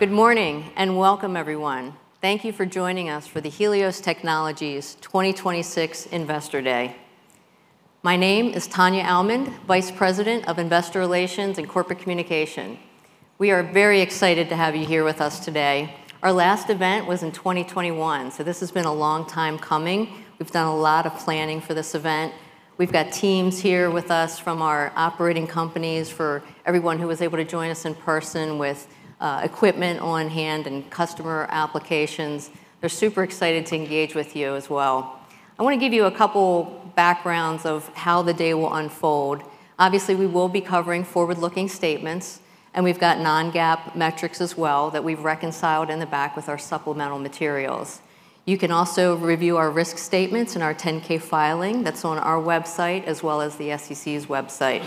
Good morning and welcome everyone. Thank you for joining us for the Helios Technologies 2026 Investor Day. My name is Tania Almond, Vice President of Investor Relations and Corporate Communication. We are very excited to have you here with us today. Our last event was in 2021, so this has been a long time coming. We've done a lot of planning for this event. We've got teams here with us from our operating companies for everyone who was able to join us in person with equipment on hand and customer applications. They're super excited to engage with you as well. I wanna give you a couple backgrounds of how the day will unfold. Obviously, we will be covering forward-looking statements, and we've got non-GAAP metrics as well that we've reconciled in the back with our supplemental materials. You can also review our risk statements in our 10-K filing that's on our website as well as the SEC's website.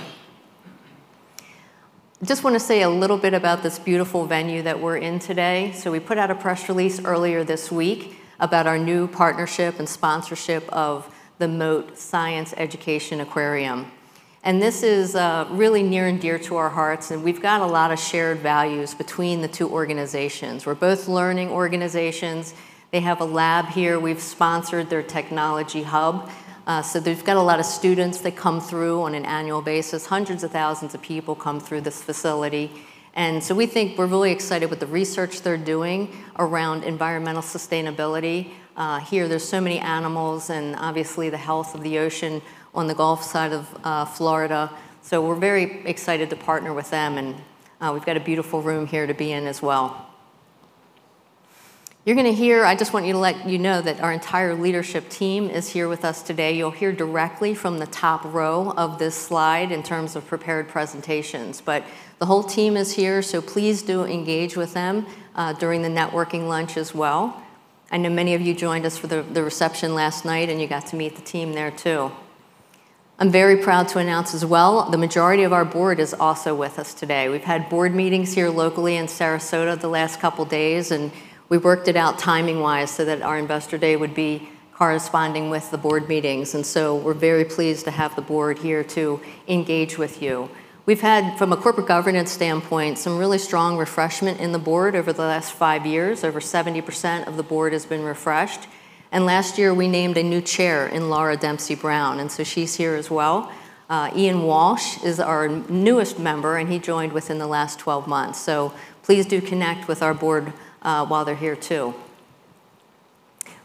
Just wanna say a little bit about this beautiful venue that we're in today. We put out a press release earlier this week about our new partnership and sponsorship of the Mote Science Education Aquarium. This is really near and dear to our hearts, and we've got a lot of shared values between the two organizations. We're both learning organizations. They have a lab here. We've sponsored their technology hub. They've got a lot of students that come through on an annual basis. Hundreds of thousands of people come through this facility. We think we're really excited with the research they're doing around environmental sustainability. Here there's so many animals and obviously the health of the ocean on the Gulf side of Florida. We're very excited to partner with them and we've got a beautiful room here to be in as well. I just want you to let you know that our entire leadership team is here with us today. You'll hear directly from the top row of this slide in terms of prepared presentations. The whole team is here, so please do engage with them during the networking lunch as well. I know many of you joined us for the reception last night and you got to meet the team there too. I'm very proud to announce as well, the majority of our board is also with us today. We've had board meetings here locally in Sarasota the last couple days, and we worked it out timing-wise so that our Investor Day would be corresponding with the board meetings. We're very pleased to have the board here to engage with you. We've had, from a corporate governance standpoint, some really strong refreshment in the board over the last 5 years. Over 70% of the board has been refreshed. Last year we named a new chair in Laura Dempsey Brown, and she's here as well. Ian Walsh is our newest member, and he joined within the last 12 months. Please do connect with our board while they're here too.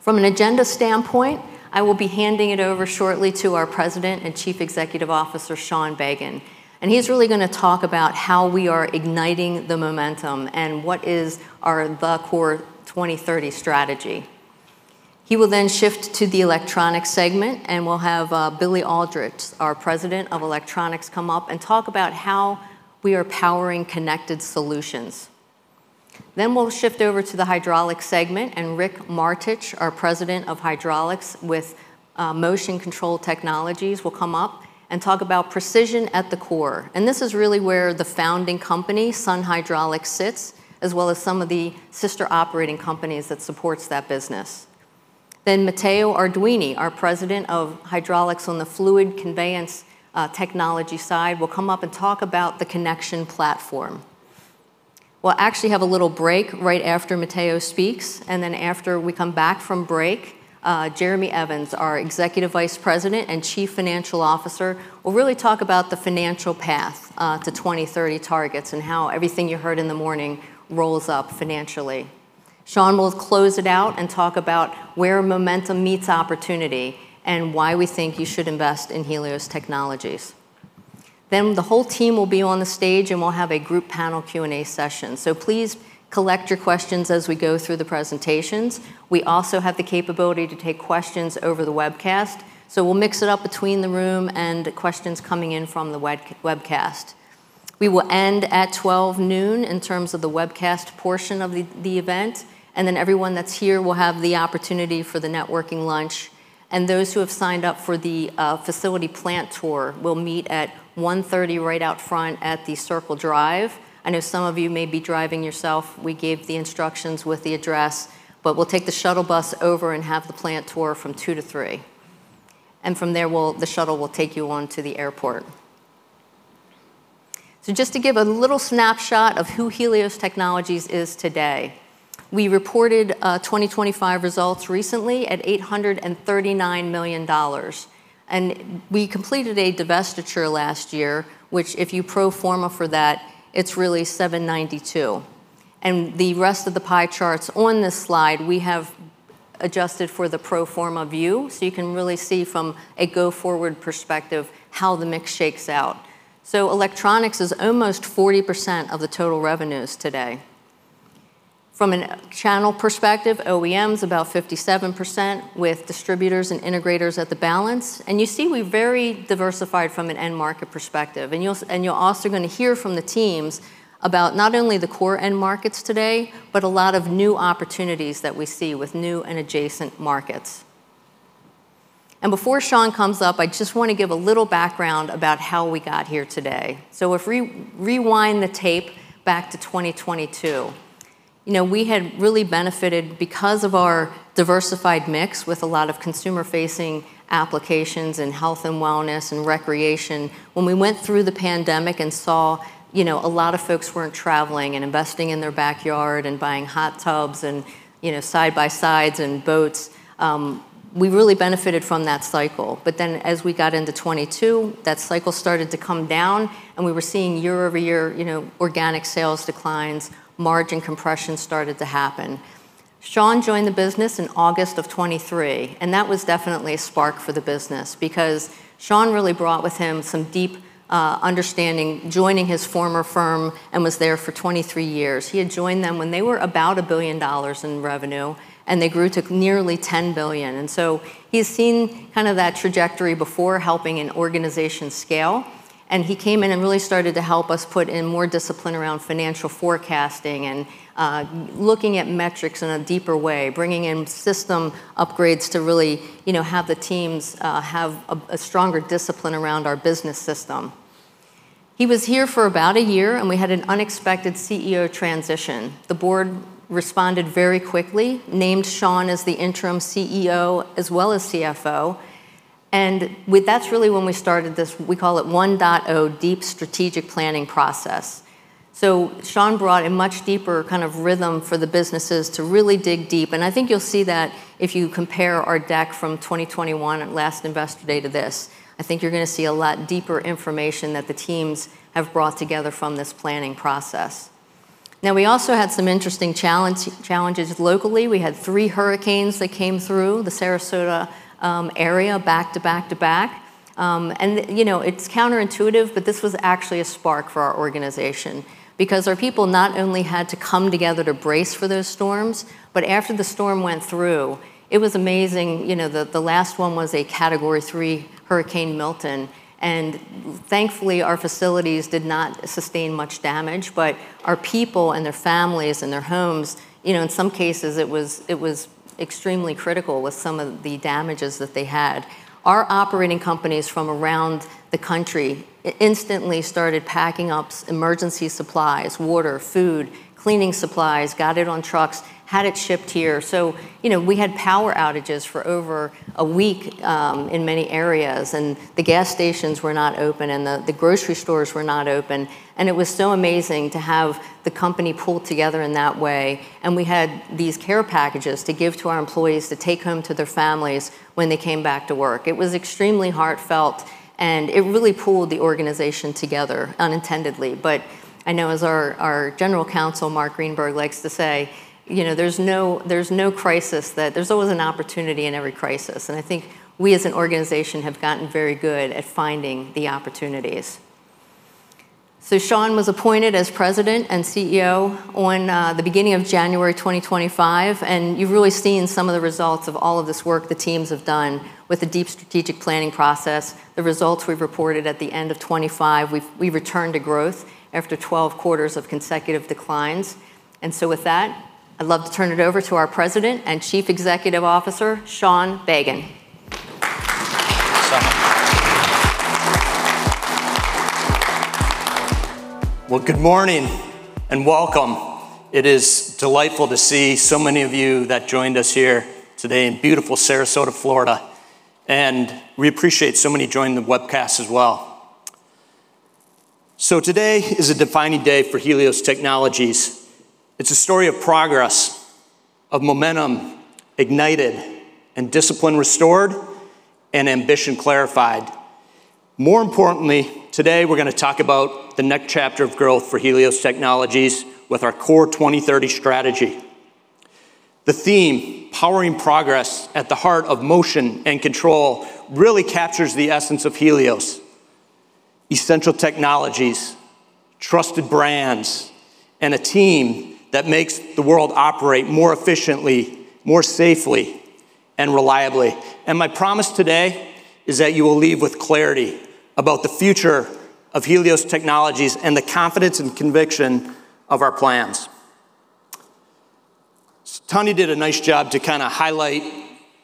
From an agenda standpoint, I will be handing it over shortly to our President and Chief Executive Officer, Sean Bagan. He's really gonna talk about how we are igniting the momentum and what is our CORE 2030 strategy. He will then shift to the electronics segment, and we'll have Billy Aldridge, our President of Electronics, come up and talk about how we are powering connected solutions. We'll shift over to the hydraulics segment, and Rick Martich, our President of Hydraulics with motion control technologies, will come up and talk about precision at the core. This is really where the founding company, Sun Hydraulics, sits, as well as some of the sister operating companies that supports that business. Matteo Arduini, our President of Hydraulics on the fluid conveyance technology side, will come up and talk about the connection platform. We'll actually have a little break right after Matteo speaks, and then after we come back from break, Jeremy Evans, our Executive Vice President and Chief Financial Officer, will really talk about the financial path to 2030 targets and how everything you heard in the morning rolls up financially. Sean will close it out and talk about where momentum meets opportunity and why we think you should invest in Helios Technologies. Then the whole team will be on the stage, and we'll have a group panel Q&A session. Please collect your questions as we go through the presentations. We also have the capability to take questions over the webcast. We'll mix it up between the room and questions coming in from the webcast. We will end at 12:00 noon in terms of the webcast portion of the event, and then everyone that's here will have the opportunity for the networking lunch. Those who have signed up for the facility plant tour will meet at 1:30 P.M. right out front at the Circle Drive. I know some of you may be driving yourself. We gave the instructions with the address, but we'll take the shuttle bus over and have the plant tour from 2:00 to 3:00 P.M. From there the shuttle will take you on to the airport. Just to give a little snapshot of who Helios Technologies is today, we reported 2025 results recently at $839 million. We completed a divestiture last year, which if you pro forma for that, it's really $792. The rest of the pie charts on this slide, we have adjusted for the pro forma view, so you can really see from a go-forward perspective how the mix shakes out. Electronics is almost 40% of the total revenues today. From a channel perspective, OEM's about 57% with distributors and integrators at the balance. You see we're very diversified from an end market perspective. You're also gonna hear from the teams about not only the core end markets today, but a lot of new opportunities that we see with new and adjacent markets. Before Sean comes up, I just wanna give a little background about how we got here today. If we rewind the tape back to 2022, you know, we had really benefited because of our diversified mix with a lot of consumer-facing applications in health and wellness and recreation. When we went through the pandemic and saw, you know, a lot of folks weren't traveling and investing in their backyard and buying hot tubs and, you know, side-by-sides and boats, we really benefited from that cycle. As we got into 2022, that cycle started to come down, and we were seeing year-over-year, you know, organic sales declines, margin compression started to happen. Sean joined the business in August of 2023, and that was definitely a spark for the business because Sean really brought with him some deep understanding joining his former firm and was there for 23 years. He had joined them when they were about $1 billion in revenue, and they grew to nearly $10 billion. He's seen kind of that trajectory before helping an organization scale, and he came in and really started to help us put in more discipline around financial forecasting and looking at metrics in a deeper way, bringing in system upgrades to really, you know, have the teams have a stronger discipline around our business system. He was here for about a year, and we had an unexpected CEO transition. The board responded very quickly, named Sean as the interim CEO as well as CFO, and that's really when we started this, we call it 1.0 deep strategic planning process. Sean brought a much deeper kind of rhythm for the businesses to really dig deep, and I think you'll see that if you compare our deck from 2021 at last Investor Day to this. I think you're gonna see a lot deeper information that the teams have brought together from this planning process. Now we also had some interesting challenges locally. We had 3 hurricanes that came through the Sarasota area back to back to back. You know, it's counterintuitive, but this was actually a spark for our organization because our people not only had to come together to brace for those storms, but after the storm went through, it was amazing. You know, the last one was a Category 3 Hurricane Milton, and thankfully, our facilities did not sustain much damage. Our people and their families and their homes, you know, in some cases, it was extremely critical with some of the damages that they had. Our operating companies from around the country instantly started packing up emergency supplies, water, food, cleaning supplies, got it on trucks, had it shipped here. You know, we had power outages for over a week in many areas, and the gas stations were not open, and the grocery stores were not open, and it was so amazing to have the company pull together in that way. We had these care packages to give to our employees to take home to their families when they came back to work. It was extremely heartfelt, and it really pulled the organization together unintendedly. I know as our general counsel, Marc Greenberg, likes to say, you know, there's always an opportunity in every crisis, and I think we as an organization have gotten very good at finding the opportunities. Sean was appointed as President and CEO on the beginning of January 2025, and you've really seen some of the results of all of this work the teams have done with the deep strategic planning process. The results we've reported at the end of 2025, we returned to growth after 12 quarters of consecutive declines. With that, I'd love to turn it over to our President and Chief Executive Officer, Sean Bagan. Thanks so much. Well, good morning and welcome. It is delightful to see so many of you that joined us here today in beautiful Sarasota, Florida, and we appreciate so many joining the webcast as well. Today is a defining day for Helios Technologies. It's a story of progress, of momentum ignited and discipline restored and ambition clarified. More importantly, today we're gonna talk about the next chapter of growth for Helios Technologies with our CORE 2030 strategy. The theme, Powering Progress at the Heart of Motion and Control, really captures the essence of Helios. Essential technologies, trusted brands, and a team that makes the world operate more efficiently, more safely, and reliably. My promise today is that you will leave with clarity about the future of Helios Technologies and the confidence and conviction of our plans. Tania did a nice job to kinda highlight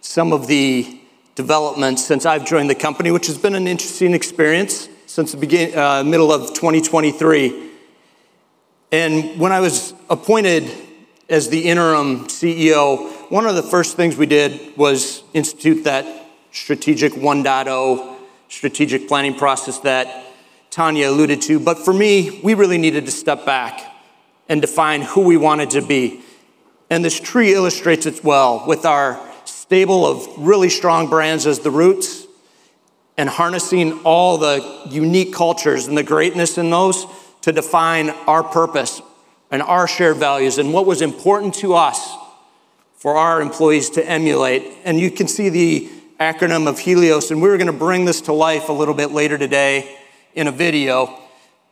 some of the developments since I've joined the company, which has been an interesting experience since the middle of 2023. When I was appointed as the interim CEO, one of the first things we did was institute that strategic 1.0 strategic planning process that Tania alluded to. For me, we really needed to step back and define who we wanted to be. This tree illustrates it well with our stable of really strong brands as the roots and harnessing all the unique cultures and the greatness in those to define our purpose and our shared values and what was important to us for our employees to emulate. You can see the acronym of Helios, and we're gonna bring this to life a little bit later today in a video.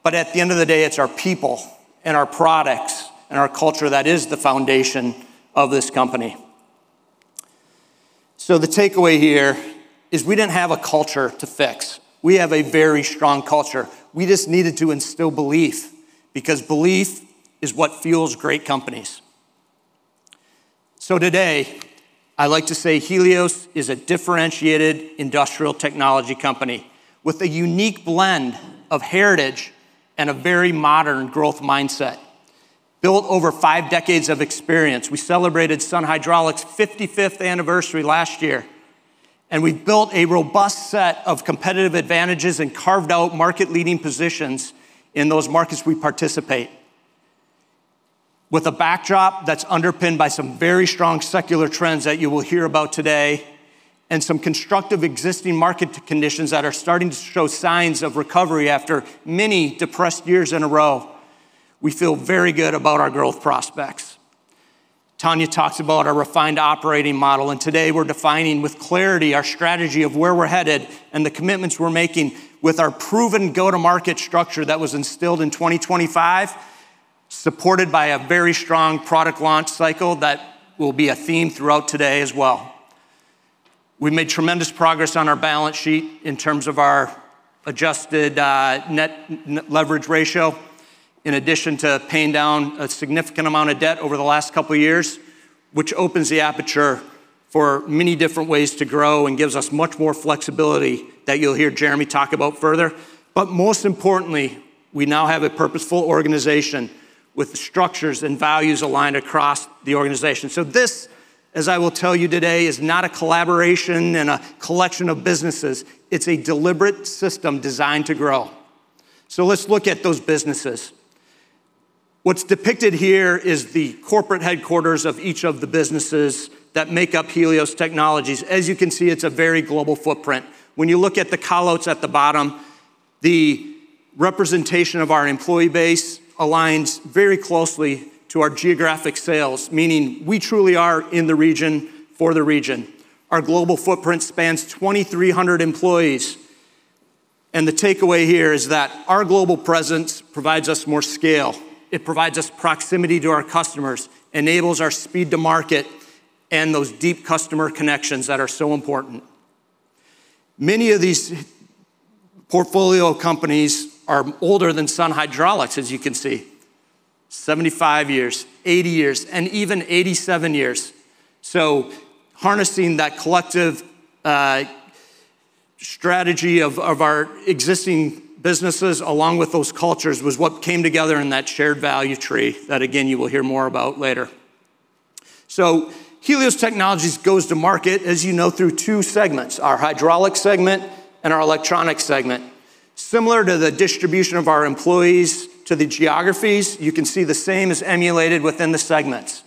At the end of the day, it's our people and our products and our culture that is the foundation of this company. The takeaway here is we didn't have a culture to fix. We have a very strong culture. We just needed to instill belief because belief is what fuels great companies. Today, I'd like to say Helios is a differentiated industrial technology company with a unique blend of heritage and a very modern growth mindset. Built over five decades of experience, we celebrated Sun Hydraulics' fifty-fifth anniversary last year, and we've built a robust set of competitive advantages and carved out market-leading positions in those markets we participate. With a backdrop that's underpinned by some very strong secular trends that you will hear about today and some constructive existing market conditions that are starting to show signs of recovery after many depressed years in a row, we feel very good about our growth prospects. Tania talks about our refined operating model, and today we're defining with clarity our strategy of where we're headed and the commitments we're making with our proven go-to-market structure that was instilled in 2025, supported by a very strong product launch cycle that will be a theme throughout today as well. We made tremendous progress on our balance sheet in terms of our adjusted net leverage ratio, in addition to paying down a significant amount of debt over the last couple of years, which opens the aperture for many different ways to grow and gives us much more flexibility that you'll hear Jeremy talk about further. Most importantly, we now have a purposeful organization with structures and values aligned across the organization. This, as I will tell you today, is not a collaboration and a collection of businesses. It's a deliberate system designed to grow. Let's look at those businesses. What's depicted here is the corporate headquarters of each of the businesses that make up Helios Technologies. As you can see, it's a very global footprint. When you look at the call-outs at the bottom, the representation of our employee base aligns very closely to our geographic sales, meaning we truly are in the region for the region. Our global footprint spans 2,300 employees, and the takeaway here is that our global presence provides us more scale. It provides us proximity to our customers, enables our speed to market and those deep customer connections that are so important. Many of these portfolio companies are older than Sun Hydraulics, as you can see, 75 years, 80 years, and even 87 years. Harnessing that collective strategy of our existing businesses along with those cultures was what came together in that shared value tree that again you will hear more about later. Helios Technologies goes to market, as you know, through two segments, our hydraulics segment and our electronics segment. Similar to the distribution of our employees to the geographies, you can see the same is emulated within the segments.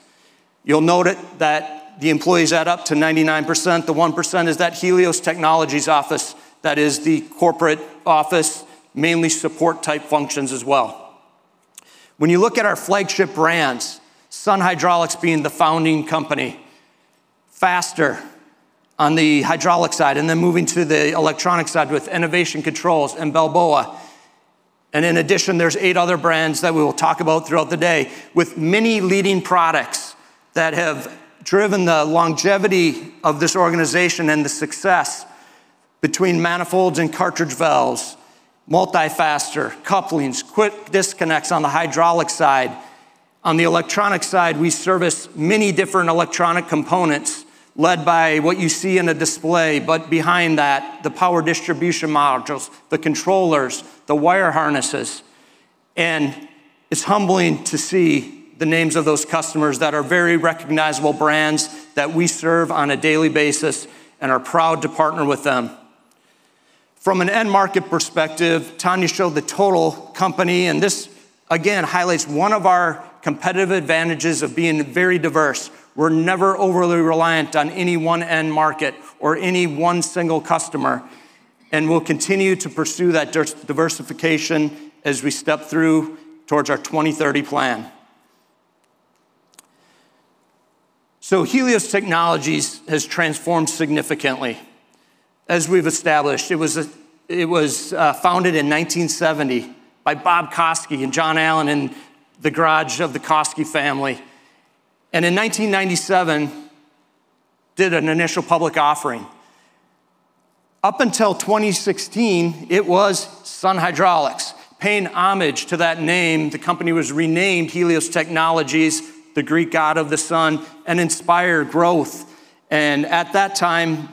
You'll note it that the employees add up to 99%. The 1% is that Helios Technologies office, that is the corporate office, mainly support type functions as well. When you look at our flagship brands, Sun Hydraulics being the founding company, Faster on the hydraulics side, and then moving to the electronics side with Enovation Controls and Balboa. In addition, there's 8 other brands that we will talk about throughout the day with many leading products that have driven the longevity of this organization and the success between manifolds and cartridge valves, MultiFaster, couplings, quick disconnects on the hydraulics side. On the electronics side, we service many different electronic components led by what you see in the display, but behind that, the power distribution modules, the controllers, the wire harnesses. It's humbling to see the names of those customers that are very recognizable brands that we serve on a daily basis and are proud to partner with them. From an end market perspective, Tania showed the total company, and this again highlights one of our competitive advantages of being very diverse. We're never overly reliant on any one end market or any one single customer, and we'll continue to pursue that diversification as we step through towards our 2030 plan. Helios Technologies has transformed significantly. As we've established, it was founded in 1970 by Bob Koski and John Allen in the garage of the Koski family, and in 1997 did an initial public offering. Up until 2016, it was Sun Hydraulics. Paying homage to that name, the company was renamed Helios Technologies, the Greek god of the sun, and inspired growth. At that time,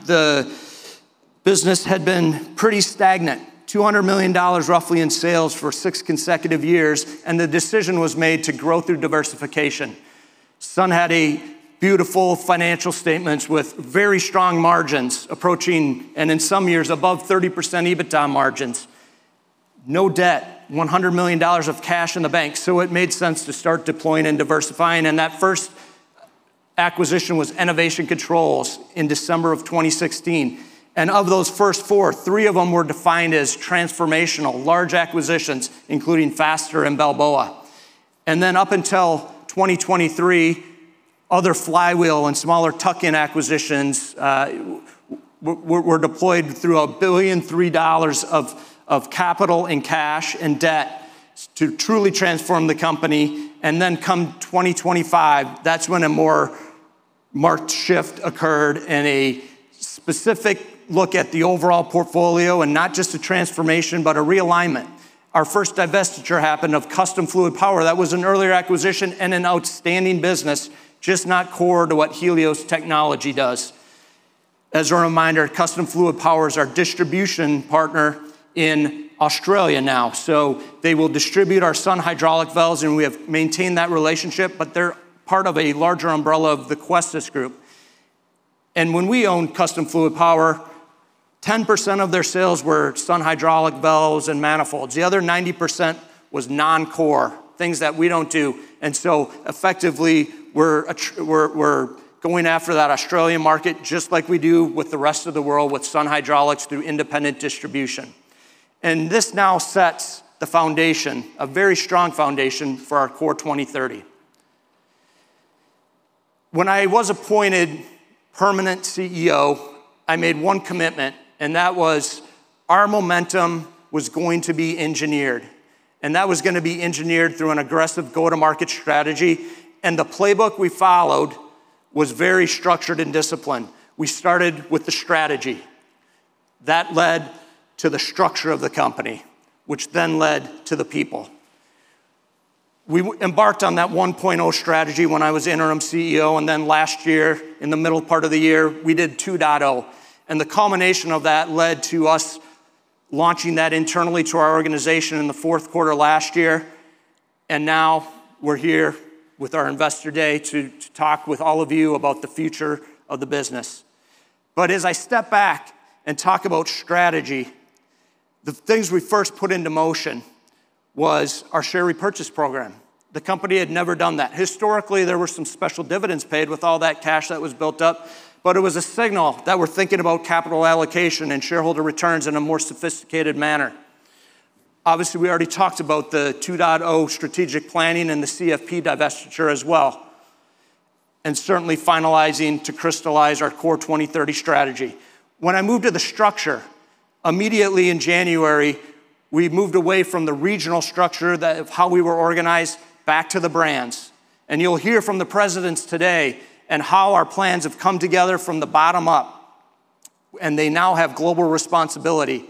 the business had been pretty stagnant, $200 million roughly in sales for six consecutive years, and the decision was made to grow through diversification. Sun had beautiful financial statements with very strong margins approaching, and in some years above 30% EBITDA margins. No debt, $100 million of cash in the bank, so it made sense to start deploying and diversifying. That first acquisition was Enovation Controls in December 2016. Of those first four, three of them were defined as transformational, large acquisitions, including Faster and Balboa. Then up until 2023, other flywheel and smaller tuck-in acquisitions were deployed through $1.3 billion of capital and cash and debt to truly transform the company. Then come 2025, that's when a more marked shift occurred in a specific look at the overall portfolio and not just a transformation, but a realignment. Our first divestiture happened of Custom Fluidpower. That was an earlier acquisition and an outstanding business, just not core to what Helios Technologies does. As a reminder, Custom Fluidpower is our distribution partner in Australia now. They will distribute our Sun Hydraulics valves, and we have maintained that relationship, but they're part of a larger umbrella of the Questus Group. When we owned Custom Fluidpower, 10% of their sales were Sun Hydraulics valves and manifolds. The other 90% was non-core, things that we don't do. Effectively, we're going after that Australian market just like we do with the rest of the world with Sun Hydraulics through independent distribution. This now sets the foundation, a very strong foundation for our CORE 2030. When I was appointed permanent CEO, I made one commitment, and that was our momentum was going to be engineered, and that was gonna be engineered through an aggressive go-to-market strategy. The playbook we followed was very structured and disciplined. We started with the strategy. That led to the structure of the company, which then led to the people. We embarked on that 1.0 strategy when I was interim CEO, and then last year, in the middle part of the year, we did 2.0. The culmination of that led to us launching that internally to our organization in the fourth quarter last year. Now we're here with our investor day to talk with all of you about the future of the business. As I step back and talk about strategy, the things we first put into motion was our share repurchase program. The company had never done that. Historically, there were some special dividends paid with all that cash that was built up, but it was a signal that we're thinking about capital allocation and shareholder returns in a more sophisticated manner. Obviously, we already talked about the 2.0 strategic planning and the CFP divestiture as well, and certainly finalizing to crystallize our CORE 2030 strategy. When I moved to the structure, immediately in January, we moved away from the regional structure of how we were organized back to the brands. You'll hear from the presidents today on how our plans have come together from the bottom up, and they now have global responsibility.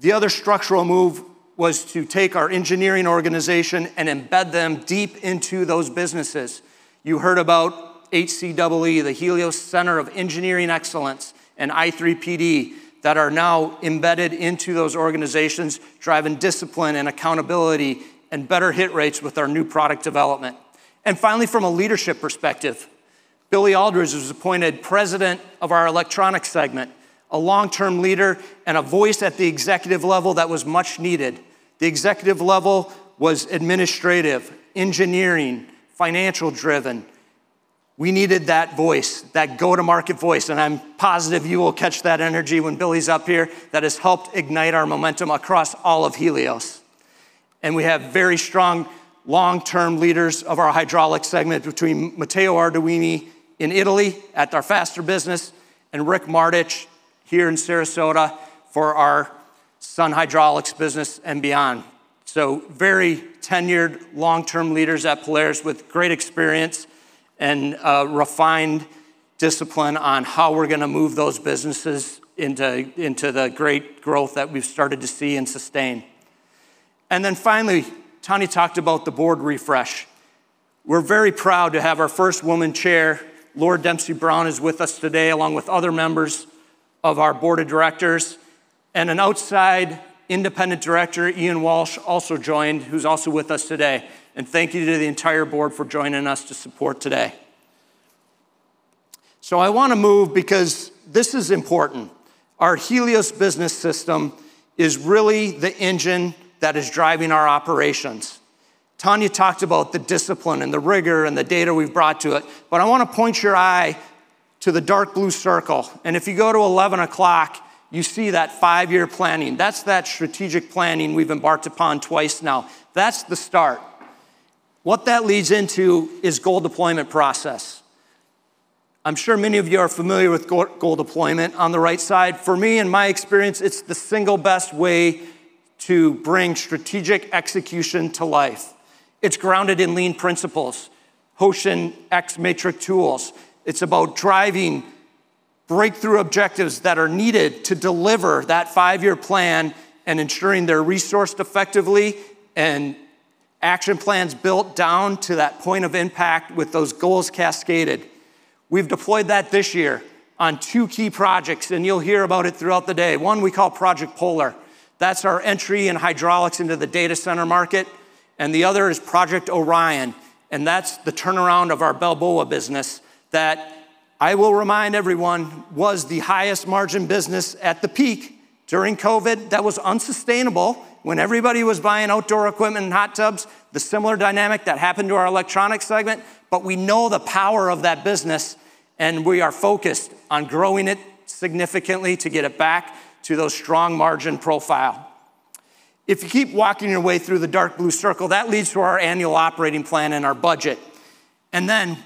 The other structural move was to take our engineering organization and embed them deep into those businesses. You heard about HCEE, the Helios Center of Engineering Excellence, and i3PD that are now embedded into those organizations, driving discipline and accountability and better hit rates with our new product development. Finally, from a leadership perspective, Billy Aldridge was appointed President of our electronics segment, a long-term leader and a voice at the executive level that was much needed. The executive level was administrative, engineering, financial-driven. We needed that voice, that go-to-market voice, and I'm positive you will catch that energy when Billy's up here that has helped ignite our momentum across all of Helios. We have very strong long-term leaders of our hydraulics segment between Matteo Arduini in Italy at our Faster business and Rick Martich here in Sarasota for our Sun Hydraulics business and beyond. Very tenured long-term leaders at Polaris with great experience and refined discipline on how we're gonna move those businesses into the great growth that we've started to see and sustain. Finally, Tania talked about the board refresh. We're very proud to have our first woman chair. Laura Dempsey Brown is with us today, along with other members of our board of directors. An outside independent director, Ian Walsh, also joined, who's also with us today. Thank you to the entire board for joining us to support today. I wanna move because this is important. Our Helios Business System is really the engine that is driving our operations. Tania talked about the discipline and the rigor and the data we've brought to it, but I wanna point your eye to the dark blue circle. If you go to eleven o'clock, you see that five-year planning. That's that strategic planning we've embarked upon twice now. That's the start. What that leads into is goal deployment process. I'm sure many of you are familiar with goal deployment on the right side. For me, in my experience, it's the single best way to bring strategic execution to life. It's grounded in lean principles, Hoshin X-matrix tools. It's about driving breakthrough objectives that are needed to deliver that five-year plan and ensuring they're resourced effectively and action plans built down to that point of impact with those goals cascaded. We've deployed that this year on two key projects, and you'll hear about it throughout the day. One we call Project Polar. That's our entry in hydraulics into the data center market, and the other is Project Orion, and that's the turnaround of our Balboa business that I will remind everyone was the highest margin business at the peak during COVID that was unsustainable when everybody was buying outdoor equipment and hot tubs, the similar dynamic that happened to our electronics segment. We know the power of that business, and we are focused on growing it significantly to get it back to those strong margin profile. If you keep walking your way through the dark blue circle, that leads to our annual operating plan and our budget.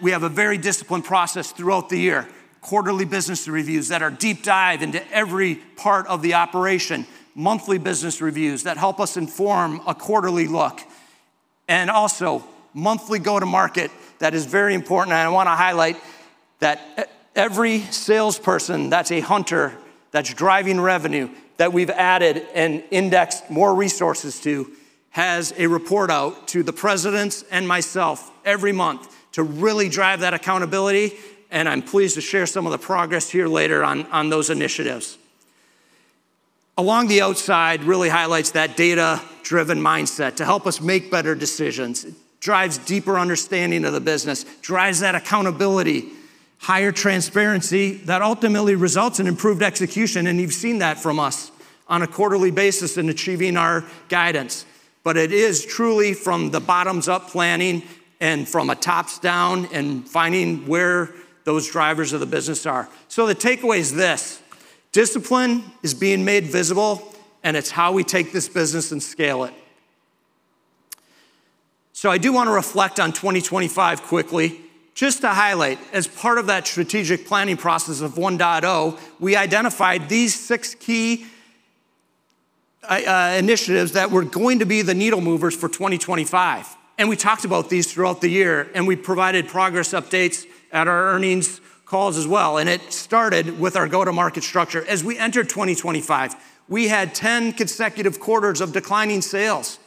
We have a very disciplined process throughout the year, quarterly business reviews that are deep dive into every part of the operation, monthly business reviews that help us inform a quarterly look. Also monthly go-to-market, that is very important, and I wanna highlight that every salesperson that's a hunter, that's driving revenue, that we've added and indexed more resources to, has a report out to the presidents and myself every month to really drive that accountability, and I'm pleased to share some of the progress here later on those initiatives. Along the outside really highlights that data-driven mindset to help us make better decisions. It drives deeper understanding of the business, drives that accountability, higher transparency that ultimately results in improved execution, and you've seen that from us on a quarterly basis in achieving our guidance. It is truly from the bottom-up planning and from a top-down and finding where those drivers of the business are. The takeaway is this. Discipline is being made visible, and it's how we take this business and scale it. I do wanna reflect on 2025 quickly. Just to highlight, as part of that strategic planning process of 1.0, we identified these six key initiatives that were going to be the needle movers for 2025. We talked about these throughout the year, and we provided progress updates at our earnings calls as well, and it started with our go-to-market structure. As we entered 2025, we had 10 consecutive quarters of declining sales.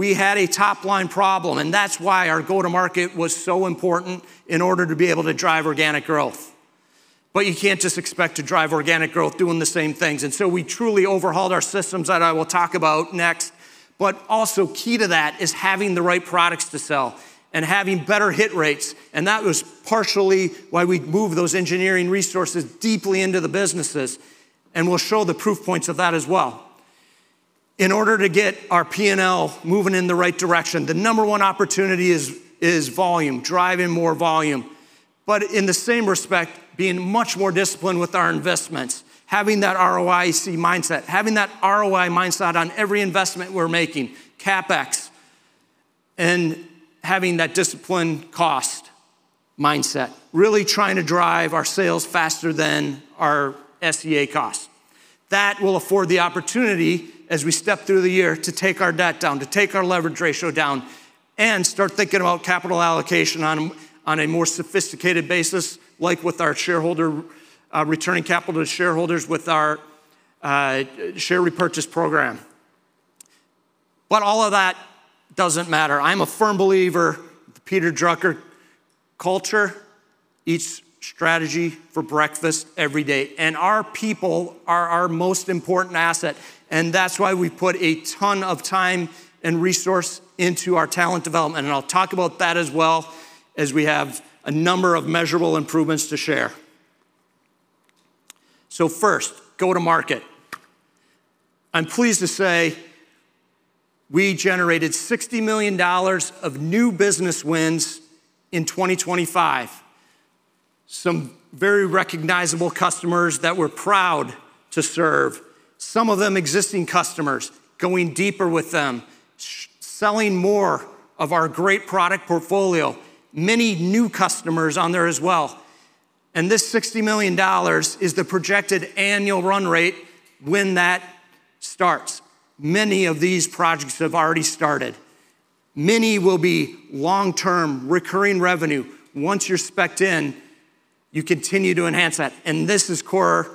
We had a top-line problem, and that's why our go-to-market was so important in order to be able to drive organic growth. You can't just expect to drive organic growth doing the same things, and so we truly overhauled our systems that I will talk about next. Also key to that is having the right products to sell and having better hit rates, and that was partially why we moved those engineering resources deeply into the businesses, and we'll show the proof points of that as well. In order to get our P&L moving in the right direction, the number one opportunity is volume, driving more volume. In the same respect, being much more disciplined with our investments, having that ROIC mindset, having that ROI mindset on every investment we're making, CapEx, and having that disciplined cost mindset, really trying to drive our sales faster than our SCA costs. That will afford the opportunity as we step through the year to take our debt down, to take our leverage ratio down, and start thinking about capital allocation on a more sophisticated basis, like with our shareholder returning capital to shareholders with our share repurchase program. All of that doesn't matter. I'm a firm believer, Peter Drucker, "Culture eats strategy for breakfast every day." Our people are our most important asset, and that's why we put a ton of time and resource into our talent development, and I'll talk about that as well as we have a number of measurable improvements to share. First, go-to-market. I'm pleased to say we generated $60 million of new business wins in 2025. Some very recognizable customers that we're proud to serve. Some of them existing customers, going deeper with them, selling more of our great product portfolio, many new customers on there as well. This $60 million is the projected annual run rate when that starts. Many of these projects have already started. Many will be long-term recurring revenue. Once you're specced in, you continue to enhance that, and this is core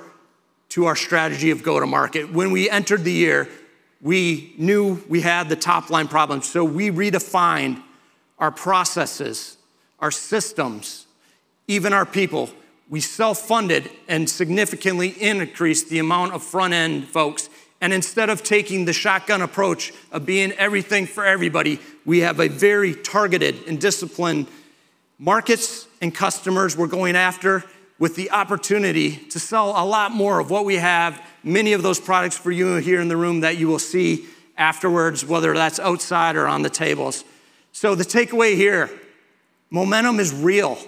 to our strategy of go-to-market. When we entered the year, we knew we had the top-line problems, so we redefined our processes, our systems, even our people. We self-funded and significantly increased the amount of front-end folks. Instead of taking the shotgun approach of being everything for everybody, we have a very targeted and disciplined markets and customers we're going after with the opportunity to sell a lot more of what we have, many of those products for you here in the room that you will see afterwards, whether that's outside or on the tables. The takeaway here, momentum is real,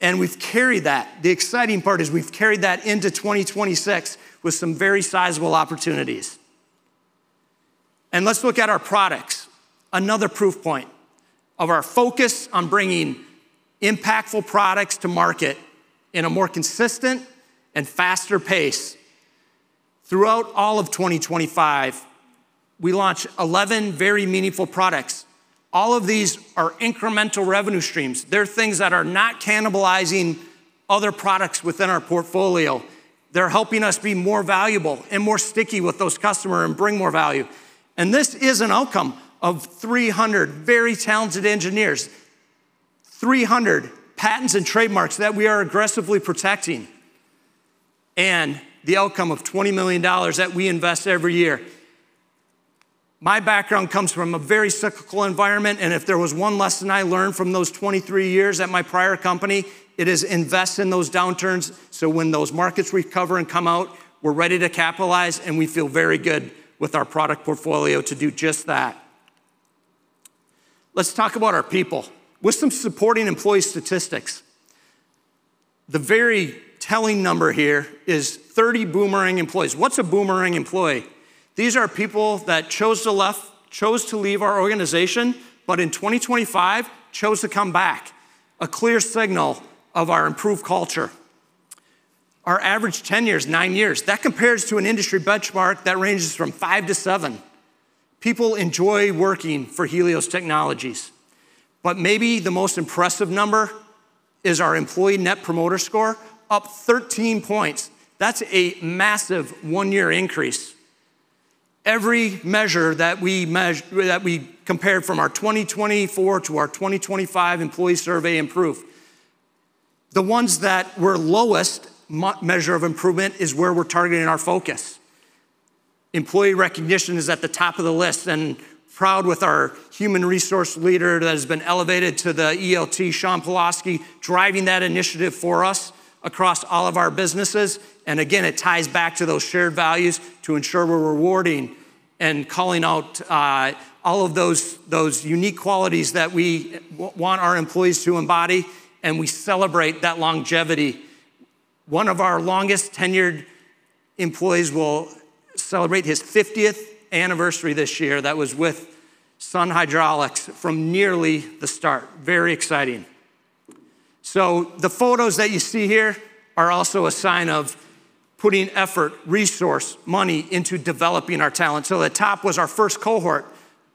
and we've carried that. The exciting part is we've carried that into 2026 with some very sizable opportunities. Let's look at our products. Another proof point of our focus on bringing impactful products to market in a more consistent and faster pace. Throughout all of 2025, we launched 11 very meaningful products. All of these are incremental revenue streams. They're things that are not cannibalizing other products within our portfolio. They're helping us be more valuable and more sticky with those customers and bring more value. This is an outcome of 300 very talented engineers, 300 patents and trademarks that we are aggressively protecting, and the outcome of $20 million that we invest every year. My background comes from a very cyclical environment, and if there was one lesson I learned from those 23 years at my prior company, it is invest in those downturns, so when those markets recover and come out, we're ready to capitalize, and we feel very good with our product portfolio to do just that. Let's talk about our people with some supporting employee statistics. The very telling number here is 30 boomerang employees. What's a boomerang employee? These are people that chose to leave our organization, but in 2025, chose to come back, a clear signal of our improved culture. Our average tenure is 9 years. That compares to an industry benchmark that ranges from 5-7. People enjoy working for Helios Technologies. Maybe the most impressive number is our employee net promoter score, up 13 points. That's a massive one-year increase. Every measure that we compared from our 2024 to our 2025 employee survey improved. The ones that were lowest measure of improvement is where we're targeting our focus. Employee recognition is at the top of the list, and proud with our human resource leader that has been elevated to the ELT, Shaun Polasky, driving that initiative for us across all of our businesses. Again, it ties back to those shared values to ensure we're rewarding and calling out all of those unique qualities that we want our employees to embody, and we celebrate that longevity. One of our longest-tenured employees will celebrate his fiftieth anniversary this year. That was with Sun Hydraulics from nearly the start. Very exciting. The photos that you see here are also a sign of putting effort, resource, money into developing our talent. At the top was our first cohort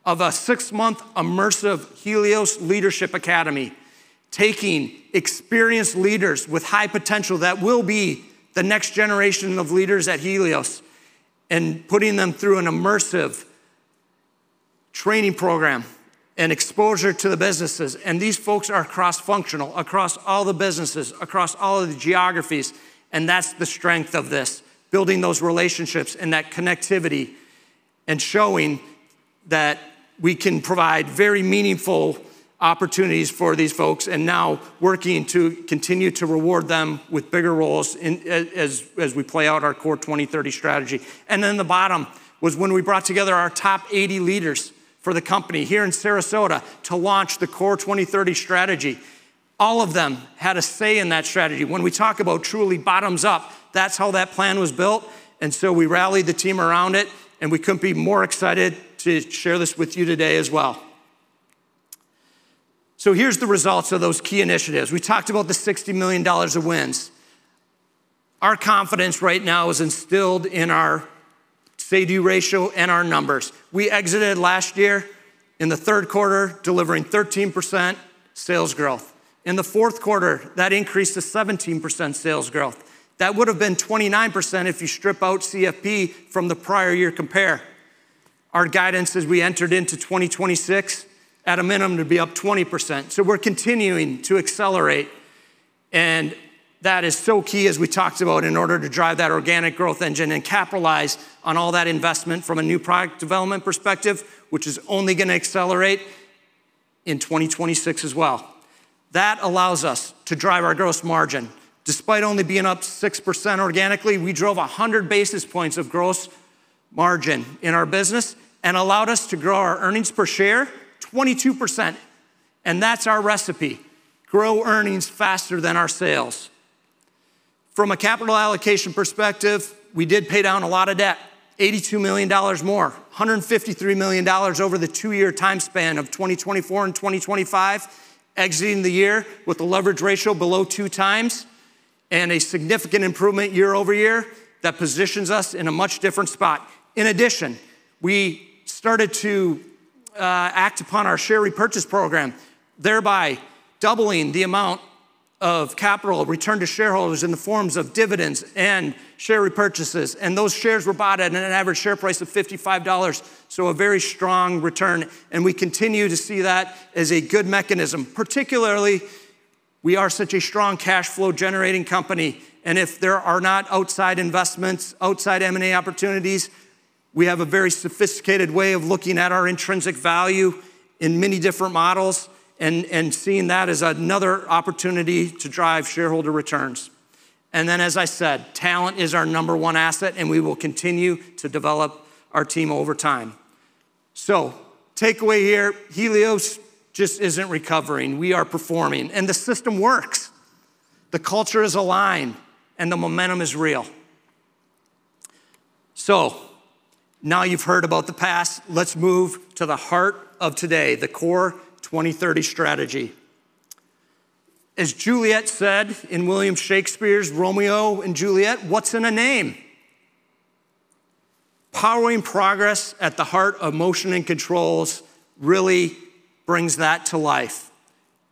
of a six-month immersive Helios Leadership Academy, taking experienced leaders with high potential that will be the next generation of leaders at Helios and putting them through an immersive training program and exposure to the businesses. These folks are cross-functional across all the businesses, across all of the geographies, and that's the strength of this, building those relationships and that connectivity and showing that we can provide very meaningful opportunities for these folks and now working to continue to reward them with bigger roles as we play out our CORE 2030 strategy. The bottom was when we brought together our top 80 leaders for the company here in Sarasota to launch the CORE 2030 strategy. All of them had a say in that strategy. When we talk about truly bottoms up, that's how that plan was built, and so we rallied the team around it, and we couldn't be more excited to share this with you today as well. Here's the results of those key initiatives. We talked about the $60 million of wins. Our confidence right now is instilled in our Say-Do ratio and our numbers. We exited last year in the third quarter, delivering 13% sales growth. In the fourth quarter, that increased to 17% sales growth. That would have been 29% if you strip out CFP from the prior year compare. Our guidance as we entered into 2026 at a minimum to be up 20%. We're continuing to accelerate, and that is so key, as we talked about, in order to drive that organic growth engine and capitalize on all that investment from a new product development perspective, which is only gonna accelerate in 2026 as well. That allows us to drive our gross margin. Despite only being up 6% organically, we drove 100 basis points of gross margin in our business and allowed us to grow our earnings per share 22%, and that's our recipe, grow earnings faster than our sales. From a capital allocation perspective, we did pay down a lot of debt, $82 million more, $153 million over the two-year time span of 2024 and 2025, exiting the year with a leverage ratio below 2x and a significant improvement year-over-year that positions us in a much different spot. In addition, we started to act upon our share repurchase program, thereby doubling the amount of capital returned to shareholders in the forms of dividends and share repurchases, and those shares were bought at an average share price of $55, so a very strong return, and we continue to see that as a good mechanism. Particularly, we are such a strong cash flow-generating company, and if there are not outside investments, outside M&A opportunities, we have a very sophisticated way of looking at our intrinsic value in many different models and seeing that as another opportunity to drive shareholder returns. As I said, talent is our number one asset, and we will continue to develop our team over time. Takeaway here, Helios just isn't recovering. We are performing, and the system works. The culture is aligned, and the momentum is real. Now you've heard about the past. Let's move to the heart of today, the CORE 2030 strategy. As Juliet said in William Shakespeare's Romeo and Juliet, "What's in a name?" Powering progress at the heart of motion and controls really brings that to life.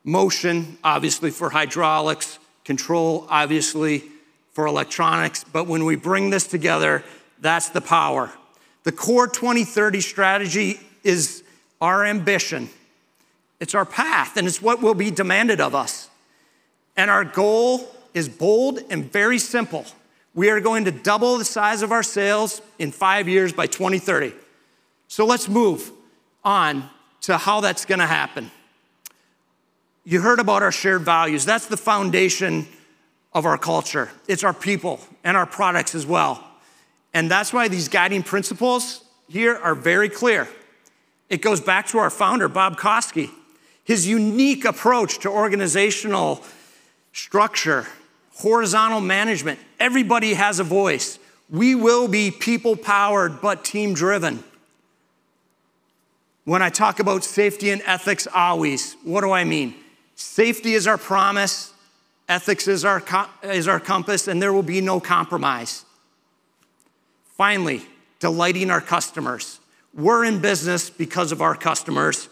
Motion, obviously for hydraulics, control, obviously for electronics, but when we bring this together, that's the power. The CORE 2030 strategy is our ambition. It's our path, and it's what will be demanded of us. Our goal is bold and very simple. We are going to double the size of our sales in five years by 2030. Let's move on to how that's gonna happen. You heard about our shared values. That's the foundation of our culture. It's our people and our products as well, and that's why these guiding principles here are very clear. It goes back to our founder, Bob Koski. His unique approach to organizational structure, horizontal management. Everybody has a voice. We will be people-powered but team-driven. When I talk about safety and ethics always, what do I mean? Safety is our promise, ethics is our compass, and there will be no compromise. Finally, delighting our customers. We're in business because of our customers.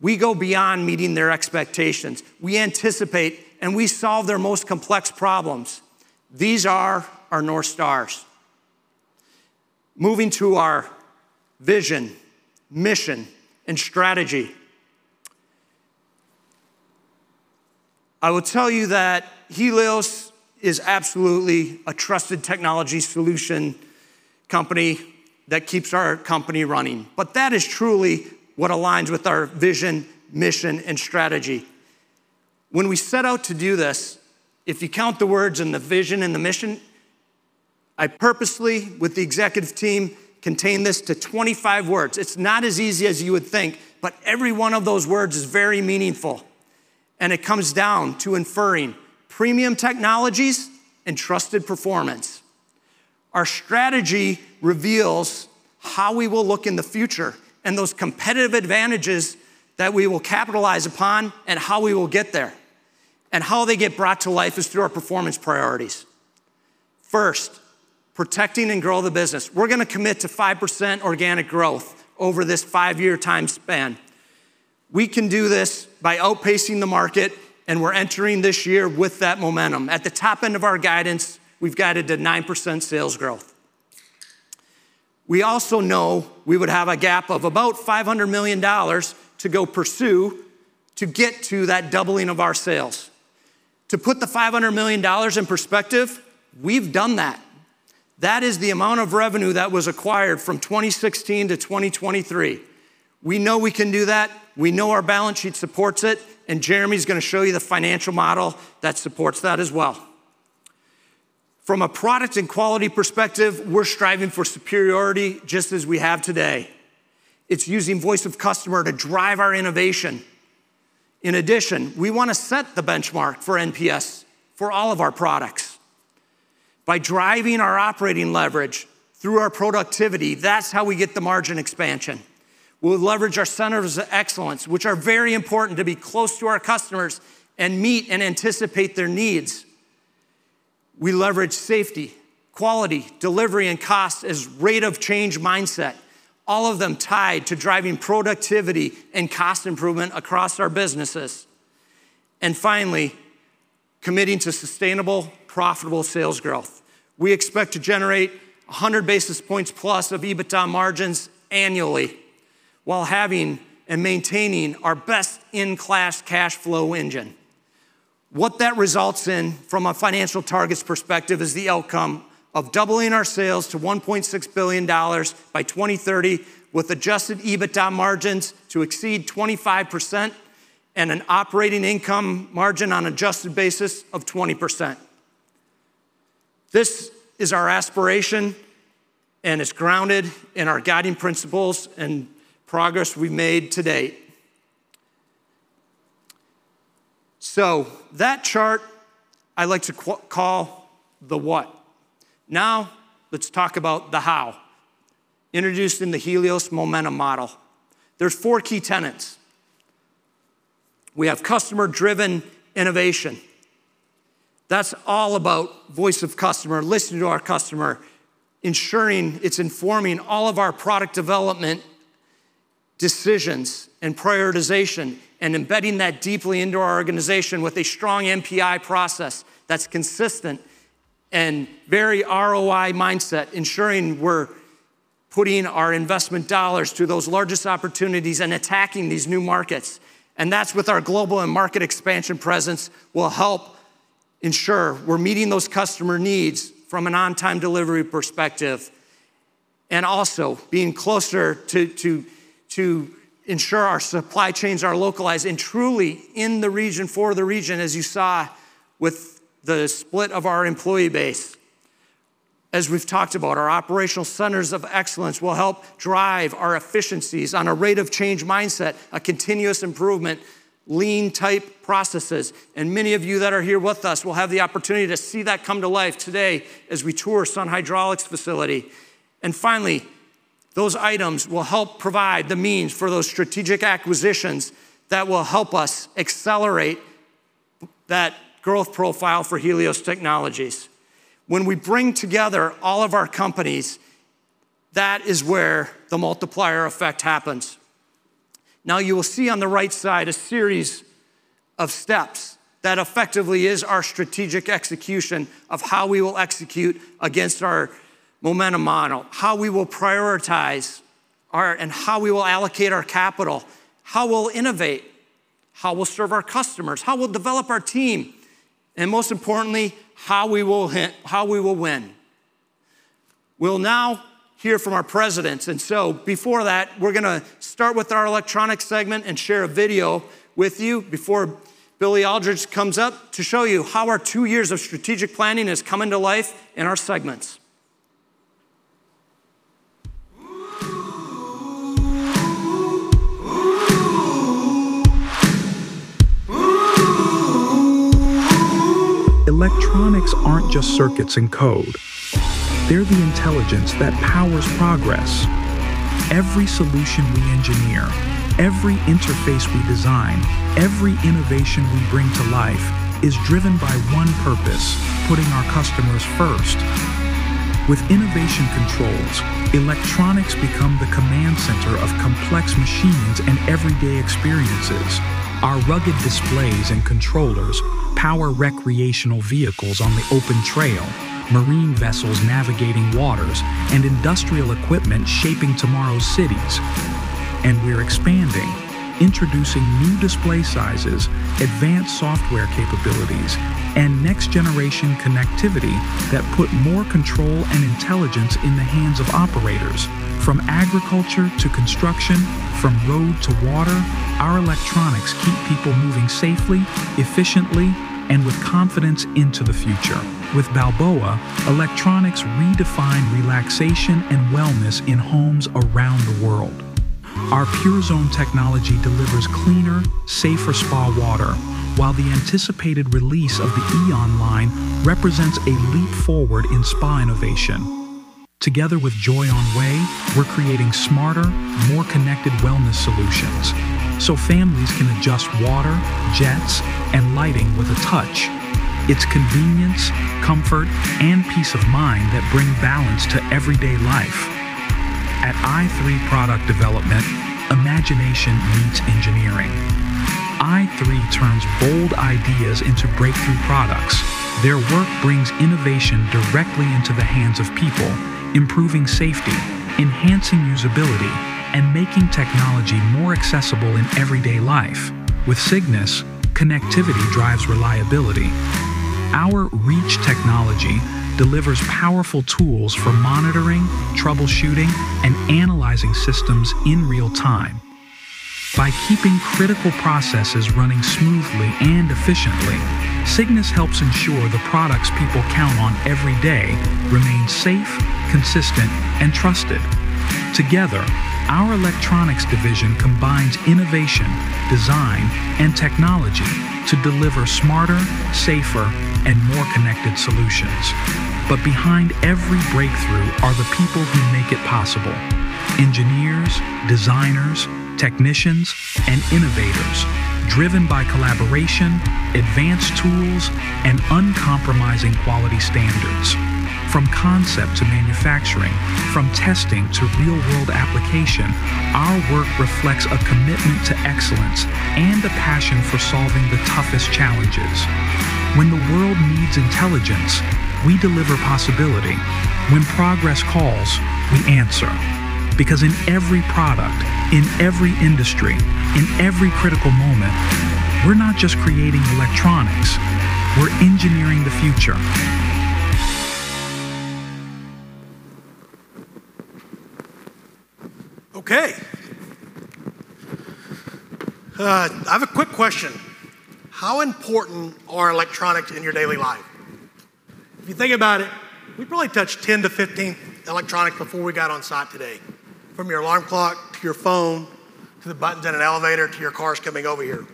We go beyond meeting their expectations. We anticipate and we solve their most complex problems. These are our North Stars. Moving to our vision, mission, and strategy. I will tell you that Helios is absolutely a trusted technology solution company that keeps our company running, but that is truly what aligns with our vision, mission, and strategy. When we set out to do this, if you count the words in the vision and the mission, I purposely, with the executive team, contained this to 25 words. It's not as easy as you would think, but every one of those words is very meaningful, and it comes down to delivering premium technologies and trusted performance. Our strategy reveals how we will look in the future and those competitive advantages that we will capitalize upon and how we will get there, and how they get brought to life is through our performance priorities. First, protecting and growing the business. We're gonna commit to 5% organic growth over this 5-year time span. We can do this by outpacing the market, and we're entering this year with that momentum. At the top end of our guidance, we've guided to 9% sales growth. We also know we would have a gap of about $500 million to go pursue to get to that doubling of our sales. To put the $500 million in perspective, we've done that. That is the amount of revenue that was acquired from 2016 to 2023. We know we can do that, we know our balance sheet supports it, and Jeremy's gonna show you the financial model that supports that as well. From a product and quality perspective, we're striving for superiority just as we have today. It's using voice of customer to drive our innovation. In addition, we wanna set the benchmark for NPS for all of our products. By driving our operating leverage through our productivity, that's how we get the margin expansion. We'll leverage our centers of excellence, which are very important to be close to our customers and meet and anticipate their needs. We leverage safety, quality, delivery, and cost as rate of change mindset, all of them tied to driving productivity and cost improvement across our businesses. Finally, committing to sustainable, profitable sales growth. We expect to generate 100 basis points plus of EBITDA margins annually while having and maintaining our best-in-class cash flow engine. What that results in from a financial targets perspective is the outcome of doubling our sales to $1.6 billion by 2030 with adjusted EBITDA margins to exceed 25% and an operating income margin on adjusted basis of 20%. This is our aspiration, and it's grounded in our guiding principles and progress we made to date. That chart I like to call the what. Now let's talk about the how, introduced in the Helios Momentum Model. There's four key tenets. We have customer-driven innovation. That's all about voice of customer, listening to our customer, ensuring it's informing all of our product development decisions and prioritization, and embedding that deeply into our organization with a strong NPI process that's consistent and very ROI mindset, ensuring we're putting our investment dollars to those largest opportunities and attacking these new markets. That's with our global and market expansion presence will help ensure we're meeting those customer needs from an on-time delivery perspective and also being closer to ensure our supply chains are localized and truly in the region for the region, as you saw with the split of our employee base. As we've talked about, our operational centers of excellence will help drive our efficiencies on a rate of change mindset, a continuous improvement, lean type processes. Many of you that are here with us will have the opportunity to see that come to life today as we tour Sun Hydraulics facility. Finally, those items will help provide the means for those strategic acquisitions that will help us accelerate that growth profile for Helios Technologies. When we bring together all of our companies, that is where the multiplier effect happens. Now you will see on the right side a series of steps that effectively is our strategic execution of how we will execute against our Momentum Model, how we will prioritize our and how we will allocate our capital, how we'll innovate, how we'll serve our customers, how we'll develop our team, and most importantly, how we will win. We'll now hear from our presidents. Before that, we're gonna start with our electronics segment and share a video with you before Billy Aldridge comes up to show you how our two years of strategic planning is coming to life in our segments. Just circuits and code. They're the intelligence that powers progress. Every solution we engineer, every interface we design, every innovation we bring to life is driven by one purpose: putting our customers first. With innovation controls, electronics become the command center of complex machines and everyday experiences. Our rugged displays and controllers power recreational vehicles on the open trail, marine vessels navigating waters, and industrial equipment shaping tomorrow's cities. We're expanding, introducing new display sizes, advanced software capabilities, and next-generation connectivity that put more control and intelligence in the hands of operators. From agriculture to construction, from road to water, our electronics keep people moving safely, efficiently, and with confidence into the future. With Balboa, electronics redefine relaxation and wellness in homes around the world. Our Purezone technology delivers cleaner, safer spa water, while the anticipated release of the Eon line represents a leap forward in spa innovation. Together with Joyonway, we're creating smarter, more connected wellness solutions, so families can adjust water, jets, and lighting with a touch. It's convenience, comfort, and peace of mind that bring balance to everyday life. At i3 Product Development, imagination meets engineering. I3 turns bold ideas into breakthrough products. Their work brings innovation directly into the hands of people, improving safety, enhancing usability, and making technology more accessible in everyday life. With Cygnus, connectivity drives reliability. Our Reach technology delivers powerful tools for monitoring, troubleshooting, and analyzing systems in real time. By keeping critical processes running smoothly and efficiently, Cygnus helps ensure the products people count on every day remain safe, consistent, and trusted. Together, our electronics division combines innovation, design, and technology to deliver smarter, safer, and more connected solutions. Behind every breakthrough are the people who make it possible. Engineers, designers, technicians, and innovators, driven by collaboration, advanced tools, and uncompromising quality standards. From concept to manufacturing, from testing to real-world application, our work reflects a commitment to excellence and a passion for solving the toughest challenges. When the world needs intelligence, we deliver possibility. When progress calls, we answer. Because in every product, in every industry, in every critical moment, we're not just creating electronics, we're engineering the future. Okay. I have a quick question. How important are electronics in your daily life? If you think about it, we probably touched 10-15 electronics before we got on site today. From your alarm clock, to your phone, to the buttons in an elevator, to your cars coming over here.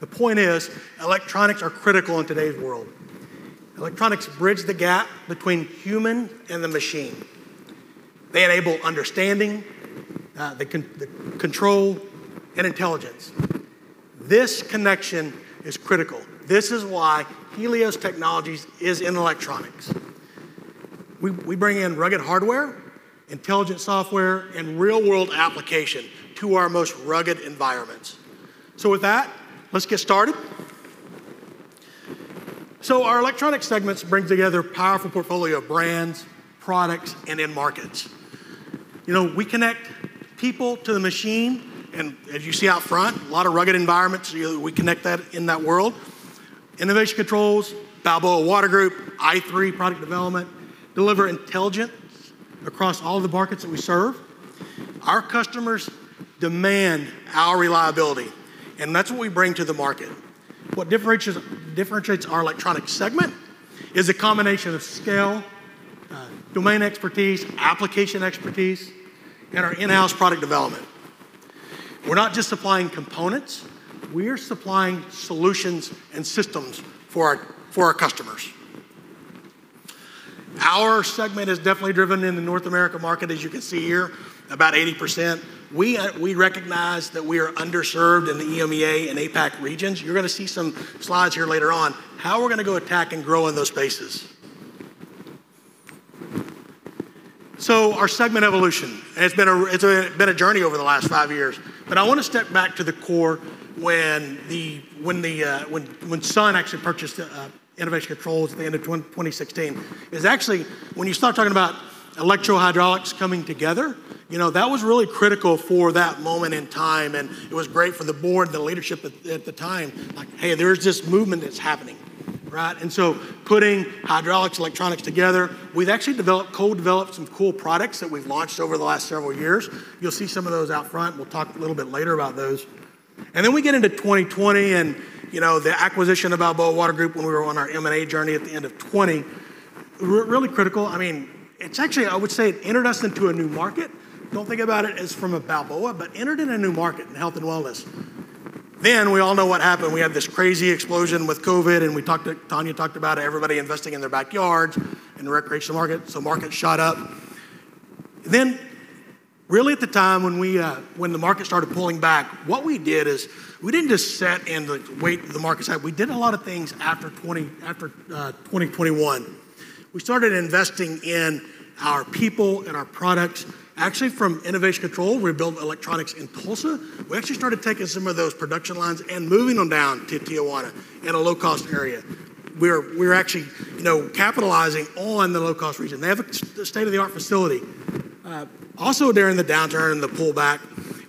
The point is, electronics are critical in today's world. Electronics bridge the gap between human and the machine. They enable understanding, the control, and intelligence. This connection is critical. This is why Helios Technologies is in electronics. We bring in rugged hardware, intelligent software, and real-world application to our most rugged environments. With that, let's get started. Our electronics segments bring together a powerful portfolio of brands, products, and end markets. You know, we connect people to the machine, and as you see out front, a lot of rugged environments. You know, we connect that in that world. Enovation Controls, Balboa Water Group, i3 Product Development, deliver intelligence across all the markets that we serve. Our customers demand our reliability, and that's what we bring to the market. What differentiates our electronics segment is a combination of scale, domain expertise, application expertise, and our in-house product development. We're not just supplying components. We're supplying solutions and systems for our customers. Our segment is definitely driven in the North America market, as you can see here, about 80%. We recognize that we are underserved in the EMEA and APAC regions. You're gonna see some slides here later on, how we're gonna go attack and grow in those spaces. Our segment evolution, and it's been a journey over the last five years. I wanna step back to the core when Sun actually purchased Enovation Controls at the end of 2016, is actually when you start talking about electro-hydraulics coming together, you know, that was really critical for that moment in time, and it was great for the board, the leadership at the time. Like, "Hey, there's this movement that's happening," right? Putting hydraulics, electronics together, we've actually developed, co-developed some cool products that we've launched over the last several years. You'll see some of those out front. We'll talk a little bit later about those. We get into 2020, and, you know, the acquisition of Balboa Water Group when we were on our M&A journey at the end of 2020, really critical. I mean, it's actually, I would say it entered us into a new market. Don't think about it as from a Balboa, but entered in a new market in health and wellness. We all know what happened. We had this crazy explosion with COVID, and we talked. Tania talked about everybody investing in their backyards, in the recreational market, so markets shot up. Really at the time when the market started pulling back, what we did is we didn't just sit and wait for the market to happen. We did a lot of things after 2021. We started investing in our people and our products. Actually, from Enovation Controls, we built electronics in Tulsa. We actually started taking some of those production lines and moving them down to Tijuana in a low-cost area. We're actually, you know, capitalizing on the low-cost region. They have a state-of-the-art facility. Also during the downturn and the pullback,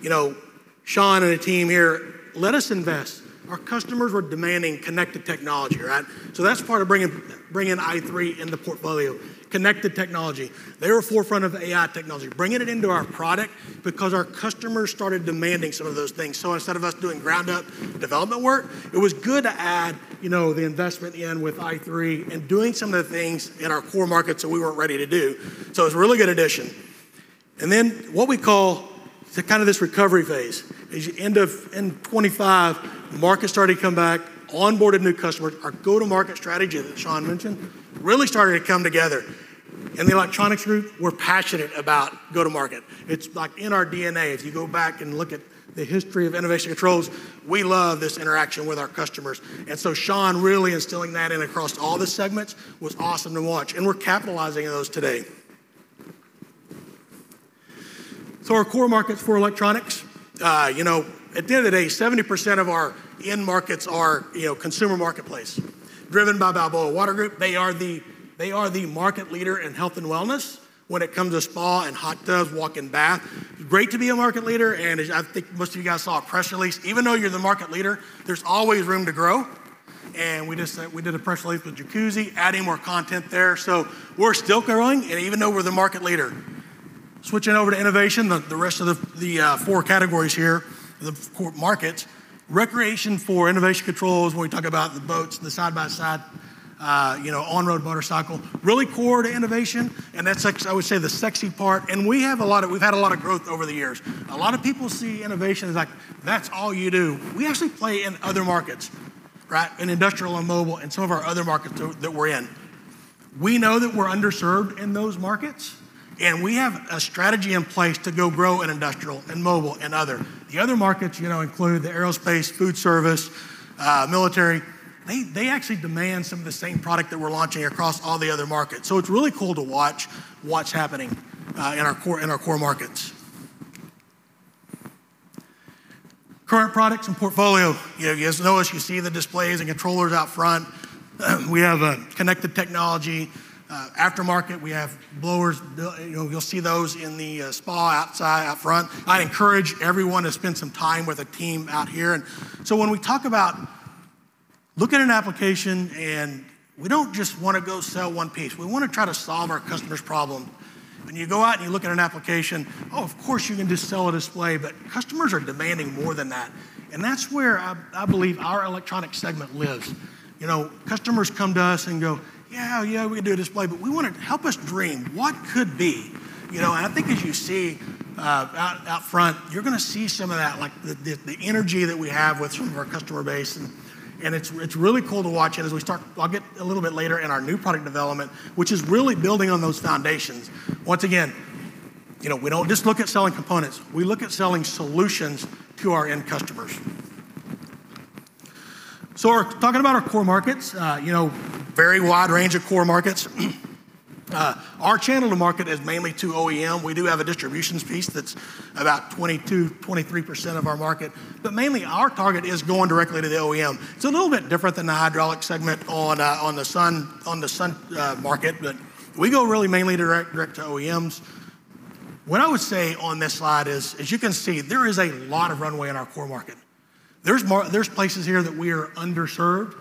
you know, Sean and the team here let us invest. Our customers were demanding connected technology, right? So that's part of bringing i3 in the portfolio, connected technology. They were forefront of AI technology, bringing it into our product because our customers started demanding some of those things. So instead of us doing ground-up development work, it was good to add, you know, the investment in with i3 and doing some of the things in our core markets that we weren't ready to do. So it's a really good addition. What we call the kind of this recovery phase is end of 2025, market started to come back, onboarded new customers. Our go-to-market strategy that Sean mentioned really started to come together. In the electronics group, we're passionate about go-to-market. It's like in our DNA. If you go back and look at the history of Enovation Controls, we love this interaction with our customers. Sean really instilling that in across all the segments was awesome to watch, and we're capitalizing on those today. Our core markets for electronics, you know, at the end of the day, 70% of our end markets are, you know, consumer marketplace, driven by Balboa Water Group. They are the market leader in health and wellness when it comes to spa and hot tubs, walk-in bath. Great to be a market leader, and as I think most of you guys saw a press release, even though you're the market leader, there's always room to grow. We just did a press release with Jacuzzi, adding more content there. We're still growing, and even though we're the market leader. Switching over to Enovation, the rest of the four categories here, the core markets. Recreation for Enovation Controls, when we talk about the boats, the side-by-side, you know, on-road motorcycle, really core to Enovation, and that's I would say the sexy part. We've had a lot of growth over the years. A lot of people see Enovation as like, "That's all you do." We actually play in other markets, right? In industrial and mobile and some of our other markets that we're in. We know that we're underserved in those markets, and we have a strategy in place to go grow in industrial and mobile and other. The other markets, you know, include the aerospace, food service, military. They actually demand some of the same product that we're launching across all the other markets. It's really cool to watch what's happening in our core markets. Current products and portfolio. You guys know, as you can see, the displays and controllers out front. We have a connected technology aftermarket. We have blowers. You'll see those in the spa outside out front. I encourage everyone to spend some time with a team out here. When we talk about look at an application and we don't just wanna go sell one piece. We wanna try to solve our customer's problem. When you go out and you look at an application, oh, of course, you can just sell a display, but customers are demanding more than that. That's where I believe our electronic segment lives. You know, customers come to us and go, "Yeah, yeah, we can do a display, but we wanna help us dream. What could be?" You know, and I think as you see out front, you're gonna see some of that, like the energy that we have with some of our customer base. It's really cool to watch it. I'll get to it a little bit later in our new product development, which is really building on those foundations. Once again, you know, we don't just look at selling components. We look at selling solutions to our end customers. We're talking about our core markets, very wide range of core markets. Our channel to market is mainly to OEM. We do have a distributions piece that's about 22-23% of our market. Mainly our target is going directly to the OEM. It's a little bit different than the hydraulic segment on the Sun market, but we go really mainly direct to OEMs. What I would say on this slide is, as you can see, there is a lot of runway in our core market. There's places here that we are underserved,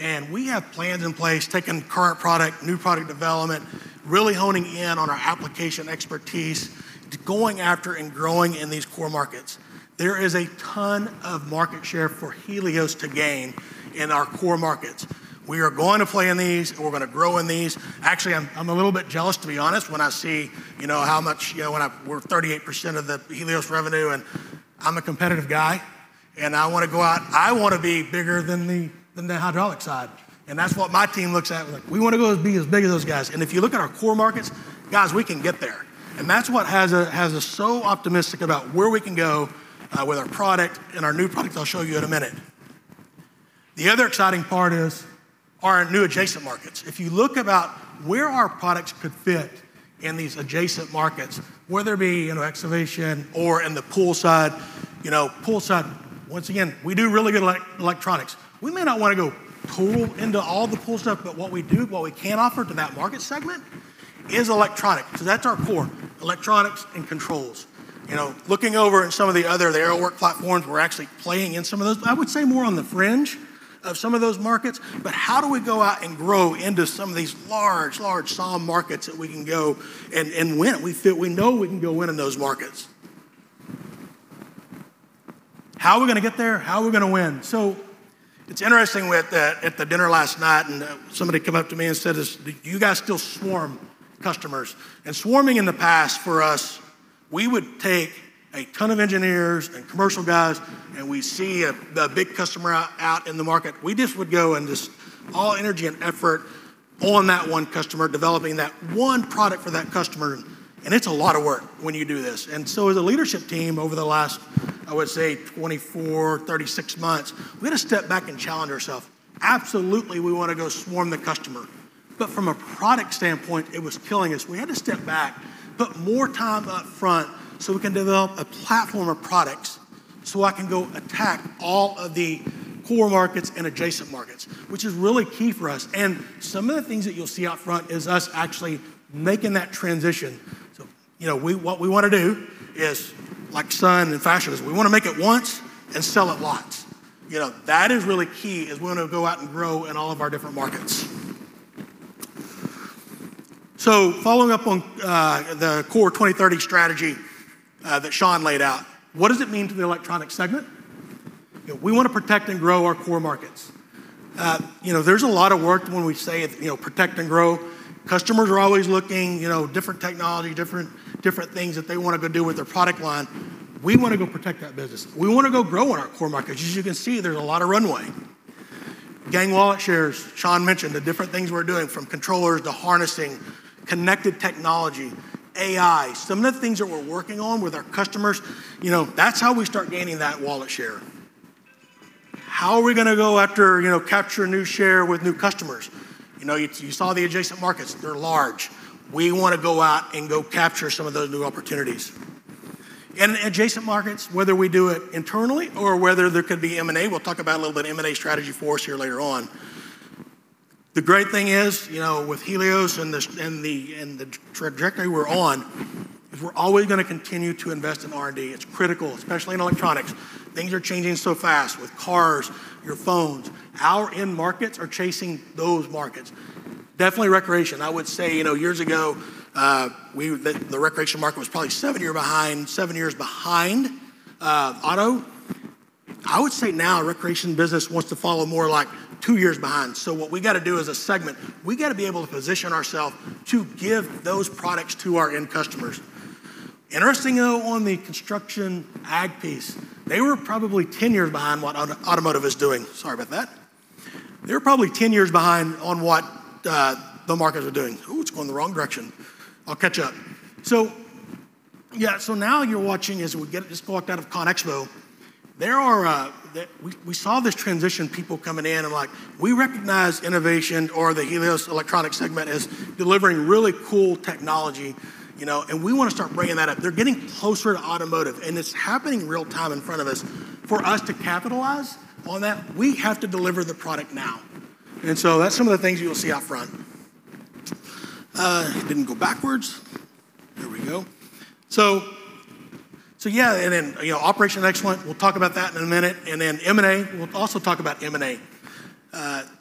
and we have plans in place, taking current product, new product development, really honing in on our application expertise to going after and growing in these core markets. There is a ton of market share for Helios to gain in our core markets. We are going to play in these, and we're gonna grow in these. Actually, I'm a little bit jealous, to be honest, when I see, you know, how much, you know, we're 38% of the Helios revenue, and I'm a competitive guy, and I wanna go out. I wanna be bigger than the hydraulic side, and that's what my team looks at. Like, we wanna go be as big as those guys. If you look at our core markets, guys, we can get there, and that's what has us so optimistic about where we can go with our product and our new product I'll show you in a minute. The other exciting part is our new adjacent markets. If you look about where our products could fit in these adjacent markets, whether it be, you know, excavation or in the pool side, you know, pool side, once again, we do really good electronics. We may not wanna go full into all the pool stuff, but what we do, what we can offer to that market segment is electronics 'cause that's our core, electronics and controls. You know, looking over at some of the other, the aerial work platforms, we're actually playing in some of those. I would say more on the fringe of some of those markets, but how do we go out and grow into some of these large SOM markets that we can go and win? We feel we know we can go in those markets. How are we gonna get there? How are we gonna win? It's interesting with the dinner last night, and somebody come up to me and said, "Is, 'Do you guys still swarm customers?'" Swarming in the past for us, we would take a ton of engineers and commercial guys, and we see the big customer out in the market. We just would go and just all energy and effort on that one customer, developing that one product for that customer, and it's a lot of work when you do this. As a leadership team over the last, I would say, 24-36 months, we had to step back and challenge ourself. Absolutely, we wanna go swarm the customer, but from a product standpoint, it was killing us. We had to step back, put more time up front so we can develop a platform of products, so I can go attack all of the core markets and adjacent markets, which is really key for us. Some of the things that you'll see up front is us actually making that transition. You know, what we wanna do is, like Sun and Faster was, we wanna make it once and sell it lots. You know, that is really key, is we wanna go out and grow in all of our different markets. Following up on the CORE 2030 strategy that Sean laid out, what does it mean to the electronics segment? You know, we wanna protect and grow our core markets. You know, there's a lot of work when we say, you know, protect and grow. Customers are always looking, you know, different technology, different things that they wanna go do with their product line. We wanna go protect that business. We wanna go grow in our core markets. As you can see, there's a lot of runway. Gain wallet shares. Sean mentioned the different things we're doing from controllers to harnessing, connected technology, AI, some of the things that we're working on with our customers. You know, that's how we start gaining that wallet share. How are we gonna go after, you know, capture new share with new customers? You know, you saw the adjacent markets. They're large. We wanna go out and go capture some of those new opportunities. In adjacent markets, whether we do it internally or whether there could be M&A, we'll talk about a little bit M&A strategy for us here later on. The great thing is, with Helios and the trajectory we're on, is we're always gonna continue to invest in R&D. It's critical, especially in electronics. Things are changing so fast with cars, your phones. Our end markets are chasing those markets. Definitely recreation. I would say, years ago, the recreation market was probably seven years behind auto. I would say now recreation business wants to follow more like two years behind. What we gotta do as a segment, we gotta be able to position ourself to give those products to our end customers. Interesting, though, on the construction ag piece, they were probably 10 years behind what automotive is doing. Sorry about that. They were probably 10 years behind on what the markets are doing. Ooh, it's going the wrong direction. I'll catch up. Yeah, now you're watching as we just walked out of CONEXPO. We saw this transition, people coming in and like, "We recognize innovation or the Helios electronic segment as delivering really cool technology, you know, and we wanna start bringing that up." They're getting closer to automotive, and it's happening real time in front of us. For us to capitalize on that, we have to deliver the product now. That's some of the things you'll see out front. Didn't go backwards. There we go. Yeah, then, you know, operational excellence. We'll talk about that in a minute. Then M&A. We'll also talk about M&A.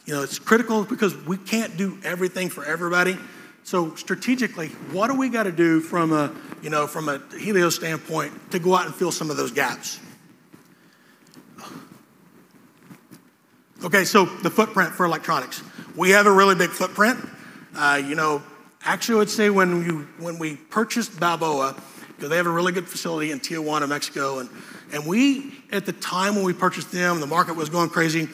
You know, it's critical because we can't do everything for everybody. Strategically, what do we gotta do from a, you know, from a Helios standpoint to go out and fill some of those gaps? Okay, the footprint for electronics. We have a really big footprint. You know, actually I would say when we purchased Balboa, 'cause they have a really good facility in Tijuana, Mexico, and we, at the time when we purchased them, the market was going crazy.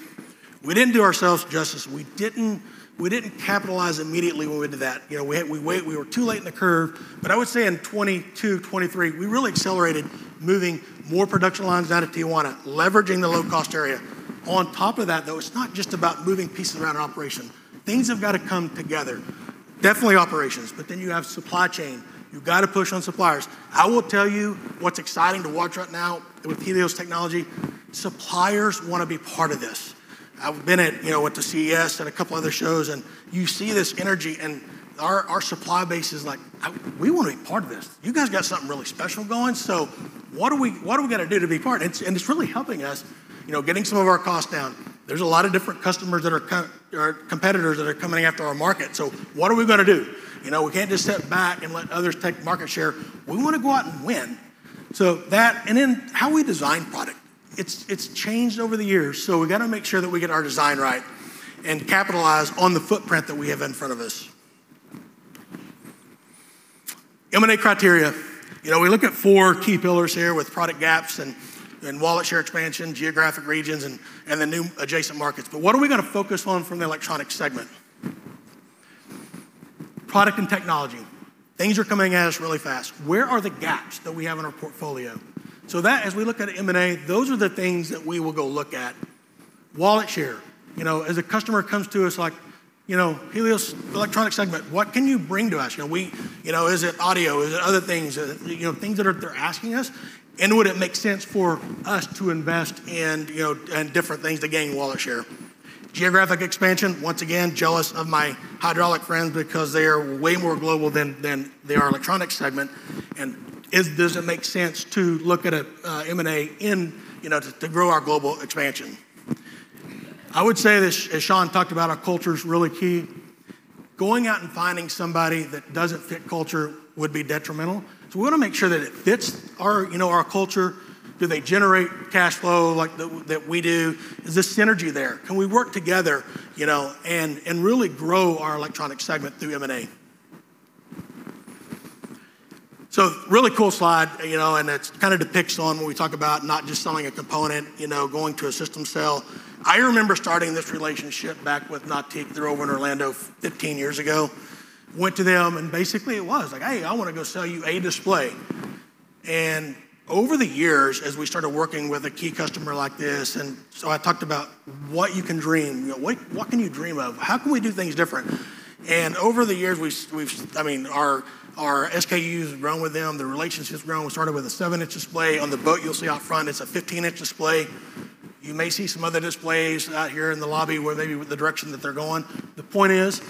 We didn't do ourselves justice. We didn't capitalize immediately when we did that. You know, we were too late in the curve. I would say in 2022, 2023, we really accelerated moving more production lines out of Tijuana, leveraging the low-cost area. On top of that, though, it's not just about moving pieces around in operation. Things have gotta come together. Definitely operations, but then you have supply chain. You've gotta push on suppliers. I will tell you what's exciting to watch right now with Helios Technologies. Suppliers wanna be part of this. I've been at, you know, went to CES and a couple other shows, and you see this energy, and our supply base is like, "We wanna be part of this. You guys got something really special going." What do we gotta do to be part? It's really helping us, you know, getting some of our costs down. There's a lot of different customers or competitors that are coming after our market. What are we gonna do? You know, we can't just sit back and let others take market share. We wanna go out and win. That, and then how we design product, it's changed over the years, so we gotta make sure that we get our design right and capitalize on the footprint that we have in front of us. M&A criteria. You know, we look at four key pillars here with product gaps and wallet share expansion, geographic regions, and the new adjacent markets. But what are we gonna focus on from the electronic segment? Product and technology. Things are coming at us really fast. Where are the gaps that we have in our portfolio? That, as we look at M&A, those are the things that we will go look at. Wallet share. You know, as a customer comes to us like, "You know, Helios electronic segment, what can you bring to us?" You know, we, you know, is it audio? Is it other things? You know, they're asking us, and would it make sense for us to invest in, you know, in different things to gain wallet share? Geographic expansion. Once again, jealous of my hydraulic friends because they are way more global than their electronic segment. Does it make sense to look at a M&A in, you know, to grow our global expansion? I would say this, as Sean talked about, our culture's really key. Going out and finding somebody that doesn't fit culture would be detrimental. We wanna make sure that it fits our, you know, our culture. Do they generate cash flow like that we do? Is the synergy there? Can we work together, you know, and really grow our electronic segment through M&A? Really cool slide, you know, and it kinda depicts on what we talk about, not just selling a component, you know, going to a system sale. I remember starting this relationship back with Nautique, they're over in Orlando, 15 years ago. Went to them, and basically it was like, "Hey, I wanna go sell you a display." Over the years, as we started working with a key customer like this, and so I talked about what you can dream. You know, what can you dream of? How can we do things different? Over the years, we've... I mean, our SKUs have grown with them, the relationship's grown. We started with a 7-inch display. On the boat you'll see out front, it's a 15-inch display. You may see some other displays out here in the lobby where they, the direction that they're going. The point is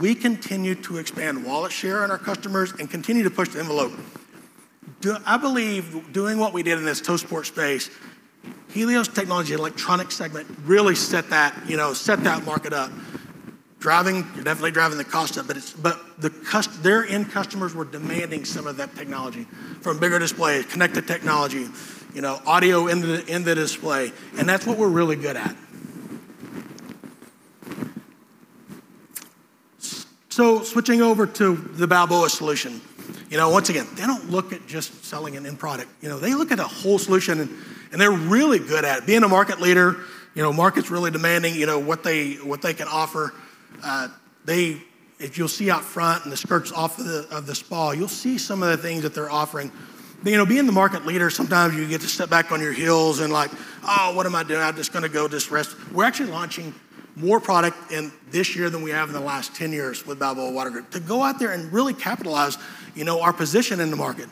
we continue to expand wallet share on our customers and continue to push the envelope. I believe doing what we did in this tow sport space, Helios Technologies electronics segment really set that, you know, set that market up. Driving, you are definitely driving the cost up, but their end customers were demanding some of that technology, from bigger displays, connected technology, you know, audio in the display, and that is what we are really good at. Switching over to the Balboa solution. You know, once again, they do not look at just selling an end product. You know, they look at a whole solution and they are really good at it. Being a market leader, you know, market is really demanding, you know, what they can offer. If you'll see out front in the skirts of the spa, you'll see some of the things that they're offering. You know, being the market leader, sometimes you get to sit back on your heels and like, "Oh, what am I doing? I'm just gonna go just rest." We're actually launching more product in this year than we have in the last 10 years with Balboa Water Group to go out there and really capitalize, you know, our position in the market,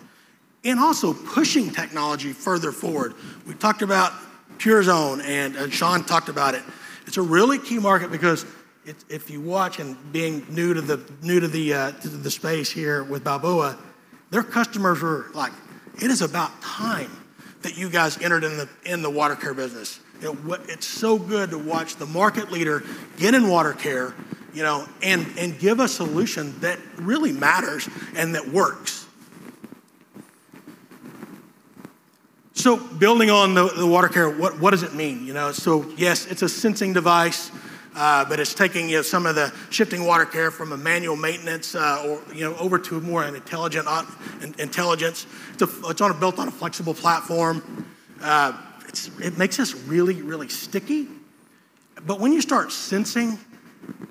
and also pushing technology further forward. We talked about PureZone, and Sean talked about it. It's a really key market because if you watch, and being new to the space here with Balboa, their customers are like, "It is about time that you guys entered in the water care business." You know, It's so good to watch the market leader get in water care, you know, and give a solution that really matters and that works. Building on the water care, what does it mean, you know? Yes, it's a sensing device, but it's taking some of the shifting water care from a manual maintenance or over to a more intelligent option intelligence. It's built on a flexible platform. It makes us really sticky. When you start sensing,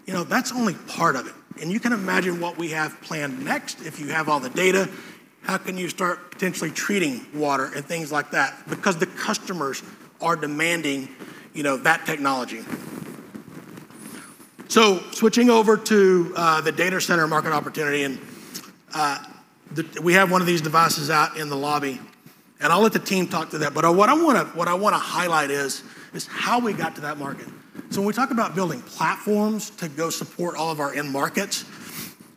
you know, that's only part of it, and you can imagine what we have planned next if you have all the data. How can you start potentially treating water and things like that? Because the customers are demanding, you know, that technology. Switching over to the data center market opportunity and the we have one of these devices out in the lobby, and I'll let the team talk to that. What I wanna highlight is how we got to that market. When we talk about building platforms to go support all of our end markets,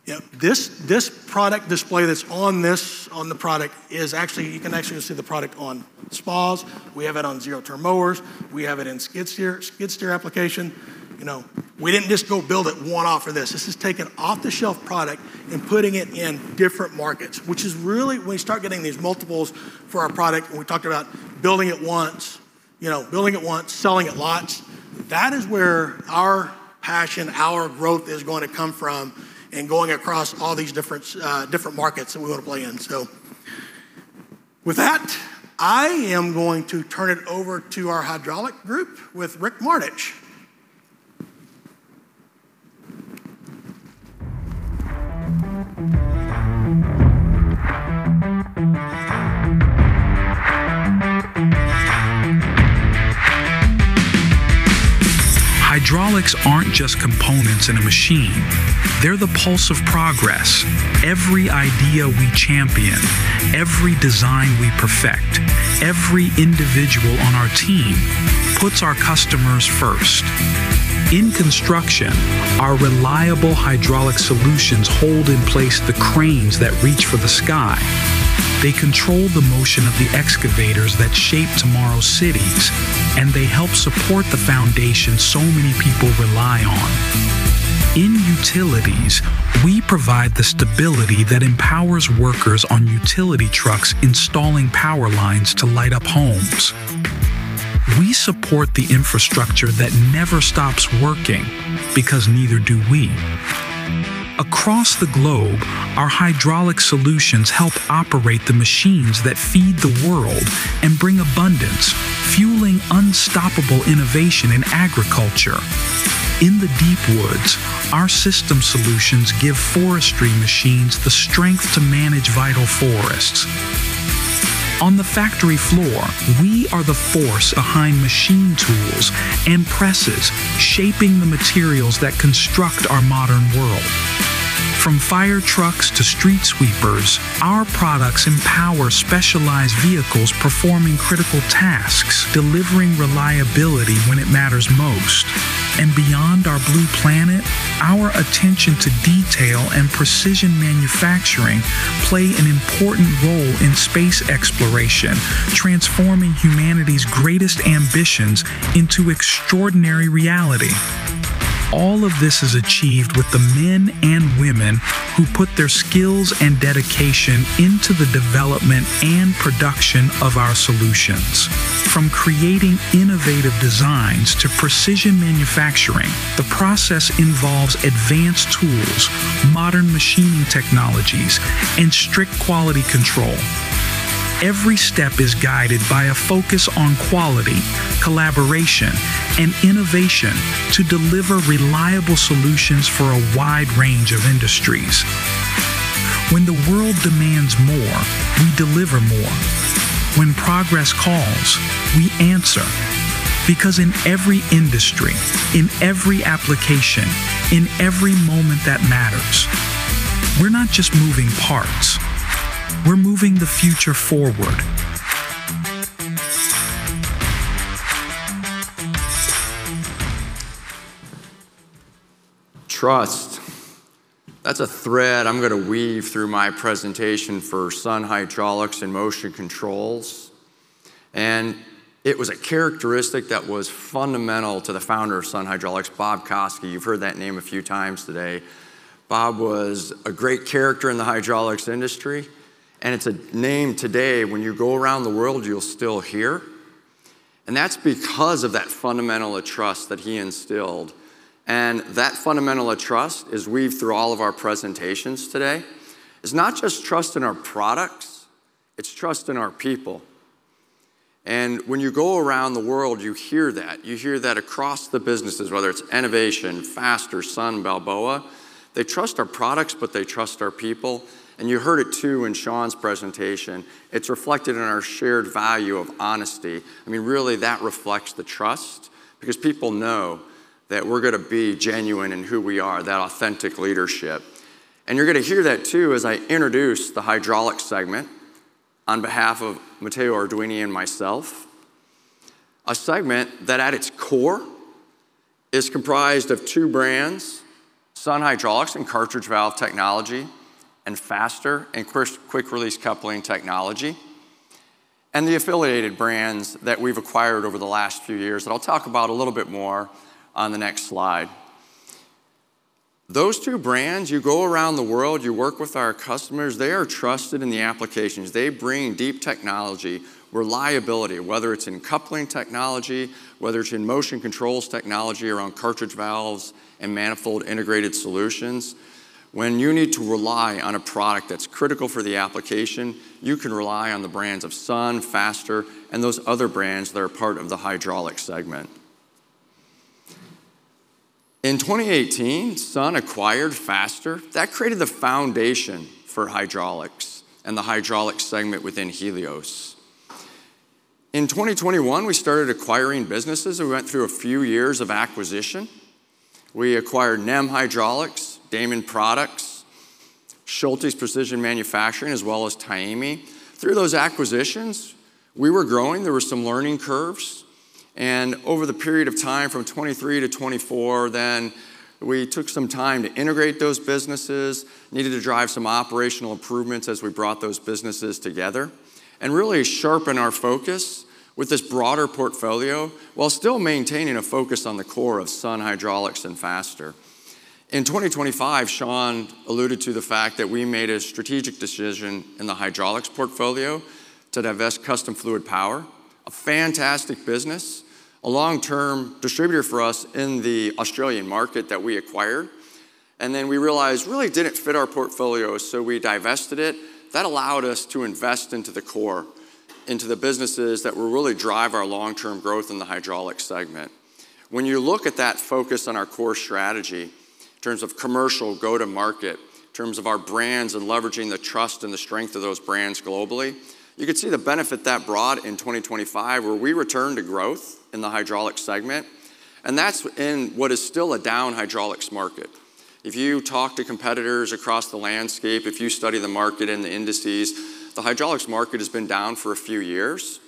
you know, this product display that's on this product is actually. You can actually just see the product on spas. We have it on zero-turn mowers. We have it in skid-steer application. You know, we didn't just go build it one-off for this. This is taking off-the-shelf product and putting it in different markets, which is really when you start getting these multiples for our product, and we talked about building it once. You know, building it once, selling it lots. That is where our passion, our growth is going to come from and going across all these different markets that we wanna play in. With that, I am going to turn it over to our hydraulics group with Rick Martich. Hydraulics aren't just components in a machine. They're the pulse of progress. Every idea we champion, every design we perfect, every individual on our team puts our customers first. In construction, our reliable hydraulic solutions hold in place the cranes that reach for the sky. They control the motion of the excavators that shape tomorrow's cities, and they help support the foundations so many people rely on. In utilities, we provide the stability that empowers workers on utility trucks installing power lines to light up homes. We support the infrastructure that never stops working, because neither do we. Across the globe, our hydraulic solutions help operate the machines that feed the world and bring abundance, fueling unstoppable innovation in agriculture. In the deep woods, our system solutions give forestry machines the strength to manage vital forests. On the factory floor, we are the force behind machine tools and presses shaping the materials that construct our modern world. From fire trucks to street sweepers, our products empower specialized vehicles performing critical tasks, delivering reliability when it matters most. Beyond our blue planet, our attention to detail and precision manufacturing play an important role in space exploration, transforming humanity's greatest ambitions into extraordinary reality. All of this is achieved with the men and women who put their skills and dedication into the development and production of our solutions. From creating innovative designs to precision manufacturing, the process involves advanced tools, modern machining technologies, and strict quality control. Every step is guided by a focus on quality, collaboration, and innovation to deliver reliable solutions for a wide range of industries. When the world demands more, we deliver more. When progress calls, we answer, because in every industry, in every application, in every moment that matters, we're not just moving parts, we're moving the future forward. Trust. That's a thread I'm gonna weave through my presentation for Sun Hydraulics and Motion Controls. It was a characteristic that was fundamental to the founder of Sun Hydraulics, Bob Koski. You've heard that name a few times today. Bob was a great character in the hydraulics industry, and it's a name today when you go around the world you'll still hear. That's because of that fundamental of trust that he instilled, and that fundamental of trust is weaved through all of our presentations today. It's not just trust in our products, it's trust in our people. When you go around the world, you hear that. You hear that across the businesses, whether it's Enovation, Faster, Sun, Balboa. They trust our products, but they trust our people. You heard it too in Sean's presentation. It's reflected in our shared value of honesty. I mean, really, that reflects the trust because people know that we're gonna be genuine in who we are, that authentic leadership. You're gonna hear that too as I introduce the hydraulics segment on behalf of Matteo Arduini and myself. A segment that at its core is comprised of two brands, Sun Hydraulics and cartridge valve technology, and Faster, and quick release coupling technology, and the affiliated brands that we've acquired over the last few years that I'll talk about a little bit more on the next slide. Those two brands, you go around the world, you work with our customers, they are trusted in the applications. They bring deep technology, reliability, whether it's in coupling technology, whether it's in motion controls technology around cartridge valves and manifold-integrated solutions. When you need to rely on a product that's critical for the application, you can rely on the brands of Sun, Faster, and those other brands that are part of the hydraulics segment. In 2018, Sun acquired Faster. That created the foundation for hydraulics and the hydraulics segment within Helios. In 2021, we started acquiring businesses, and we went through a few years of acquisition. We acquired NEM S.r.l., Daman Products Company, Schultes Precision Manufacturing, as well as Taimi. Through those acquisitions, we were growing. There were some learning curves. Over the period of time from 2023 to 2024 then, we took some time to integrate those businesses, needed to drive some operational improvements as we brought those businesses together and really sharpen our focus with this broader portfolio while still maintaining a focus on the core of Sun Hydraulics and Faster. In 2025, Sean alluded to the fact that we made a strategic decision in the hydraulics portfolio to divest Custom Fluidpower, a fantastic business, a long-term distributor for us in the Australian market that we acquired. Then we realized really didn't fit our portfolio, so we divested it. That allowed us to invest into the core, into the businesses that will really drive our long-term growth in the hydraulics segment. When you look at that focus on our core strategy in terms of commercial go-to-market, in terms of our brands and leveraging the trust and the strength of those brands globally, you could see the benefit that brought in 2025, where we returned to growth in the hydraulics segment. That's in what is still a down hydraulics market. If you talk to competitors across the landscape, if you study the market and the indices, the hydraulics market has been down for a few years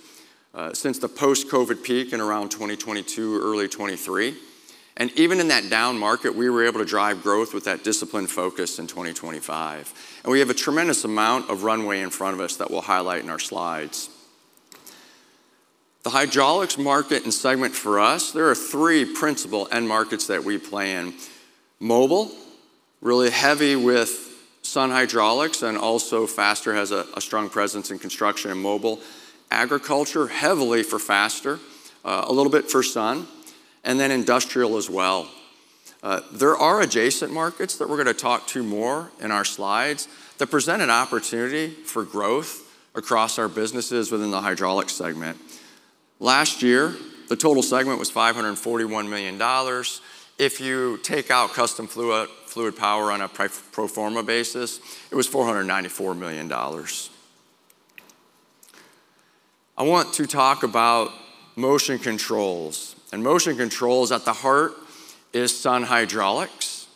since the post-COVID peak in around 2022, early 2023. Even in that down market, we were able to drive growth with that disciplined focus in 2025. We have a tremendous amount of runway in front of us that we'll highlight in our slides. The hydraulics market and segment for us, there are three principal end markets that we play in. Mobile, really heavy with Sun Hydraulics and also Faster has a strong presence in construction and mobile. Agriculture, heavily for Faster, a little bit for Sun, and then industrial as well. There are adjacent markets that we're gonna talk to more in our slides that present an opportunity for growth across our businesses within the hydraulics segment. Last year, the total segment was $541 million. If you take out Custom Fluidpower on a pro forma basis, it was $494 million. I want to talk about motion controls. Motion controls, at the heart, is Sun Hydraulics,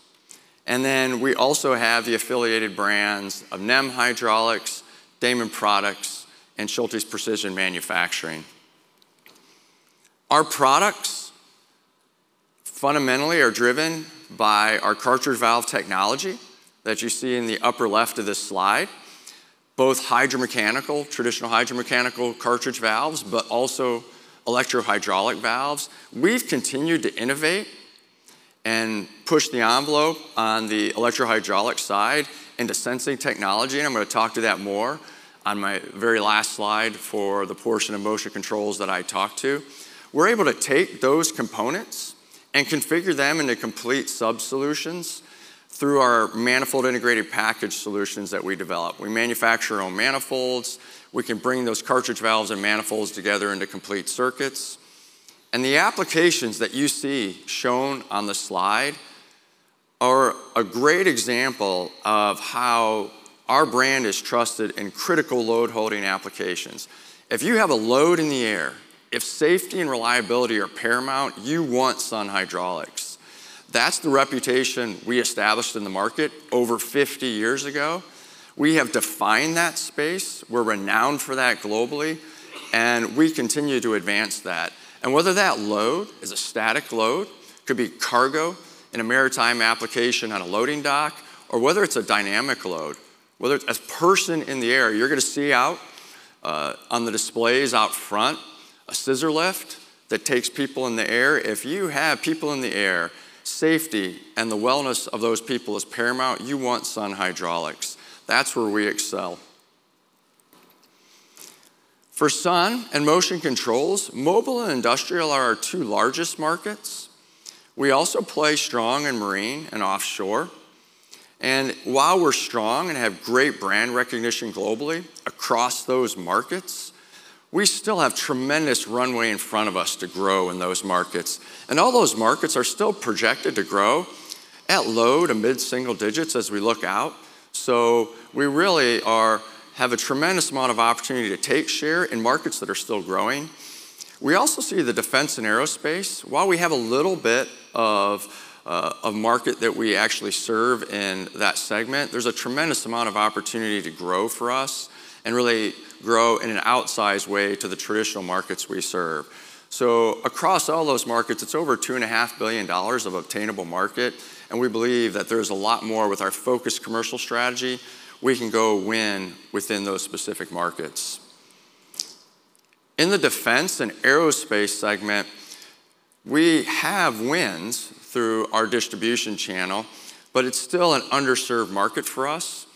and then we also have the affiliated brands of NEM, Daman Products, and Schultes Precision Manufacturing. Our products fundamentally are driven by our cartridge valve technology that you see in the upper left of this slide. Both hydromechanical, traditional hydromechanical cartridge valves, but also electrohydraulic valves. We've continued to innovate and push the envelope on the electrohydraulic side into sensing technology, and I'm gonna talk to that more on my very last slide for the portion of motion controls that I talk to. We're able to take those components and configure them into complete sub-solutions through our manifold integrated package solutions that we develop. We manufacture our own manifolds. We can bring those cartridge valves and manifolds together into complete circuits. The applications that you see shown on the slide are a great example of how our brand is trusted in critical load-holding applications. If you have a load in the air, if safety and reliability are paramount, you want Sun Hydraulics. That's the reputation we established in the market over 50 years ago. We have defined that space. We're renowned for that globally, and we continue to advance that. Whether that load is a static load, could be cargo in a maritime application on a loading dock, or whether it's a dynamic load, whether it's a person in the air, you're gonna see out, on the displays out front a scissor lift that takes people in the air. If you have people in the air, safety and the wellness of those people is paramount, you want Sun Hydraulics. That's where we excel. For Sun and motion controls, mobile and industrial are our two largest markets. We also play strong in marine and offshore. While we're strong and have great brand recognition globally across those markets, we still have tremendous runway in front of us to grow in those markets. All those markets are still projected to grow at low- to mid-single digits% as we look out. We really have a tremendous amount of opportunity to take share in markets that are still growing. We also see the defense and aerospace. While we have a little bit of a market that we actually serve in that segment, there's a tremendous amount of opportunity to grow for us and really grow in an outsized way to the traditional markets we serve. Across all those markets, it's over $2.5 billion of obtainable market, and we believe that there's a lot more with our focused commercial strategy we can go win within those specific markets. In the defense and aerospace segment, we have wins through our distribution channel, but it's still an underserved market for us.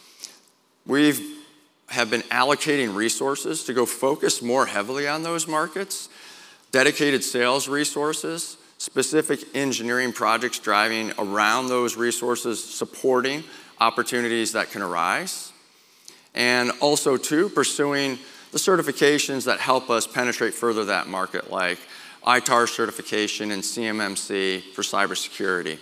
We have been allocating resources to go focus more heavily on those markets, dedicated sales resources, specific engineering projects driving around those resources, supporting opportunities that can arise, and also too, pursuing the certifications that help us penetrate further that market, like ITAR certification and CMMC for cybersecurity.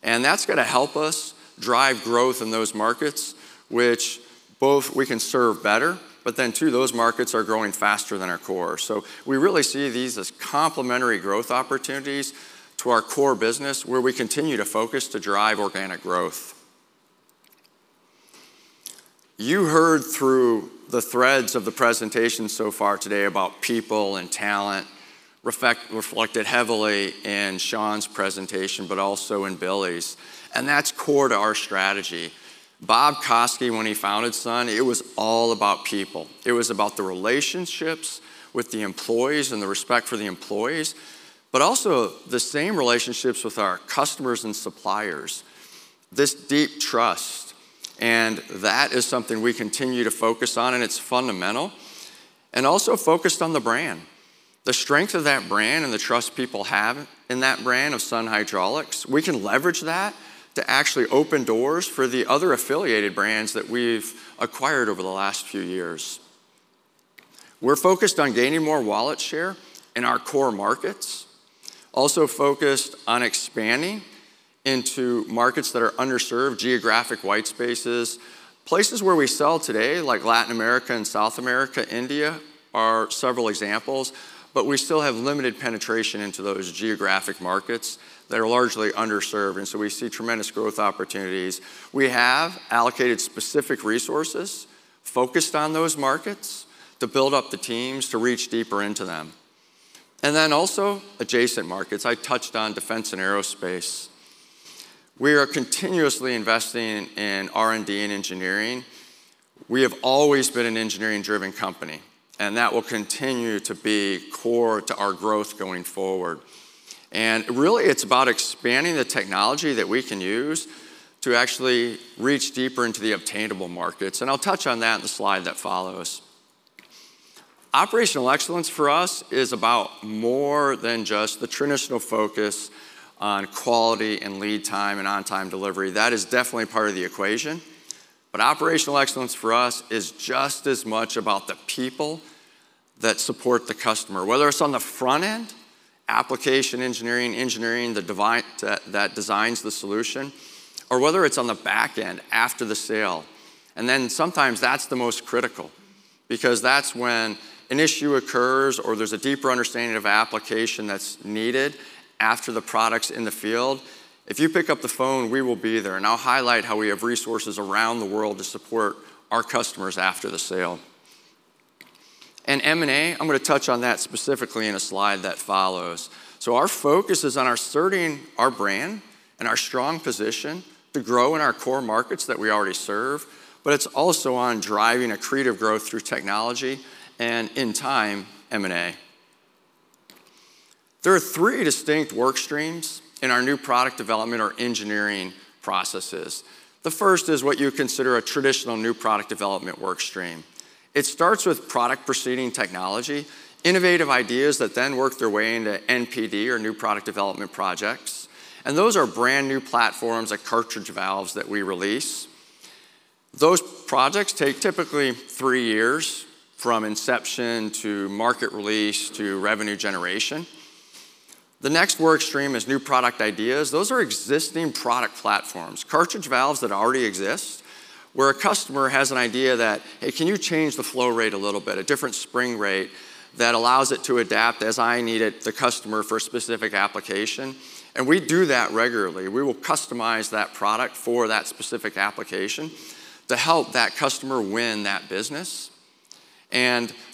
That's gonna help us drive growth in those markets, which both we can serve better, but then too, those markets are growing faster than our core. We really see these as complementary growth opportunities to our core business, where we continue to focus to drive organic growth. You heard through the threads of the presentation so far today about people and talent reflected heavily in Sean's presentation, but also in Billy's, and that's core to our strategy. Bob Koski, when he founded Sun, it was all about people. It was about the relationships with the employees and the respect for the employees, but also the same relationships with our customers and suppliers, this deep trust, and that is something we continue to focus on, and it's fundamental, and also focused on the brand. The strength of that brand and the trust people have in that brand of Sun Hydraulics, we can leverage that to actually open doors for the other affiliated brands that we've acquired over the last few years. We're focused on gaining more wallet share in our core markets, also focused on expanding into markets that are underserved, geographic white spaces. Places where we sell today, like Latin America and South America, India, are several examples, but we still have limited penetration into those geographic markets that are largely underserved, and so we see tremendous growth opportunities. We have allocated specific resources focused on those markets to build up the teams to reach deeper into them. Also adjacent markets. I touched on defense and aerospace. We are continuously investing in R&D and engineering. We have always been an engineering-driven company, and that will continue to be core to our growth going forward. Really, it's about expanding the technology that we can use to actually reach deeper into the obtainable markets, and I'll touch on that in the slide that follows. Operational excellence for us is about more than just the traditional focus on quality and lead time and on-time delivery. That is definitely part of the equation, but operational excellence for us is just as much about the people that support the customer, whether it's on the front end, application engineering, that designs the solution, or whether it's on the back end after the sale. Sometimes that's the most critical because that's when an issue occurs or there's a deeper understanding of application that's needed after the product's in the field. If you pick up the phone, we will be there, and I'll highlight how we have resources around the world to support our customers after the sale. M&A, I'm gonna touch on that specifically in a slide that follows. Our focus is on asserting our brand and our strong position to grow in our core markets that we already serve, but it's also on driving accretive growth through technology and, in time, M&A. There are three distinct work streams in our new product development or engineering processes. The first is what you would consider a traditional new product development work stream. It starts with product preceding technology, innovative ideas that then work their way into NPD or new product development projects, and those are brand-new platforms like cartridge valves that we release. Those projects take typically three years from inception to market release to revenue generation. The next work stream is new product ideas. Those are existing product platforms, cartridge valves that already exist, where a customer has an idea that, "Hey, can you change the flow rate a little bit, a different spring rate that allows it to adapt as I need it," the customer, "for a specific application?" We do that regularly. We will customize that product for that specific application to help that customer win that business.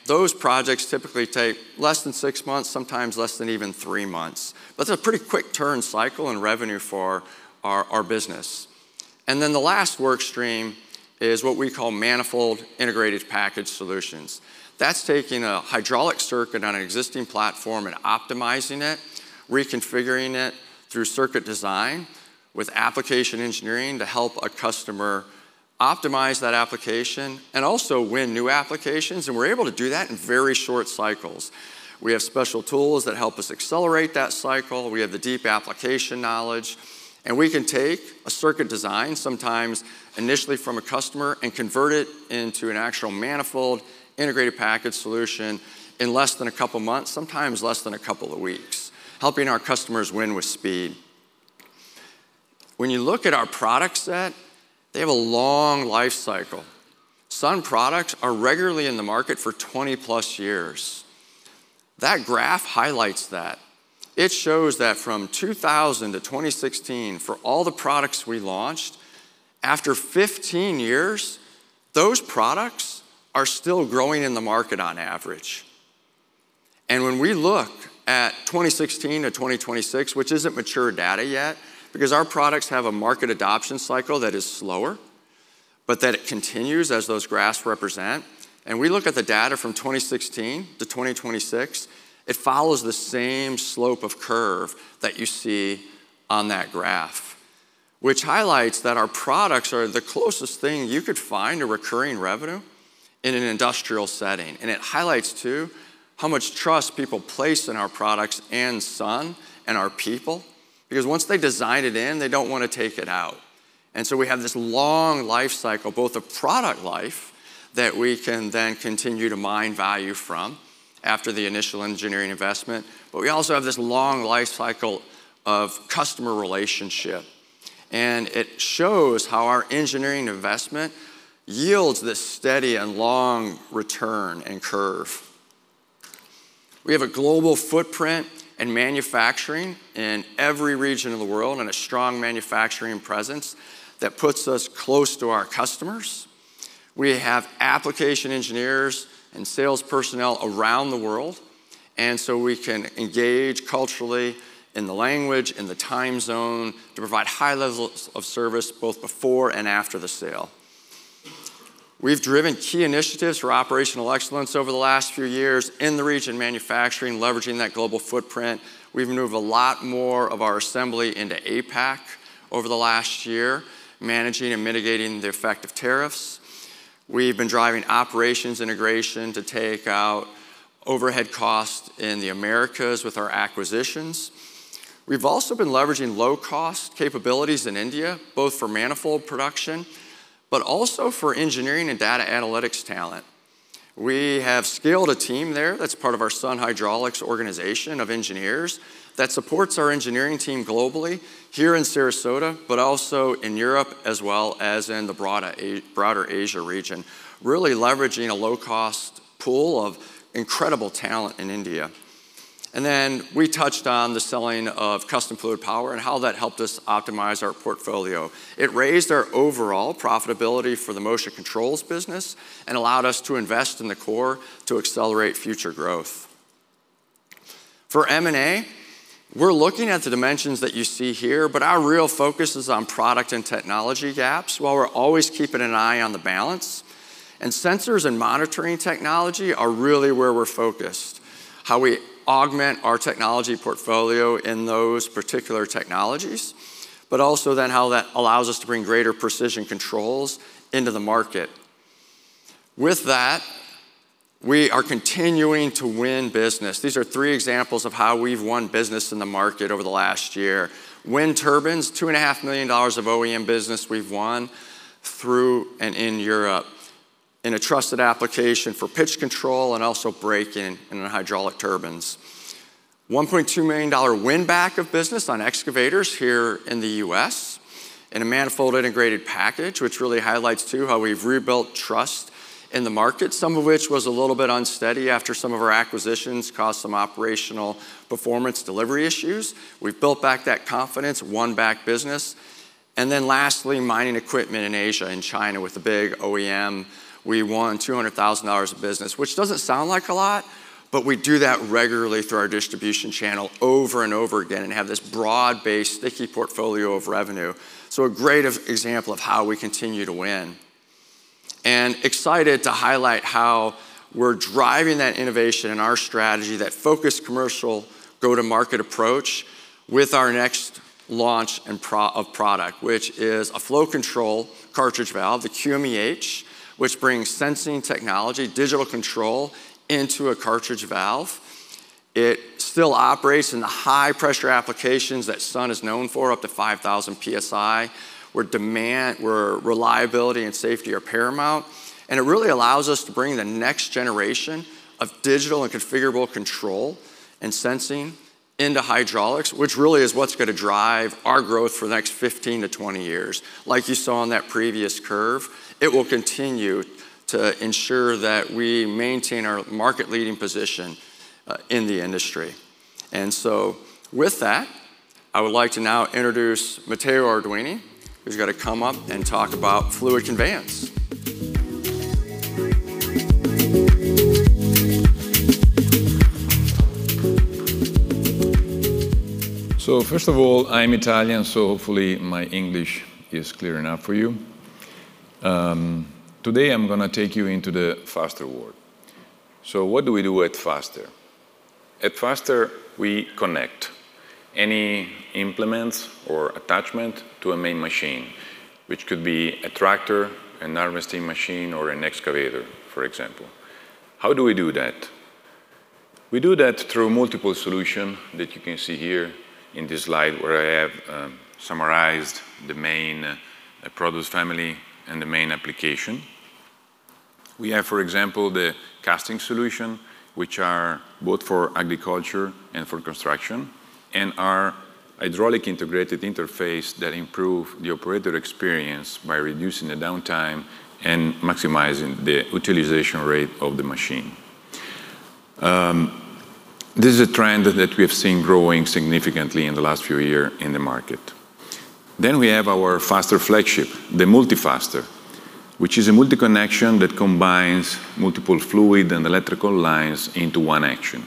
Those projects typically take less than 6 months, sometimes less than even 3 months. That's a pretty quick turn cycle in revenue for our business. The last work stream is what we call manifold integrated package solutions. That's taking a hydraulic circuit on an existing platform and optimizing it, reconfiguring it through circuit design with application engineering to help a customer optimize that application and also win new applications, and we're able to do that in very short cycles. We have special tools that help us accelerate that cycle. We have the deep application knowledge, and we can take a circuit design, sometimes initially from a customer, and convert it into an actual manifold integrated package solution in less than a couple months, sometimes less than a couple of weeks, helping our customers win with speed. When you look at our product set, they have a long life cycle. Sun products are regularly in the market for 20+ years. That graph highlights that. It shows that from 2000 to 2016, for all the products we launched, after 15 years, those products are still growing in the market on average. When we look at 2016 to 2026, which isn't mature data yet, because our products have a market adoption cycle that is slower, but that it continues as those graphs represent, and we look at the data from 2016 to 2026, it follows the same slope of curve that you see on that graph, which highlights that our products are the closest thing you could find to recurring revenue in an industrial setting. It highlights, too, how much trust people place in our products and Sun and our people, because once they design it in, they don't wanna take it out. We have this long life cycle, both of product life that we can then continue to mine value from after the initial engineering investment, but we also have this long life cycle of customer relationship, and it shows how our engineering investment yields this steady and long return and curve. We have a global footprint in manufacturing in every region of the world and a strong manufacturing presence that puts us close to our customers. We have application engineers and sales personnel around the world, and so we can engage culturally in the language, in the time zone to provide high levels of service both before and after the sale. We've driven key initiatives for operational excellence over the last few years in regional manufacturing, leveraging that global footprint. We've moved a lot more of our assembly into APAC over the last year, managing and mitigating the effect of tariffs. We've been driving operations integration to take out overhead costs in the Americas with our acquisitions. We've also been leveraging low-cost capabilities in India, both for manifold production, but also for engineering and data analytics talent. We have scaled a team there that's part of our Sun Hydraulics organization of engineers that supports our engineering team globally here in Sarasota, but also in Europe as well as in the broader Asia region, really leveraging a low-cost pool of incredible talent in India. Then we touched on the selling of Custom Fluidpower and how that helped us optimize our portfolio. It raised our overall profitability for the motion controls business and allowed us to invest in the core to accelerate future growth. For M&A, we're looking at the dimensions that you see here, but our real focus is on product and technology gaps while we're always keeping an eye on the balance. Sensors and monitoring technology are really where we're focused, how we augment our technology portfolio in those particular technologies, but also then how that allows us to bring greater precision controls into the market. With that, we are continuing to win business. These are three examples of how we've won business in the market over the last year. Wind turbines, $2 and a half million of OEM business we've won through and in Europe in a trusted application for pitch control and also braking in the hydraulic turbines. $1.2 million win back of business on excavators here in the U.S. in a manifold integrated package, which really highlights, too, how we've rebuilt trust in the market, some of which was a little bit unsteady after some of our acquisitions caused some operational performance delivery issues. We've built back that confidence, won back business. Lastly, mining equipment in Asia and China with the big OEM, we won $200,000 of business, which doesn't sound like a lot, but we do that regularly through our distribution channel over and over again and have this broad-based, sticky portfolio of revenue. A great example of how we continue to win. Excited to highlight how we're driving that innovation in our strategy, that focused commercial go-to-market approach with our next launch of product, which is a flow control cartridge valve, the QMEH, which brings sensing technology, digital control into a cartridge valve. It still operates in the high-pressure applications that Sun is known for, up to 5,000 PSI, where reliability and safety are paramount. It really allows us to bring the next generation of digital and configurable control and sensing into hydraulics, which really is what's gonna drive our growth for the next 15-20 years. Like you saw on that previous curve, it will continue to ensure that we maintain our market-leading position in the industry. With that, I would like to now introduce Matteo Arduini, who's gonna come up and talk about fluid conveyance. First of all, I'm Italian, so hopefully my English is clear enough for you. Today I'm gonna take you into the Faster world. What do we do at Faster? At Faster, we connect any implements or attachment to a main machine, which could be a tractor, a harvesting machine, or an excavator, for example. How do we do that? We do that through multiple solutions that you can see here in this slide, where I have summarized the main products family and the main application. We have, for example, the casting solution, which are both for agriculture and for construction, and our hydraulic integrated interface that improve the operator experience by reducing the downtime and maximizing the utilization rate of the machine. This is a trend that we have seen growing significantly in the last few years in the market. We have our Faster flagship, the MultiFaster, which is a multi-connection that combines multiple fluid and electrical lines into one action.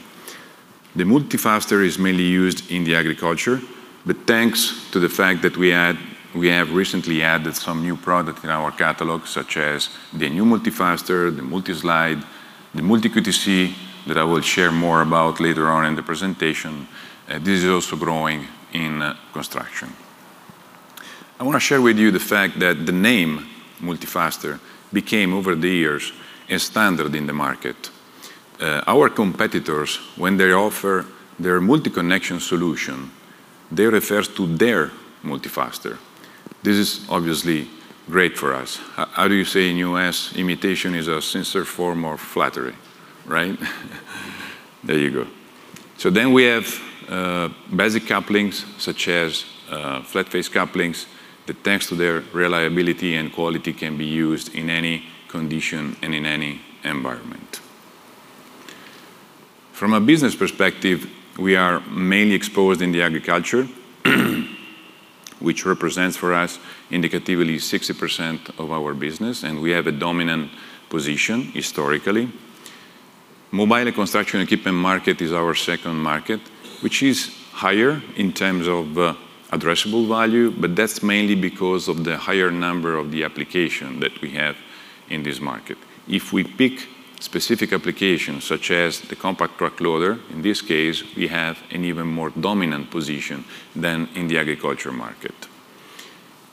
The MultiFaster is mainly used in agriculture, but thanks to the fact that we have recently added some new products in our catalog, such as the new MultiFaster, the MultiSlide, the MultiQTC, that I will share more about later on in the presentation, this is also growing in construction. I wanna share with you the fact that the name MultiFaster became over the years a standard in the market. Our competitors, when they offer their multi-connection solution, they refer to their MultiFaster. This is obviously great for us. How do you say in the US, imitation is a sincere form of flattery, right? There you go. We have basic couplings such as flat face couplings that thanks to their reliability and quality can be used in any condition and in any environment. From a business perspective, we are mainly exposed in the agriculture, which represents for us indicatively 60% of our business, and we have a dominant position historically. Mobile and construction equipment market is our second market, which is higher in terms of addressable value, but that's mainly because of the higher number of the application that we have in this market. If we pick specific applications such as the compact track loader, in this case, we have an even more dominant position than in the agriculture market.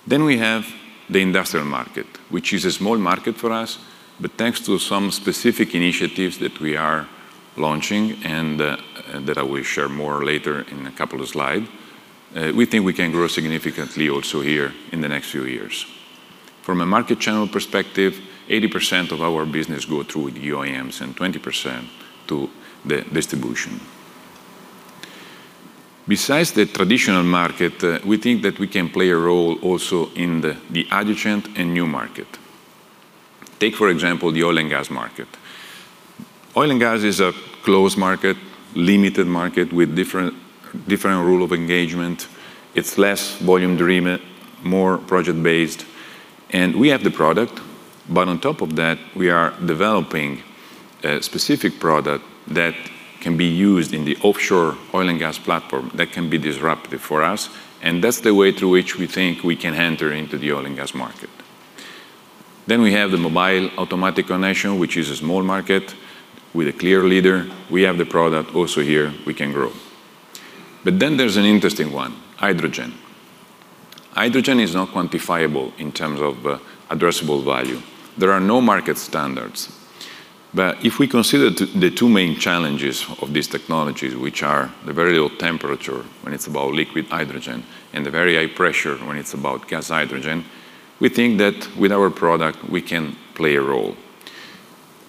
We have the industrial market, which is a small market for us, but thanks to some specific initiatives that we are launching and, that I will share more later in a couple of slides, we think we can grow significantly also here in the next few years. From a market channel perspective, 80% of our business go through the OEMs and 20% to the distribution. Besides the traditional market, we think that we can play a role also in the adjacent and new market. Take, for example, the oil and gas market. Oil and gas is a closed market, limited market with different rules of engagement. It's less volume driven, more project-based, and we have the product, but on top of that, we are developing a specific product that can be used in the offshore oil and gas platform that can be disruptive for us, and that's the way through which we think we can enter into the oil and gas market. We have the mobile automatic connection, which is a small market with a clear leader. We have the product also here, we can grow. There's an interesting one, hydrogen. Hydrogen is not quantifiable in terms of, addressable value. There are no market standards. If we consider the two main challenges of these technologies, which are the very low temperature when it's about liquid hydrogen and the very high pressure when it's about gas hydrogen, we think that with our product, we can play a role.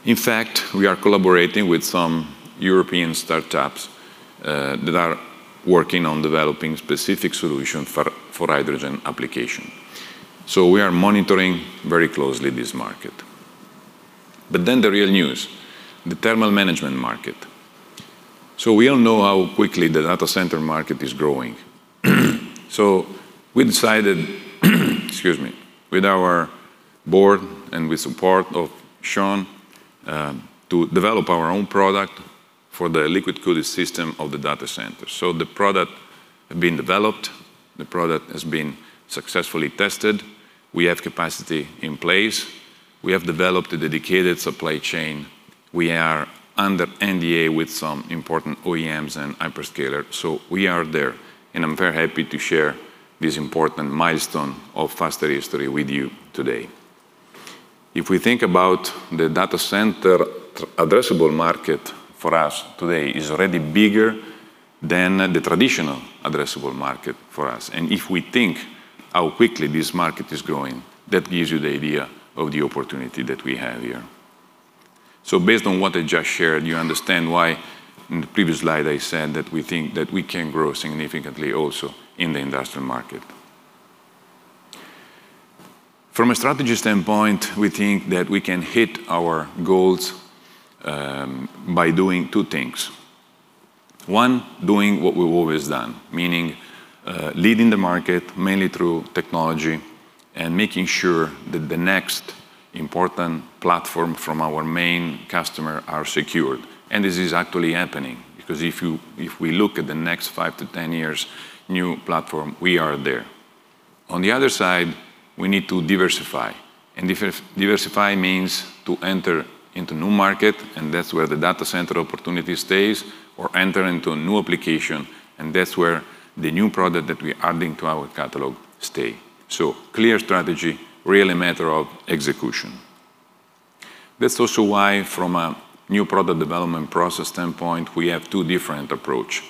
In fact, we are collaborating with some European startups that are working on developing specific solution for hydrogen application. We are monitoring very closely this market. The real news, the thermal management market. We all know how quickly the data center market is growing. We decided, excuse me, with our board and with support of Sean, to develop our own product for the liquid cooling system of the data center. The product have been developed, the product has been successfully tested. We have capacity in place. We have developed a dedicated supply chain. We are under NDA with some important OEMs and hyperscaler. We are there, and I'm very happy to share this important milestone of Faster history with you today. If we think about the data center addressable market for us today is already bigger than the traditional addressable market for us. If we think how quickly this market is growing, that gives you the idea of the opportunity that we have here. Based on what I just shared, you understand why in the previous slide I said that we think that we can grow significantly also in the industrial market. From a strategy standpoint, we think that we can hit our goals by doing two things. One, doing what we've always done, meaning, leading the market mainly through technology and making sure that the next important platform from our main customer are secured. This is actually happening because if we look at the next 5-10 years new platform, we are there. On the other side, we need to diversify, and diversify means to enter into new market, and that's where the data center opportunity stays or enter into a new application, and that's where the new product that we're adding to our catalog stay. Clear strategy, really a matter of execution. That's also why from a new product development process standpoint, we have two different approach.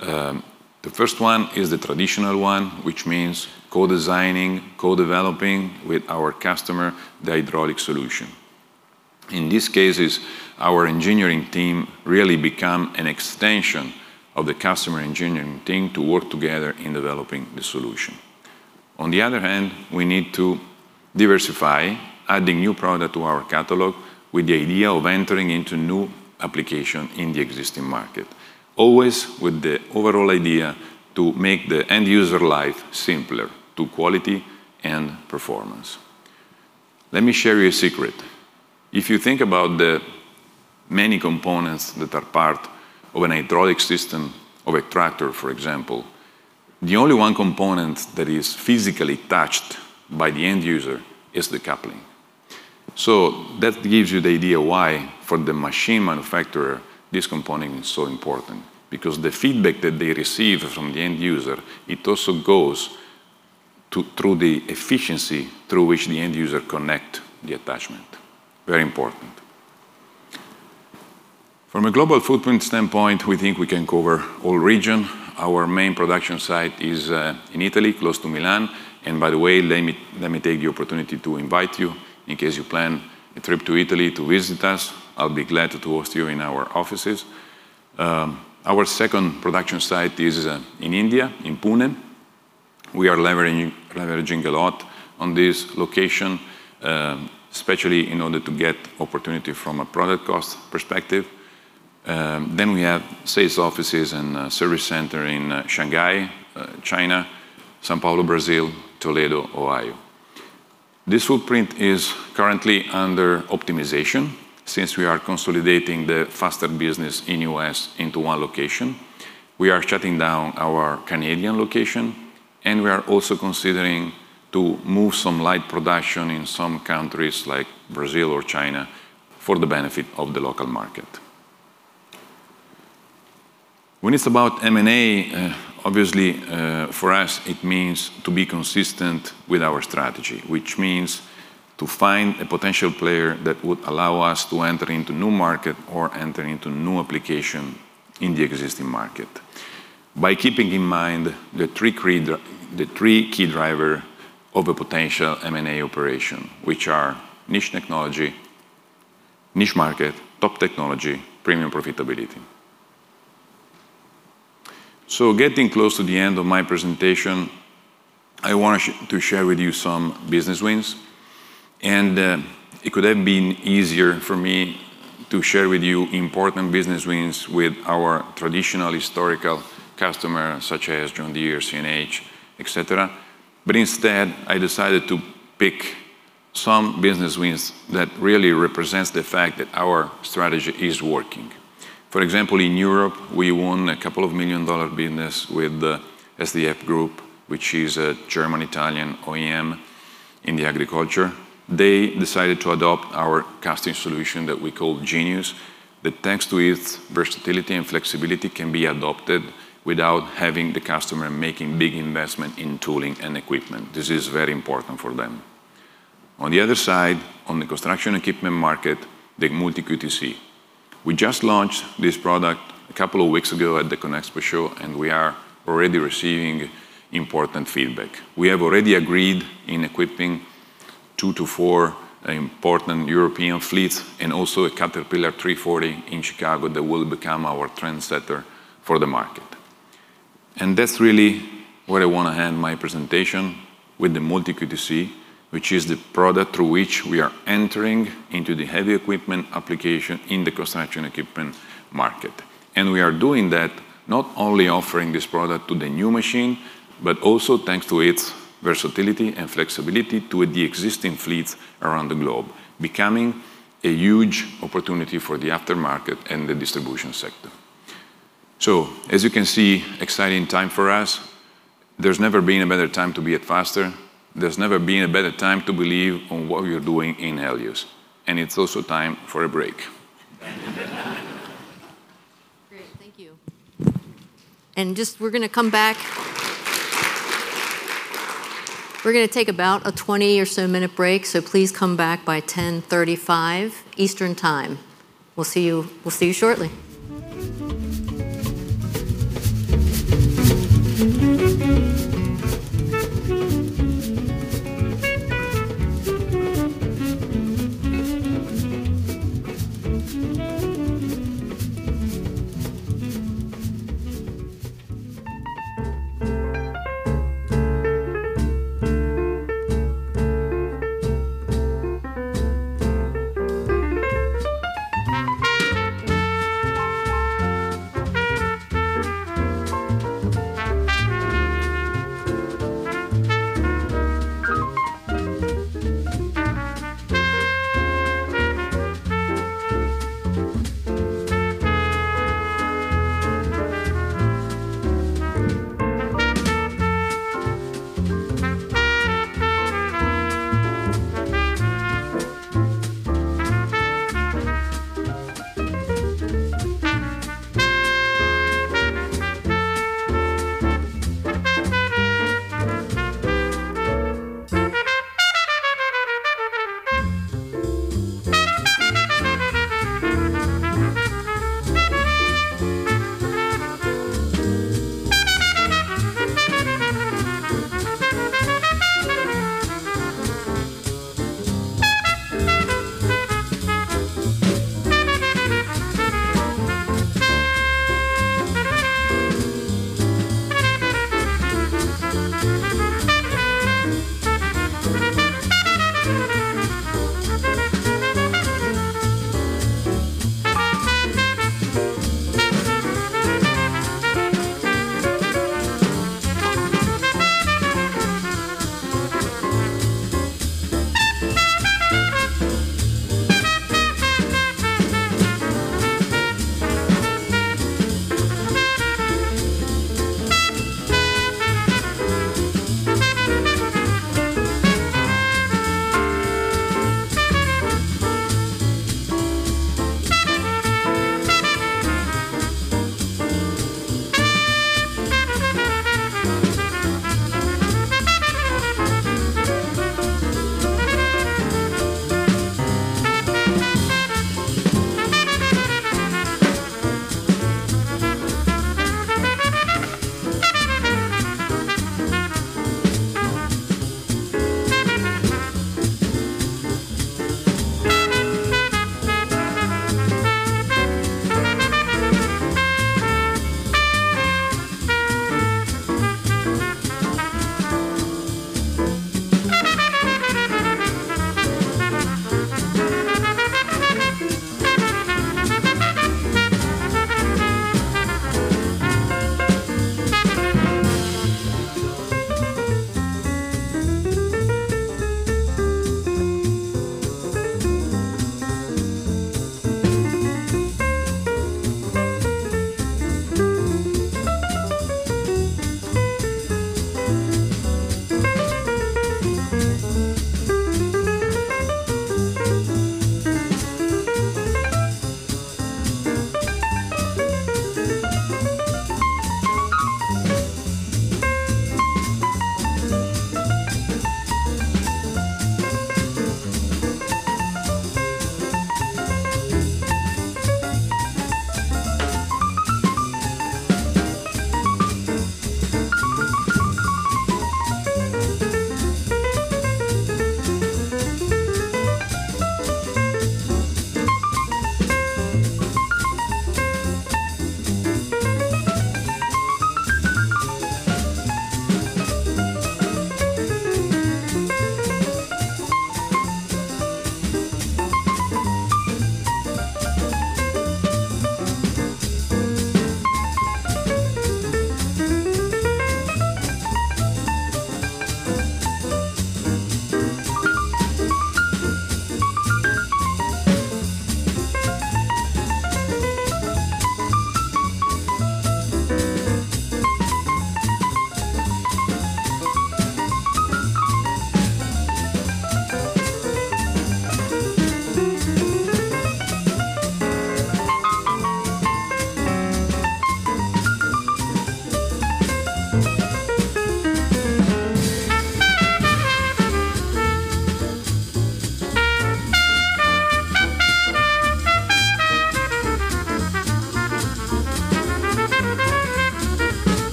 The first one is the traditional one, which means co-designing, co-developing with our customer the hydraulic solution. In these cases, our engineering team really become an extension of the customer engineering team to work together in developing the solution. On the other hand, we need to diversify, adding new product to our catalog with the idea of entering into new application in the existing market, always with the overall idea to make the end user life simpler to quality and performance. Let me share you a secret. If you think about the many components that are part of a hydraulic system of a tractor, for example, the only one component that is physically touched by the end user is the coupling. That gives you the idea why for the machine manufacturer, this component is so important because the feedback that they receive from the end user, it also goes through the efficiency through which the end user connect the attachment. Very important. From a global footprint standpoint, we think we can cover all region. Our main production site is in Italy, close to Milan, and by the way, let me take the opportunity to invite you in case you plan a trip to Italy to visit us. I'll be glad to host you in our offices. Our second production site is in India, in Pune. We are leveraging a lot on this location, especially in order to get opportunity from a product cost perspective. We have sales offices and a service center in Shanghai, China, São Paulo, Brazil, Toledo, Ohio. This footprint is currently under optimization since we are consolidating the Faster business in U.S. into one location. We are shutting down our Canadian location, and we are also considering to move some light production in some countries like Brazil or China for the benefit of the local market. When it's about M&A, obviously, for us it means to be consistent with our strategy, which means to find a potential player that would allow us to enter into new market or enter into new application in the existing market. By keeping in mind the three key driver of a potential M&A operation, which are niche technology, niche market, top technology, premium profitability. Getting close to the end of my presentation, I want to share with you some business wins, and it could have been easier for me to share with you important business wins with our traditional historical customer, such as John Deere, CNH, et cetera. Instead, I decided to pick some business wins that really represents the fact that our strategy is working. For example, in Europe, we won a couple of million-dollar business with the SDF Group, which is a German-Italian OEM in the agriculture. They decided to adopt our casting solution that we call GenYus. That thanks to its versatility and flexibility can be adopted without having the customer making big investment in tooling and equipment. This is very important for them. On the other side, on the construction equipment market, the MultiQTC. We just launched this product a couple of weeks ago at the CONEXPO Show, and we are already receiving important feedback. We have already agreed in equipping two to four important European fleets and also a Caterpillar 340 in Chicago that will become our trendsetter for the market. That's really where I wanna end my presentation with the MultiQTC, which is the product through which we are entering into the heavy equipment application in the construction equipment market. We are doing that not only offering this product to the new machine, but also thanks to its versatility and flexibility to the existing fleets around the globe, becoming a huge opportunity for the aftermarket and the distribution sector. As you can see, exciting time for us. There's never been a better time to be at Faster. There's never been a better time to believe on what we are doing in Helios, and it's also time for a break. Great. Thank you. Just we're gonna come back. We're gonna take about a 20 or so minute break, so please come back by 10:35 Eastern Time. We'll see you shortly.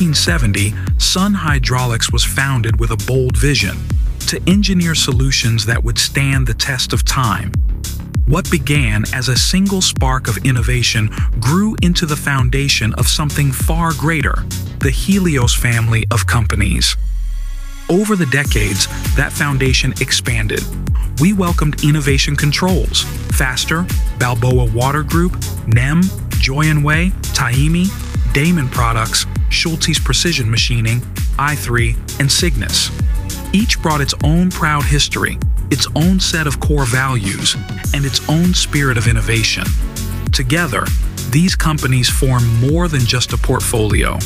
In 1970, Sun Hydraulics was founded with a bold vision to engineer solutions that would stand the test of time. What began as a single spark of innovation grew into the foundation of something far greater, the Helios family of companies. Over the decades, that foundation expanded. We welcomed Enovation Controls, Faster, Balboa Water Group, NEM, Joyonway, Taimi, Daman Products, Schultes Precision Manufacturing, i3, and Sygnis. Each brought its own proud history, its own set of core values, and its own spirit of innovation. Together, these companies form more than just a portfolio.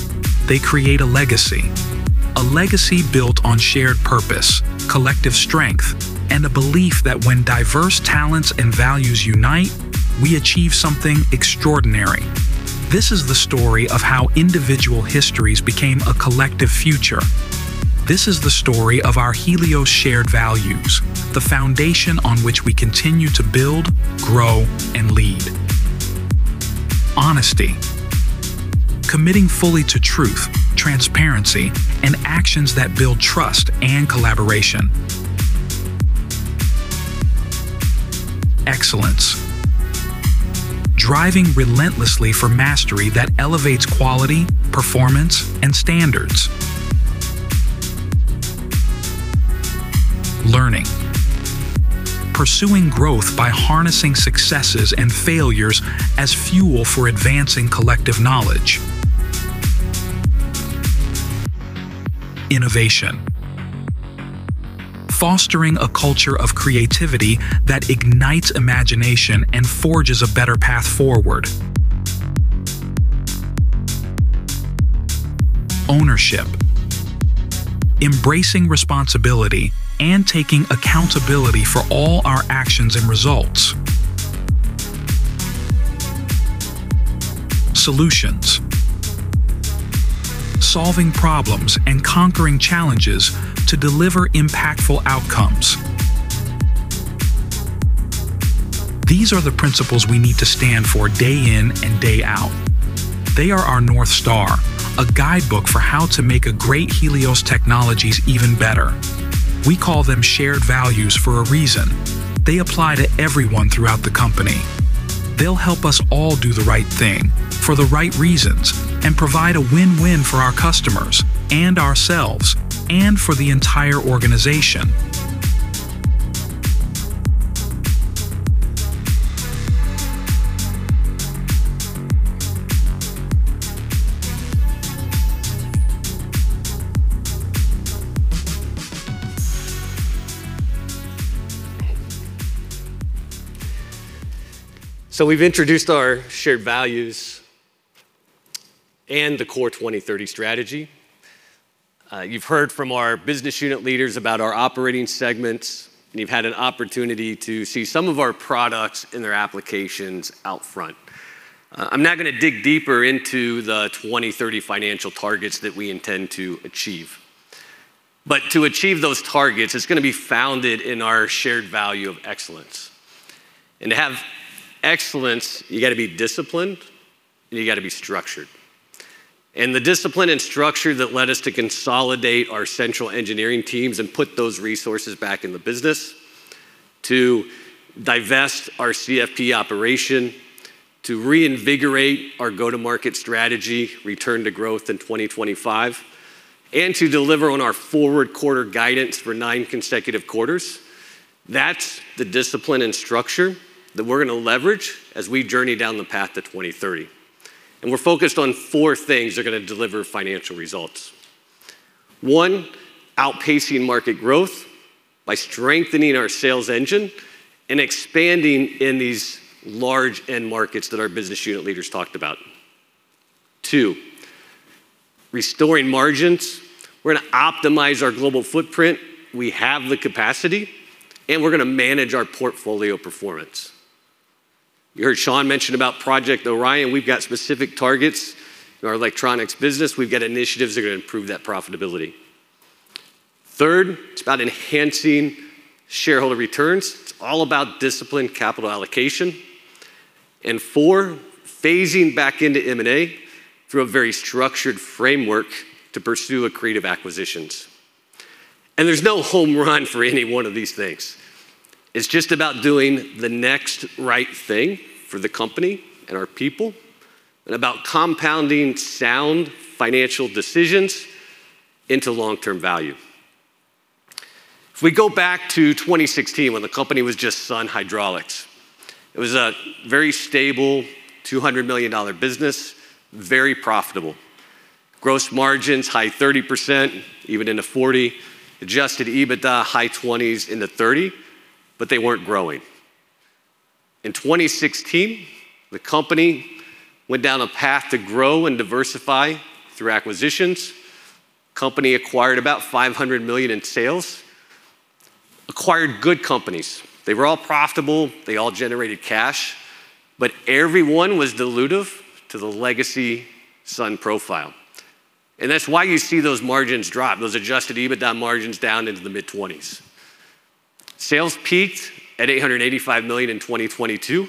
They create a legacy, a legacy built on shared purpose, collective strength, and a belief that when diverse talents and values unite, we achieve something extraordinary. This is the story of how individual histories became a collective future. This is the story of our Helios shared values, the foundation on which we continue to build, grow, and lead. Honesty. Committing fully to truth, transparency, and actions that build trust and collaboration. Excellence. Driving relentlessly for mastery that elevates quality, performance, and standards. Learning. Pursuing growth by harnessing successes and failures as fuel for advancing collective knowledge. Innovation. Fostering a culture of creativity that ignites imagination and forges a better path forward. Ownership. Embracing responsibility and taking accountability for all our actions and results. Solutions. Solving problems and conquering challenges to deliver impactful outcomes. These are the principles we need to stand for day in and day out. They are our North Star, a guidebook for how to make a great Helios Technologies even better. We call them shared values for a reason. They apply to everyone throughout the company. They'll help us all do the right thing for the right reasons, and provide a win-win for our customers and ourselves, and for the entire organization. We've introduced our shared values and the CORE 2030 strategy. You've heard from our business unit leaders about our operating segments, and you've had an opportunity to see some of our products and their applications out front. I'm now gonna dig deeper into the 2030 financial targets that we intend to achieve. To achieve those targets, it's gonna be founded in our shared value of excellence. To have excellence, you gotta be disciplined, and you gotta be structured. The discipline and structure that led us to consolidate our central engineering teams and put those resources back in the business to divest our CFP operation, to reinvigorate our go-to-market strategy, return to growth in 2025, and to deliver on our forward quarter guidance for nine consecutive quarters. That's the discipline and structure that we're gonna leverage as we journey down the path to 2030. We're focused on four things that are gonna deliver financial results. One, outpacing market growth by strengthening our sales engine and expanding in these large end markets that our business unit leaders talked about. Two, restoring margins. We're gonna optimize our global footprint. We have the capacity, and we're gonna manage our portfolio performance. You heard Sean mention about Project Orion. We've got specific targets in our electronics business. We've got initiatives that are gonna improve that profitability. Third, it's about enhancing shareholder returns. It's all about disciplined capital allocation. Four, phasing back into M&A through a very structured framework to pursue accretive acquisitions. There's no home run for any one of these things. It's just about doing the next right thing for the company and our people, and about compounding sound financial decisions into long-term value. If we go back to 2016 when the company was just Sun Hydraulics, it was a very stable $200 million business, very profitable. Gross margins, high 30%, even into 40%. Adjusted EBITDA, high 20s% into 30%, but they weren't growing. In 2016, the company went down a path to grow and diversify through acquisitions. Company acquired about $500 million in sales. Acquired good companies. They were all profitable. They all generated cash, but every one was dilutive to the legacy Sun profile. That's why you see those margins drop, those adjusted EBITDA margins down into the mid-20s%. Sales peaked at $885 million in 2022.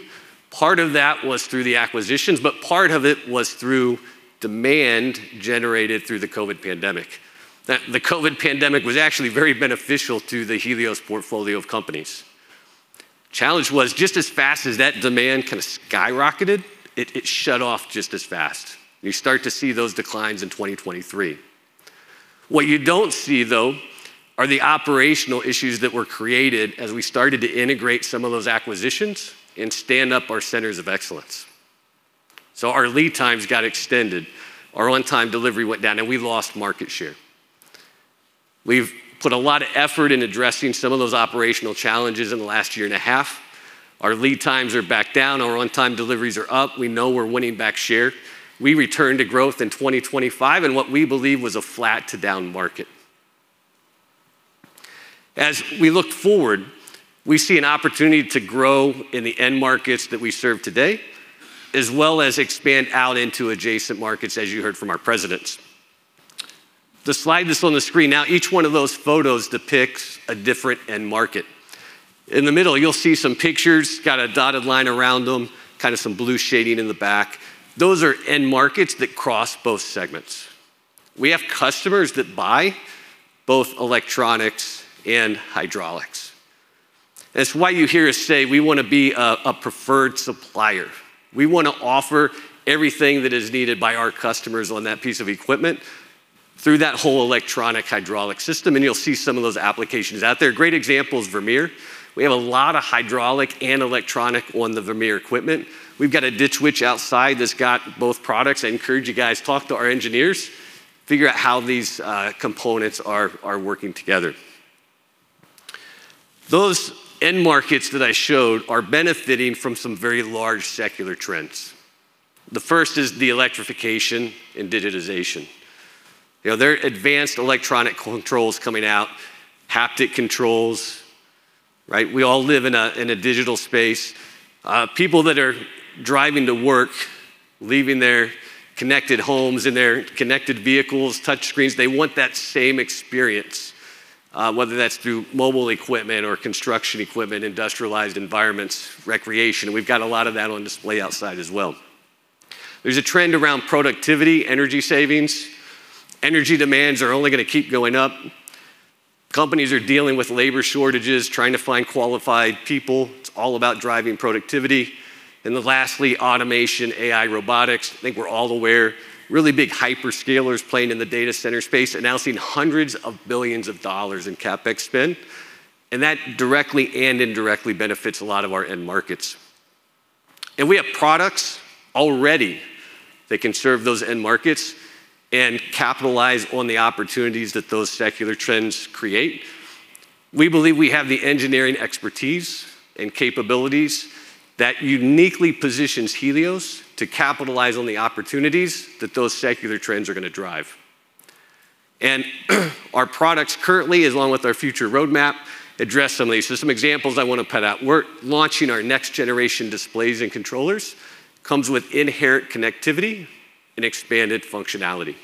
Part of that was through the acquisitions, but part of it was through demand generated through the COVID pandemic. The COVID pandemic was actually very beneficial to the Helios portfolio of companies. Challenge was just as fast as that demand kind of skyrocketed, it shut off just as fast. You start to see those declines in 2023. What you don't see, though, are the operational issues that were created as we started to integrate some of those acquisitions and stand up our centers of excellence. Our lead times got extended, our on-time delivery went down, and we lost market share. We've put a lot of effort in addressing some of those operational challenges in the last year and a half. Our lead times are back down, our on-time deliveries are up. We know we're winning back share. We returned to growth in 2025 in what we believe was a flat-to-down market. As we look forward, we see an opportunity to grow in the end markets that we serve today, as well as expand out into adjacent markets, as you heard from our presidents. The slide that's on the screen now, each one of those photos depicts a different end market. In the middle, you'll see some pictures, got a dotted line around them, kind of some blue shading in the back. Those are end markets that cross both segments. We have customers that buy both electronics and hydraulics. That's why you hear us say we wanna be a preferred supplier. We wanna offer everything that is needed by our customers on that piece of equipment through that whole electronic hydraulic system, and you'll see some of those applications out there. Great example is Vermeer. We have a lot of hydraulic and electronic on the Vermeer equipment. We've got a Ditch Witch outside that's got both products. I encourage you guys, talk to our engineers, figure out how these components are working together. Those end markets that I showed are benefiting from some very large secular trends. The first is the electrification and digitization. You know, there are advanced electronic controls coming out, haptic controls, right? We all live in a digital space. People that are driving to work, leaving their connected homes in their connected vehicles, touch screens, they want that same experience, whether that's through mobile equipment or construction equipment, industrialized environments, recreation. We've got a lot of that on display outside as well. There's a trend around productivity, energy savings. Energy demands are only gonna keep going up. Companies are dealing with labor shortages, trying to find qualified people. It's all about driving productivity. Then lastly, automation, AI, robotics. I think we're all aware, really big hyperscalers playing in the data center space, announcing $hundreds of billions in CapEx spend. That directly and indirectly benefits a lot of our end markets. We have products already that can serve those end markets and capitalize on the opportunities that those secular trends create. We believe we have the engineering expertise and capabilities that uniquely positions Helios to capitalize on the opportunities that those secular trends are gonna drive. Our products currently, along with our future roadmap, address some of these. Some examples I wanna point out. We're launching our next-generation displays and controllers, comes with inherent connectivity and expanded functionality.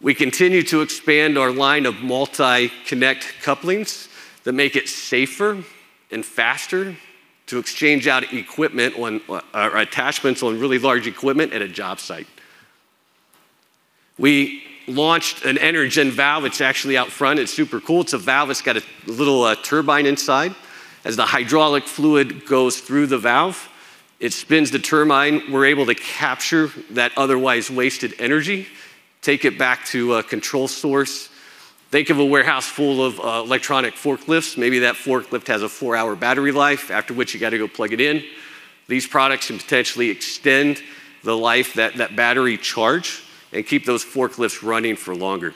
We continue to expand our line of multi-connect couplings that make it safer and faster to exchange out equipment when or attachments on really large equipment at a job site. We launched an ENERGEN valve. It's actually out front. It's super cool. It's a valve that's got a little turbine inside. As the hydraulic fluid goes through the valve, it spins the turbine. We're able to capture that otherwise wasted energy, take it back to a control source. Think of a warehouse full of electronic forklifts. Maybe that forklift has a four-hour battery life, after which you gotta go plug it in. These products can potentially extend the life that that battery charge and keep those forklifts running for longer.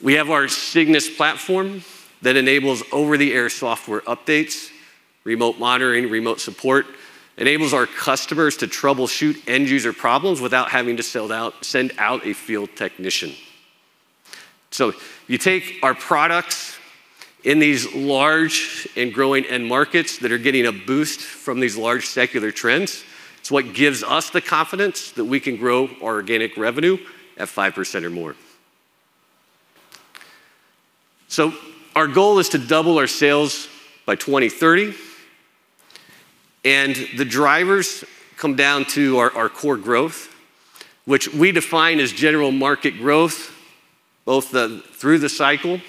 We have our Cygnus platform that enables over-the-air software updates, remote monitoring, remote support, enables our customers to troubleshoot end user problems without having to send out a field technician. You take our products in these large and growing end markets that are getting a boost from these large secular trends. It's what gives us the confidence that we can grow our organic revenue at 5% or more. Our goal is to double our sales by 2030, and the drivers come down to our core growth, which we define as general market growth, both through the cycle,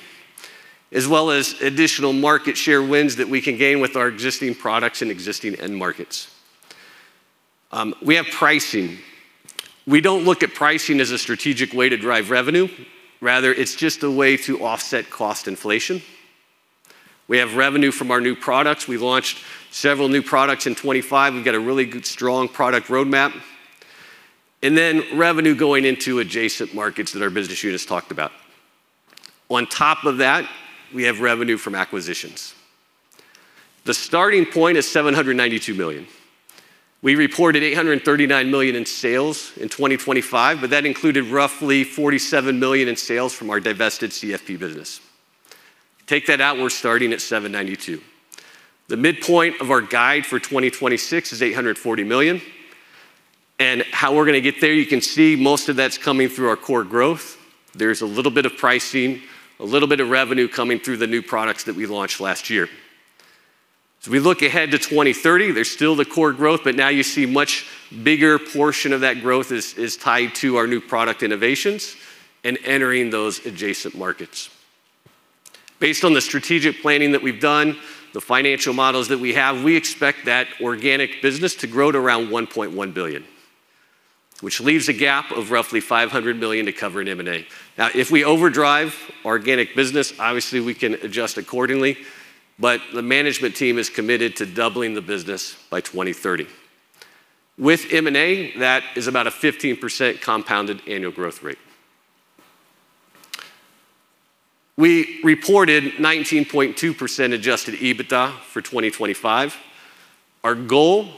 as well as additional market share wins that we can gain with our existing products and existing end markets. We have pricing. We don't look at pricing as a strategic way to drive revenue. Rather, it's just a way to offset cost inflation. We have revenue from our new products. We launched several new products in 2025. We've got a really good, strong product roadmap. Then revenue going into adjacent markets that our business unit has talked about. On top of that, we have revenue from acquisitions. The starting point is $792 million. We reported $839 million in sales in 2025, but that included roughly $47 million in sales from our divested CFP business. Take that out, we're starting at $792. The midpoint of our guide for 2026 is $840 million. How we're gonna get there, you can see most of that's coming through our core growth. There's a little bit of pricing, a little bit of revenue coming through the new products that we launched last year. We look ahead to 2030, there's still the core growth, but now you see much bigger portion of that growth is tied to our new product innovations and entering those adjacent markets. Based on the strategic planning that we've done, the financial models that we have, we expect that organic business to grow to around $1.1 billion, which leaves a gap of roughly $500 million to cover in M&A. Now, if we overdrive organic business, obviously we can adjust accordingly, but the management team is committed to doubling the business by 2030. With M&A, that is about a 15% compounded annual growth rate. We reported 19.2% adjusted EBITDA for 2025. Our goal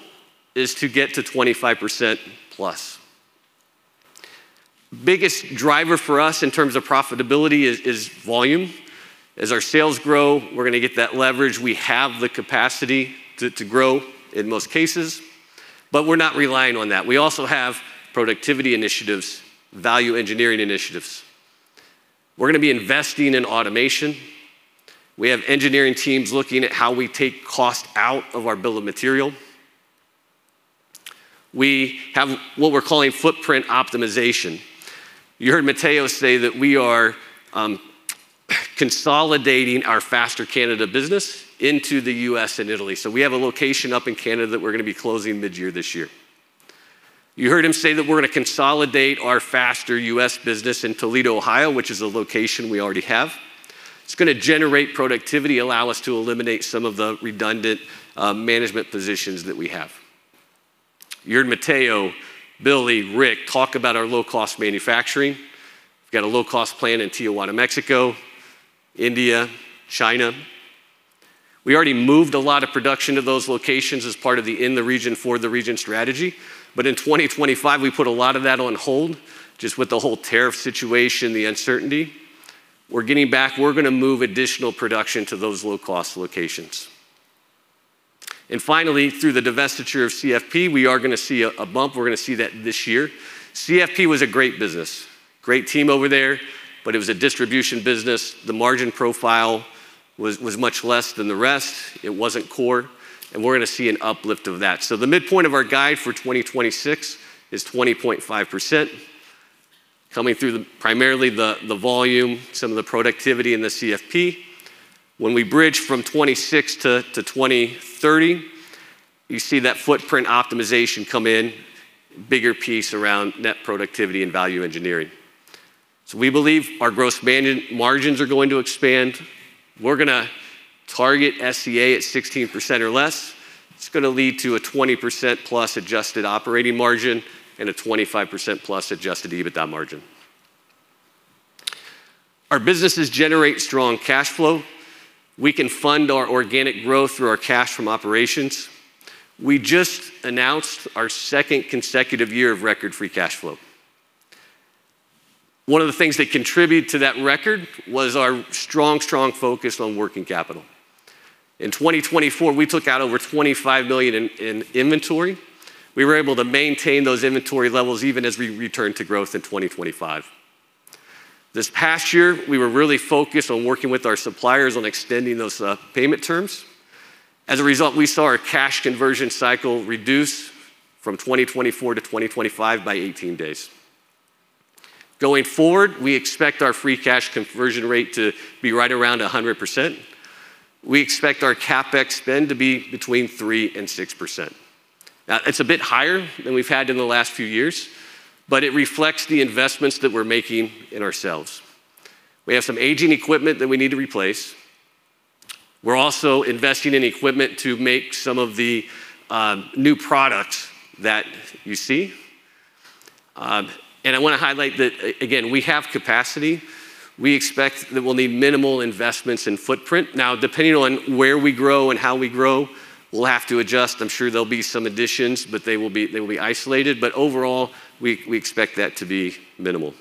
is to get to 25%+. Biggest driver for us in terms of profitability is volume. As our sales grow, we're gonna get that leverage. We have the capacity to grow in most cases, but we're not relying on that. We also have productivity initiatives, value engineering initiatives. We're gonna be investing in automation. We have engineering teams looking at how we take cost out of our bill of material. We have what we're calling footprint optimization. You heard Matteo say that we are consolidating our Faster Canada business into the U.S. and Italy. We have a location up in Canada that we're gonna be closing mid-year this year. You heard him say that we're gonna consolidate our Faster U.S. business in Toledo, Ohio, which is a location we already have. It's gonna generate productivity, allow us to eliminate some of the redundant management positions that we have. You heard Matteo, Billy, Rick talk about our low-cost manufacturing. We've got a low-cost plant in Tijuana, Mexico, India, China. We already moved a lot of production to those locations as part of the in-the-region-for-the-region strategy. In 2025, we put a lot of that on hold, just with the whole tariff situation, the uncertainty. We're gonna move additional production to those low-cost locations. Finally, through the divestiture of CFP, we are gonna see a bump. We're gonna see that this year. CFP was a great business, great team over there, but it was a distribution business. The margin profile was much less than the rest. It wasn't core, and we're gonna see an uplift of that. The midpoint of our guide for 2026 is 20.5% coming through primarily the volume, some of the productivity in the CFP. When we bridge from 2026 to 2030, you see that footprint optimization come in, bigger piece around net productivity and value engineering. We believe our gross margins are going to expand. We're gonna target SCA at 16% or less. It's gonna lead to a 20%+ adjusted operating margin and a 25%+ adjusted EBITDA margin. Our businesses generate strong cash flow. We can fund our organic growth through our cash from operations. We just announced our second consecutive year of record free cash flow. One of the things that contributed to that record was our strong focus on working capital. In 2024, we took out over $25 million in inventory. We were able to maintain those inventory levels even as we returned to growth in 2025. This past year, we were really focused on working with our suppliers on extending those payment terms. As a result, we saw our cash conversion cycle reduce from 2024 to 2025 by 18 days. Going forward, we expect our free cash conversion rate to be right around 100%. We expect our CapEx spend to be between 3%-6%. Now, it's a bit higher than we've had in the last few years, but it reflects the investments that we're making in ourselves. We have some aging equipment that we need to replace. We're also investing in equipment to make some of the new products that you see. And I wanna highlight that, again, we have capacity. We expect that we'll need minimal investments in footprint. Now, depending on where we grow and how we grow, we'll have to adjust. I'm sure there'll be some additions, but they will be isolated. Overall, we expect that to be minimal.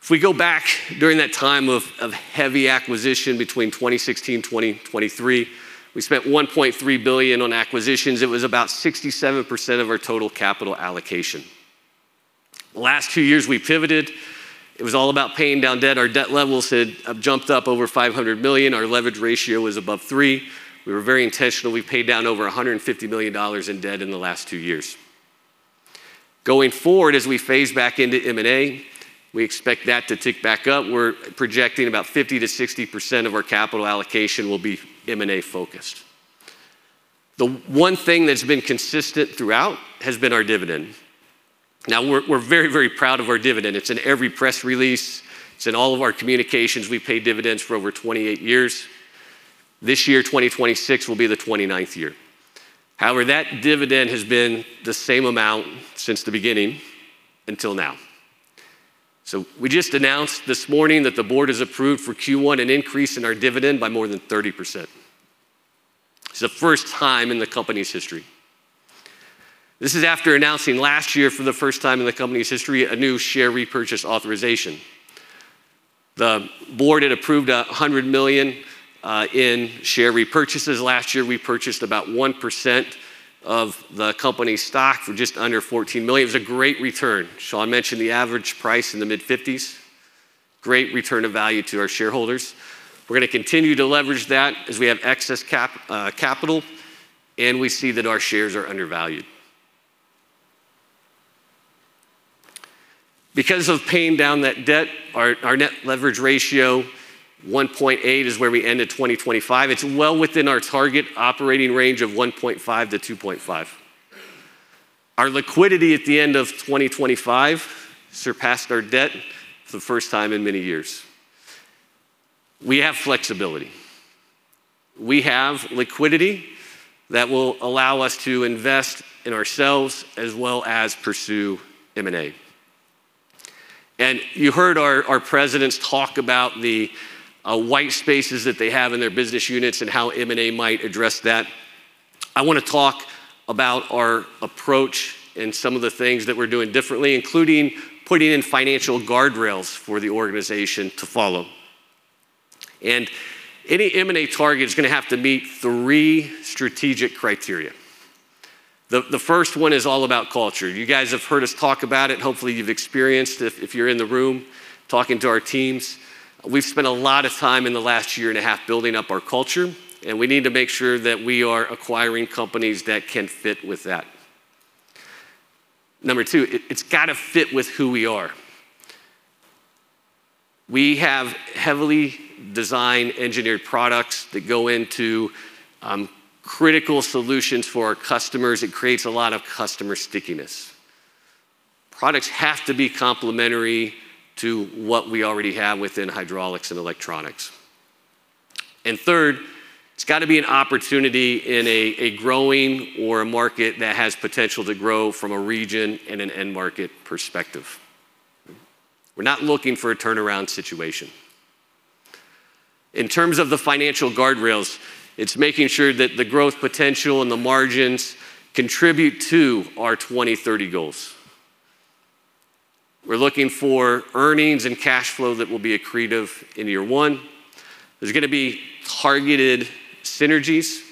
If we go back during that time of heavy acquisition between 2016 and 2023, we spent $1.3 billion on acquisitions. It was about 67% of our total capital allocation. The last two years, we pivoted. It was all about paying down debt. Our debt levels had jumped up over $500 million. Our leverage ratio was above 3. We were very intentional. We paid down over $150 million in the last two years. Going forward, as we phase back into M&A, we expect that to tick back up. We're projecting about 50%-60% of our capital allocation will be M&A-focused. The one thing that's been consistent throughout has been our dividend. Now we're very, very proud of our dividend. It's in every press release. It's in all of our communications. We've paid dividends for over 28 years. This year, 2026, will be the 29th year. However, that dividend has been the same amount since the beginning until now. We just announced this morning that the board has approved for Q1 an increase in our dividend by more than 30%. It's the first time in the company's history. This is after announcing last year for the first time in the company's history, a new share repurchase authorization. The board had approved $100 million in share repurchases last year. We purchased about 1% of the company's stock for just under $14 million. It was a great return. Sean mentioned the average price in the mid-50s. Great return of value to our shareholders. We're gonna continue to leverage that as we have excess capital, and we see that our shares are undervalued. Because of paying down that debt, our net leverage ratio, 1.8, is where we end at 2025. It's well within our target operating range of 1.5-2.5. Our liquidity at the end of 2025 surpassed our debt for the first time in many years. We have flexibility. We have liquidity that will allow us to invest in ourselves as well as pursue M&A. You heard our presidents talk about the white spaces that they have in their business units and how M&A might address that. I wanna talk about our approach and some of the things that we're doing differently, including putting in financial guardrails for the organization to follow. Any M&A target is gonna have to meet three strategic criteria. The first one is all about culture. You guys have heard us talk about it. Hopefully, you've experienced it if you're in the room talking to our teams. We've spent a lot of time in the last year and a half building up our culture, and we need to make sure that we are acquiring companies that can fit with that. Number two, it's gotta fit with who we are. We have heavily design engineered products that go into critical solutions for our customers. It creates a lot of customer stickiness. Products have to be complementary to what we already have within hydraulics and electronics. Third, it's gotta be an opportunity in a growing or a market that has potential to grow from a region and an end market perspective. We're not looking for a turnaround situation. In terms of the financial guardrails, it's making sure that the growth potential and the margins contribute to our 2030 goals. We're looking for earnings and cash flow that will be accretive in year 1. There's gonna be targeted synergies.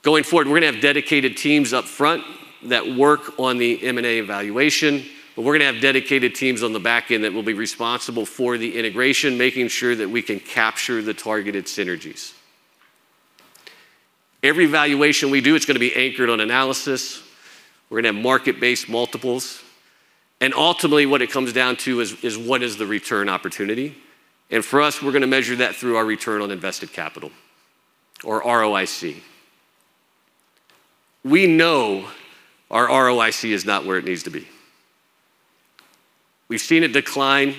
Going forward, we're gonna have dedicated teams up front that work on the M&A evaluation, but we're gonna have dedicated teams on the back end that will be responsible for the integration, making sure that we can capture the targeted synergies. Every valuation we do, it's gonna be anchored on analysis. We're gonna have market-based multiples. Ultimately, what it comes down to is what is the return opportunity. For us, we're gonna measure that through our return on invested capital or ROIC. We know our ROIC is not where it needs to be. We've seen a decline.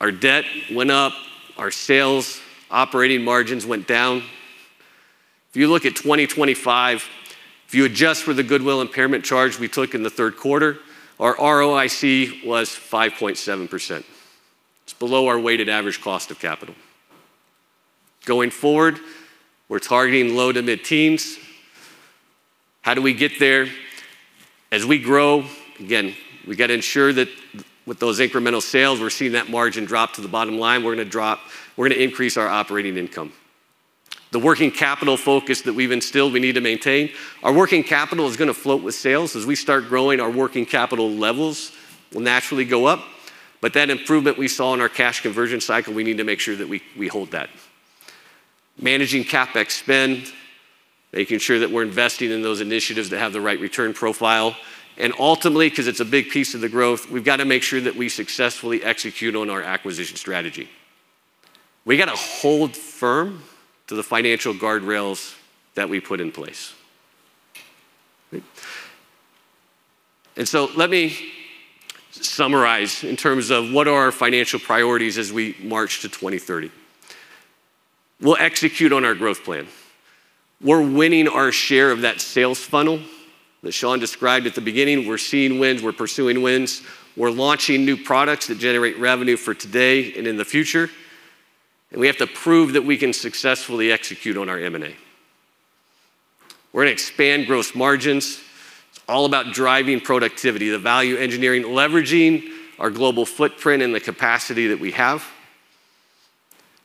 Our debt went up. Our sales operating margins went down. If you look at 2025, if you adjust for the goodwill impairment charge we took in the third quarter, our ROIC was 5.7%. It's below our weighted average cost of capital. Going forward, we're targeting low-to-mid teens %. How do we get there? As we grow, again, we gotta ensure that with those incremental sales, we're seeing that margin drop to the bottom line. We're gonna increase our operating income. The working capital focus that we've instilled, we need to maintain. Our working capital is gonna float with sales. As we start growing, our working capital levels will naturally go up, but that improvement we saw in our cash conversion cycle, we need to make sure that we hold that. Managing CapEx spend, making sure that we're investing in those initiatives that have the right return profile. Ultimately, 'cause it's a big piece of the growth, we've gotta make sure that we successfully execute on our acquisition strategy. We gotta hold firm to the financial guardrails that we put in place. Let me summarize in terms of what are our financial priorities as we march to 2030. We'll execute on our growth plan. We're winning our share of that sales funnel that Sean described at the beginning. We're seeing wins. We're pursuing wins. We're launching new products that generate revenue for today and in the future. We have to prove that we can successfully execute on our M&A. We're gonna expand gross margins. It's all about driving productivity, the value engineering, leveraging our global footprint and the capacity that we have.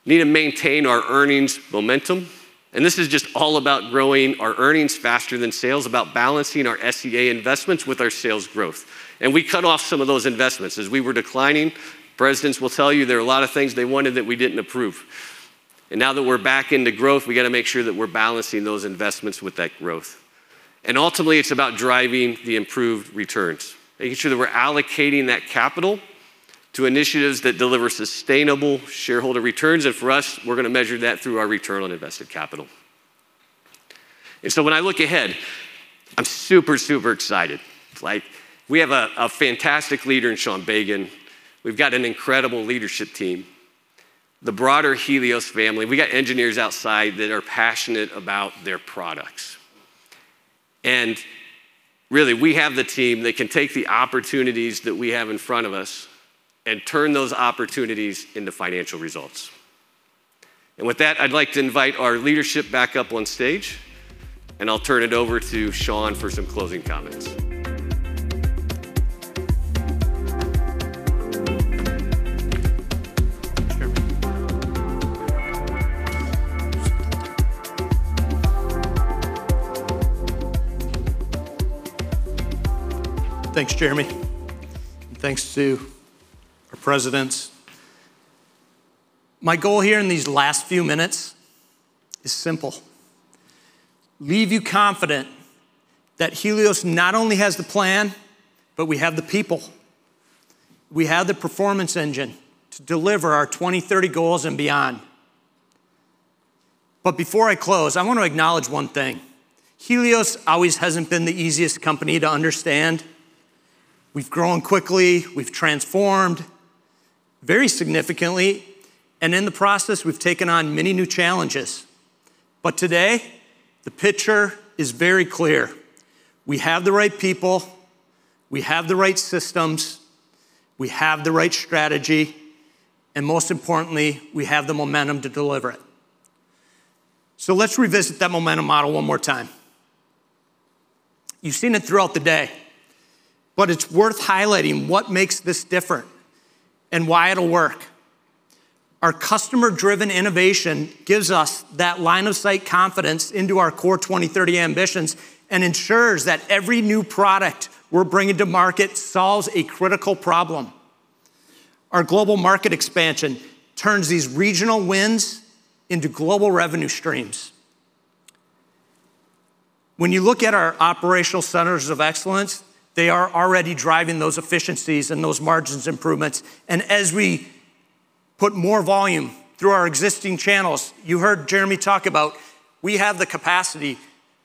Need to maintain our earnings momentum, and this is just all about growing our earnings faster than sales, about balancing our SCA investments with our sales growth. We cut off some of those investments. As we were declining, presidents will tell you there are a lot of things they wanted that we didn't approve. Now that we're back into growth, we gotta make sure that we're balancing those investments with that growth. Ultimately, it's about driving the improved returns, making sure that we're allocating that capital to initiatives that deliver sustainable shareholder returns. For us, we're gonna measure that through our return on invested capital. When I look ahead, I'm super excited. Like, we have a fantastic leader in Sean Bagan. We've got an incredible leadership team. The broader Helios family, we got engineers outside that are passionate about their products. Really, we have the team that can take the opportunities that we have in front of us and turn those opportunities into financial results. With that, I'd like to invite our leadership back up on stage, and I'll turn it over to Sean for some closing comments. Thanks, Jeremy, and thanks to our presidents. My goal here in these last few minutes is simple: leave you confident that Helios not only has the plan, but we have the people, we have the performance engine to deliver our 2030 goals and beyond. Before I close, I want to acknowledge one thing. Helios hasn't always been the easiest company to understand. We've grown quickly, we've transformed very significantly, and in the process, we've taken on many new challenges. Today, the picture is very clear. We have the right people, we have the right systems, we have the right strategy, and most importantly, we have the momentum to deliver it. Let's revisit that Momentum Model one more time. You've seen it throughout the day, but it's worth highlighting what makes this different and why it'll work. Our customer-driven innovation gives us that line of sight confidence into our CORE 2030 ambitions and ensures that every new product we're bringing to market solves a critical problem. Our global market expansion turns these regional wins into global revenue streams. When you look at our operational centers of excellence, they are already driving those efficiencies and those margin improvements. As we put more volume through our existing channels, you heard Jeremy talk about we have the capacity.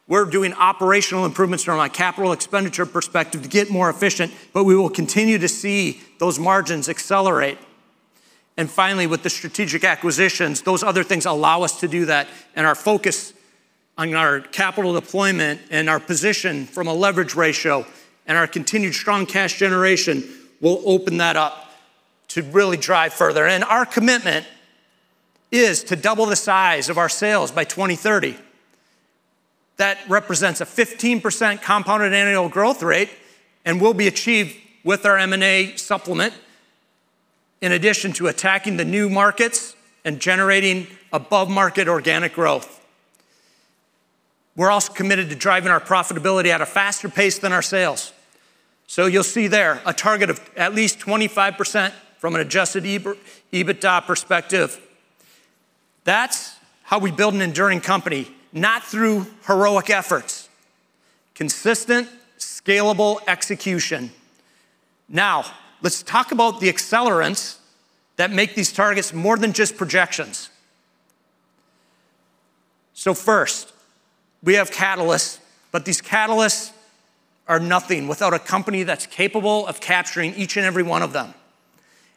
We're doing operational improvements from a capital expenditure perspective to get more efficient, but we will continue to see those margins accelerate. Finally, with the strategic acquisitions, those other things allow us to do that. Our focus on our capital deployment and our position from a leverage ratio and our continued strong cash generation will open that up to really drive further. Our commitment is to double the size of our sales by 2030. That represents a 15% compounded annual growth rate and will be achieved with our M&A supplement, in addition to attacking the new markets and generating above-market organic growth. We're also committed to driving our profitability at a faster pace than our sales. You'll see there a target of at least 25% from an adjusted EBITDA perspective. That's how we build an enduring company, not through heroic efforts. Consistent, scalable execution. Now, let's talk about the accelerants that make these targets more than just projections. First, we have catalysts, but these catalysts are nothing without a company that's capable of capturing each and every one of them.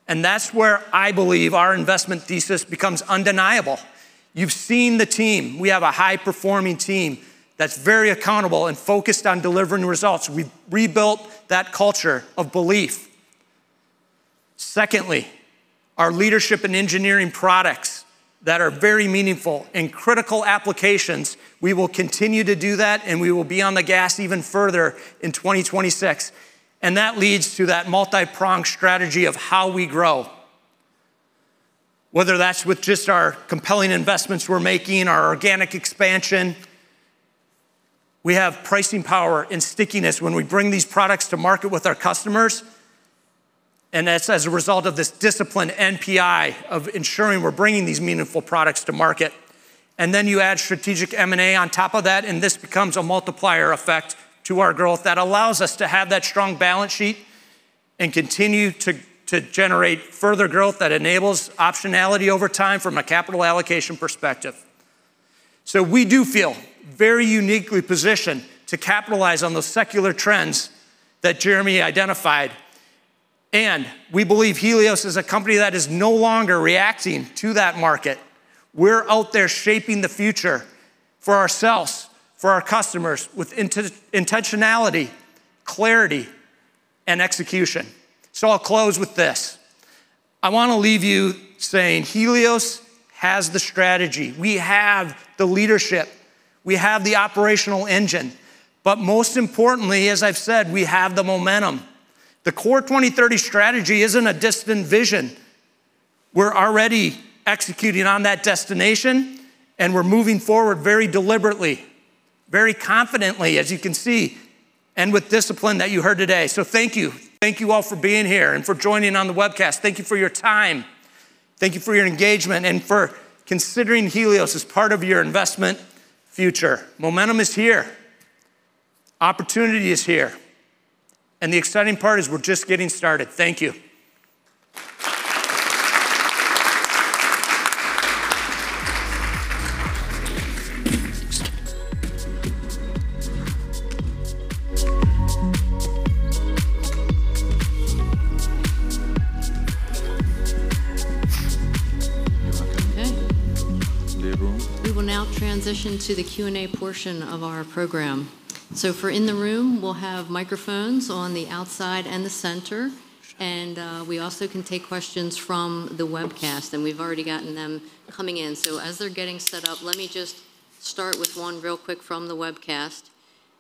That's where I believe our investment thesis becomes undeniable. You've seen the team. We have a high-performing team that's very accountable and focused on delivering results. We've rebuilt that culture of belief. Secondly, our leadership in engineering products that are very meaningful and critical applications, we will continue to do that, and we will be on the gas even further in 2026. That leads to that multipronged strategy of how we grow, whether that's with just our compelling investments we're making, our organic expansion. We have pricing power and stickiness when we bring these products to market with our customers, and that's as a result of this disciplined NPI of ensuring we're bringing these meaningful products to market. Then you add strategic M&A on top of that, and this becomes a multiplier effect to our growth that allows us to have that strong balance sheet and continue to generate further growth that enables optionality over time from a capital allocation perspective. We do feel very uniquely positioned to capitalize on the secular trends that Jeremy identified, and we believe Helios is a company that is no longer reacting to that market. We're out there shaping the future for ourselves, for our customers with intentionality, clarity, and execution. I'll close with this. I want to leave you saying Helios has the strategy. We have the leadership. We have the operational engine. But most importantly, as I've said, we have the momentum. The CORE 2030 strategy isn't a distant vision. We're already executing on that destination, and we're moving forward very deliberately, very confidently, as you can see, and with discipline that you heard today. Thank you. Thank you all for being here and for joining on the webcast. Thank you for your time. Thank you for your engagement and for considering Helios as part of your investment future. Momentum is here. Opportunity is here. The exciting part is we're just getting started. Thank you. You're welcome. Okay. Stay a room. We will now transition to the Q&A portion of our program. For those in the room, we'll have microphones on the outside and the center, and we also can take questions from the webcast, and we've already gotten them coming in. As they're getting set up, let me just start with one real quick from the webcast.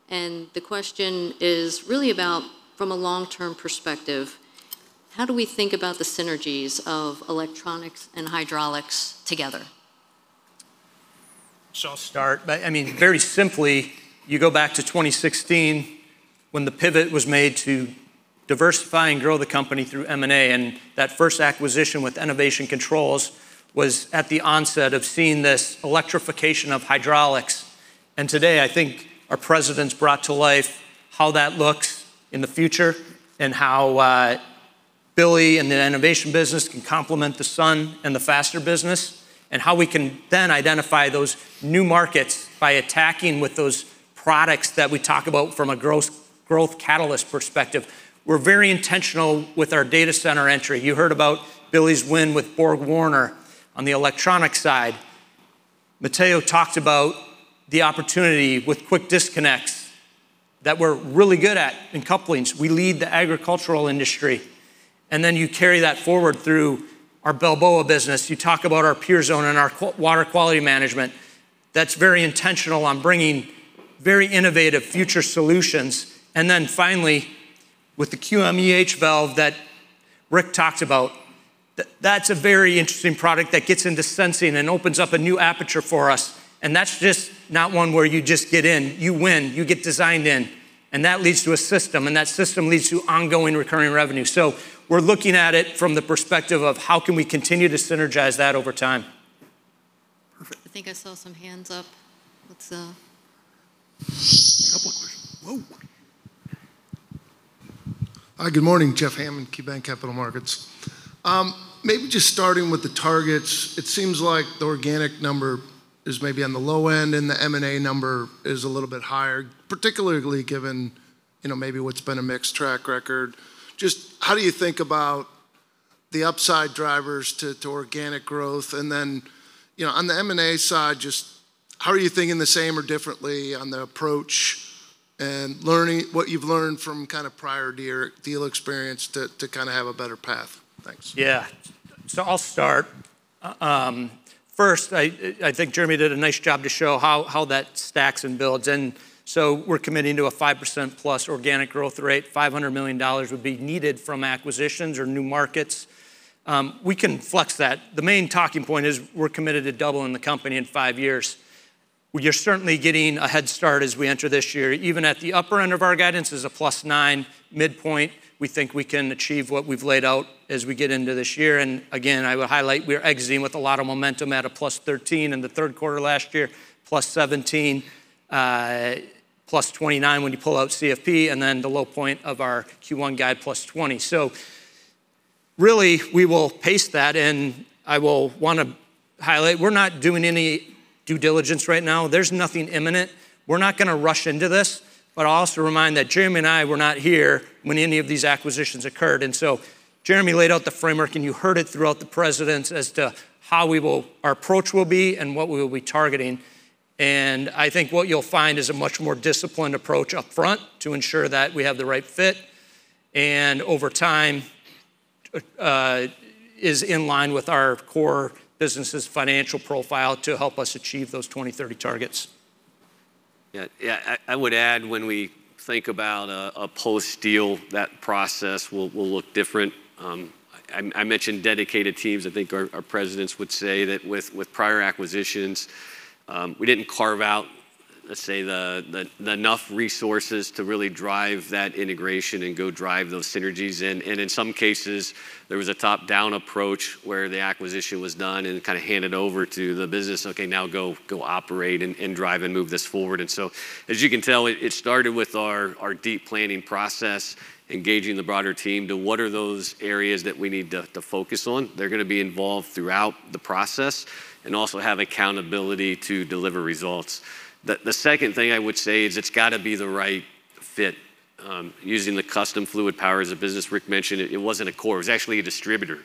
The question is really about, from a long-term perspective, how do we think about the synergies of electronics and hydraulics together? I'll start. I mean, very simply, you go back to 2016 when the pivot was made to diversify and grow the company through M&A, and that first acquisition with Enovation Controls was at the onset of seeing this electrification of hydraulics. Today, I think our presidents brought to life how that looks in the future and how Billy and the innovation business can complement the Sun and the Faster business and how we can then identify those new markets by attacking with those products that we talk about from a growth catalyst perspective. We're very intentional with our data center entry. You heard about Billy's win with BorgWarner on the electronic side. Matteo talked about the opportunity with quick disconnects that we're really good at in couplings. We lead the agricultural industry, and then you carry that forward through our Balboa business. You talk about our Purezone and our water quality management. That's very intentional on bringing very innovative future solutions. Finally with the QMEH valve that Rick talked about, that's a very interesting product that gets into sensing and opens up a new aperture for us, and that's just not one where you just get in. You win, you get designed in, and that leads to a system, and that system leads to ongoing recurring revenue. We're looking at it from the perspective of how can we continue to synergize that over time. I think I saw some hands up. Let's Couple of questions. Whoa. Hi, good morning. Jeff Hammond, KeyBanc Capital Markets. Maybe just starting with the targets, it seems like the organic number is maybe on the low end and the M&A number is a little bit higher, particularly given, you know, maybe what's been a mixed track record. Just how do you think about the upside drivers to organic growth? You know, on the M&A side, just how are you thinking the same or differently on the approach and learning what you've learned from kind of prior deal experience to kind of have a better path? Thanks. Yeah. I'll start. First, I think Jeremy did a nice job to show how that stacks and builds. We're committing to a 5%+ organic growth rate. $500 million would be needed from acquisitions or new markets. We can flex that. The main talking point is we're committed to doubling the company in five years. We are certainly getting a head start as we enter this year. Even at the upper end of our guidance is a +9 midpoint. We think we can achieve what we've laid out as we get into this year. Again, I will highlight, we're exiting with a lot of momentum at a +13 in the third quarter last year, +17, +29 when you pull out CFP, and then the low point of our Q1 guide, +20. Really, we will pace that, and I will wanna highlight, we're not doing any due diligence right now. There's nothing imminent. We're not gonna rush into this. I'll also remind that Jeremy and I were not here when any of these acquisitions occurred. Jeremy laid out the framework, and you heard it throughout the presidents as to how our approach will be and what we'll be targeting. I think what you'll find is a much more disciplined approach upfront to ensure that we have the right fit, and over time, is in line with our core business' financial profile to help us achieve those 2030 targets. Yeah. I would add when we think about a post-deal, that process will look different. I mentioned dedicated teams. I think our presidents would say that with prior acquisitions, we didn't carve out, let's say, enough resources to really drive that integration and go drive those synergies. In some cases, there was a top-down approach where the acquisition was done and kind of handed over to the business, "Okay, now go operate and drive and move this forward." As you can tell, it started with our deep planning process, engaging the broader team to what are those areas that we need to focus on. They're gonna be involved throughout the process and also have accountability to deliver results. The second thing I would say is it's gotta be the right fit. Using the Custom Fluidpower as a business, Rick mentioned it wasn't a core. It was actually a distributor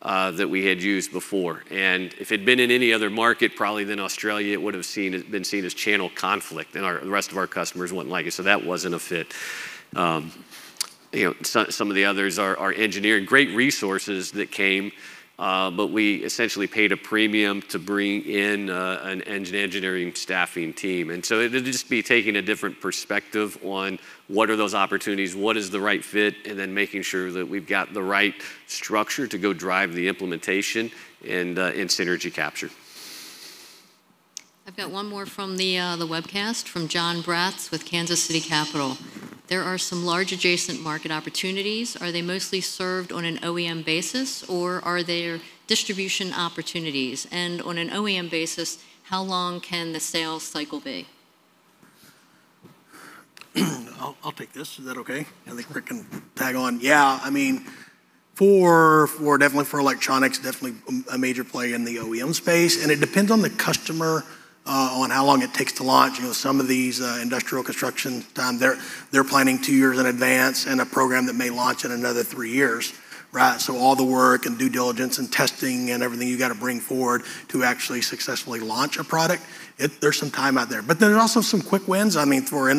that we had used before. If it'd been in any other market probably than Australia, it would've been seen as channel conflict, and the rest of our customers wouldn't like it, so that wasn't a fit. You know, some of the others are engineering great resources that came, but we essentially paid a premium to bring in an engineering staffing team. It'd just be taking a different perspective on what are those opportunities, what is the right fit, and then making sure that we've got the right structure to go drive the implementation and synergy capture. I've got one more from the webcast from Jon Braatz with Kansas City Capital Associates. There are some large adjacent market opportunities. Are they mostly served on an OEM basis, or are there distribution opportunities? On an OEM basis, how long can the sales cycle be? I'll take this. Is that okay? Then Rick can tag on. Yeah, I mean. Definitely for electronics, definitely a major play in the OEM space. It depends on the customer, on how long it takes to launch. You know, some of these, industrial construction time, they're planning 2 years in advance in a program that may launch in another 3 years, right? All the work, and due diligence, and testing, and everything you gotta bring forward to actually successfully launch a product. There's some time out there. There are also some quick wins. I mean, for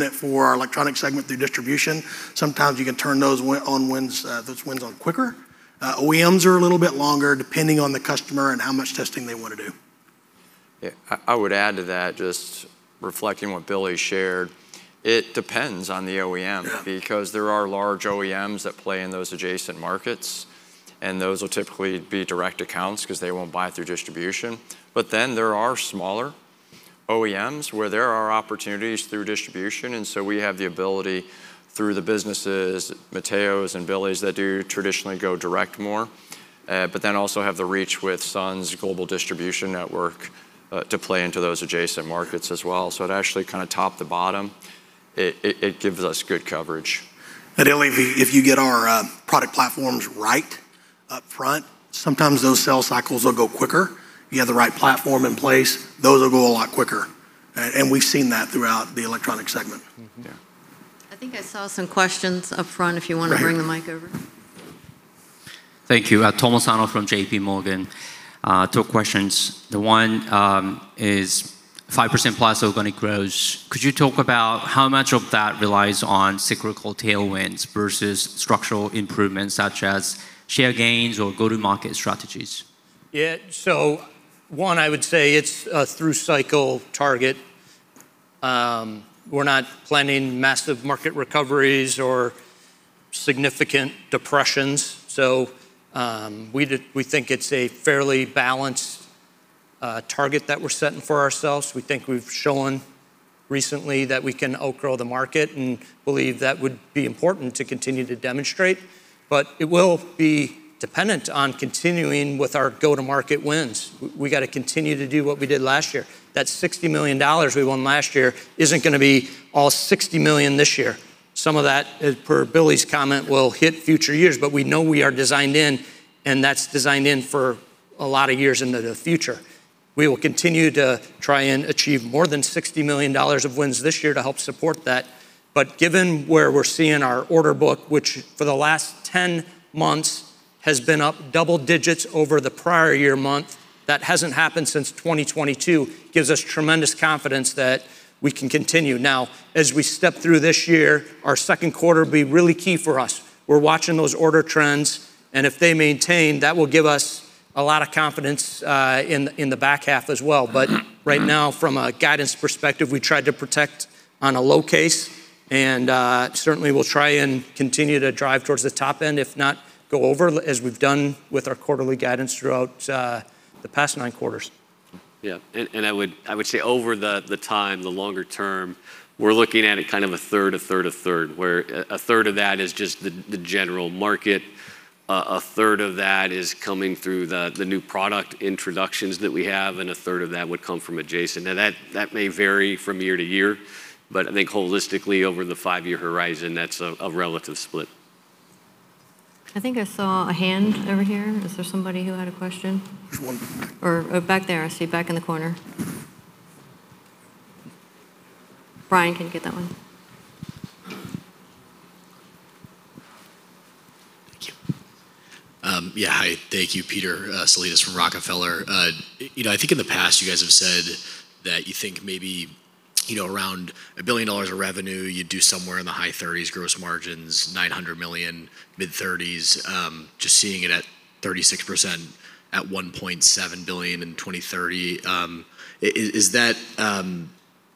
our electronic segment through distribution, sometimes you can turn those wins on quicker. OEMs are a little bit longer depending on the customer and how much testing they wanna do. Yeah. I would add to that, just reflecting what Billy shared, it depends on the OEM. Yeah Because there are large OEMs that play in those adjacent markets, and those will typically be direct accounts 'cause they won't buy through distribution. There are smaller OEMs where there are opportunities through distribution, and we have the ability through the businesses, Matteo's and Billy's, that do traditionally go direct more, but then also have the reach with Sun's global distribution network to play into those adjacent markets as well. It actually kinda top to bottom, it gives us good coverage. Only if you get our product platforms right up front, sometimes those sale cycles will go quicker. You have the right platform in place, those will go a lot quicker. We've seen that throughout the electronic segment. Mm-hmm. Yeah. I think I saw some questions up front if you wanna. Right Bring the mic over. Thank you. Tomohiko Sano from J.P. Morgan. Two questions. The one is 5% plus organic growth. Could you talk about how much of that relies on cyclical tailwinds versus structural improvements such as share gains or go-to-market strategies? Yeah. One, I would say it's a through cycle target. We're not planning massive market recoveries or significant depressions. We think it's a fairly balanced target that we're setting for ourselves. We think we've shown recently that we can outgrow the market and believe that would be important to continue to demonstrate, but it will be dependent on continuing with our go-to-market wins. We gotta continue to do what we did last year. That $60 million we won last year isn't gonna be all $60 million this year. Some of that, as per Billy's comment, will hit future years, but we know we are designed in, and that's designed in for a lot of years into the future. We will continue to try and achieve more than $60 million of wins this year to help support that. Given where we're seeing our order book, which for the last 10 months has been up double digits over the prior year month, that hasn't happened since 2022. That gives us tremendous confidence that we can continue. Now, as we step through this year, our second quarter will be really key for us. We're watching those order trends, and if they maintain, that will give us a lot of confidence in the back half as well. Mm-hmm. Mm-hmm. Right now from a guidance perspective, we try to protect on a low case and certainly we'll try and continue to drive towards the top end, if not go over, as we've done with our quarterly guidance throughout the past nine quarters. Yeah. I would say over the time, the longer term, we're looking at it kind of a third, where a third of that is just the general market, a third of that is coming through the new product introductions that we have, and a third of that would come from adjacent. Now that may vary from year to year, but I think holistically over the five-year horizon, that's a relative split. I think I saw a hand over here. Is there somebody who had a question? There's one. back there. I see back in the corner. Brian, can you get that one? Thank you. Hi. Thank you. Peter Salinas from Rockefeller. You know, I think in the past you guys have said that you think maybe, you know, around $1 billion of revenue, you'd do somewhere in the high 30s% gross margins, $900 million, mid-30s%, just seeing it at 36% at $1.7 billion in 2030. Is that,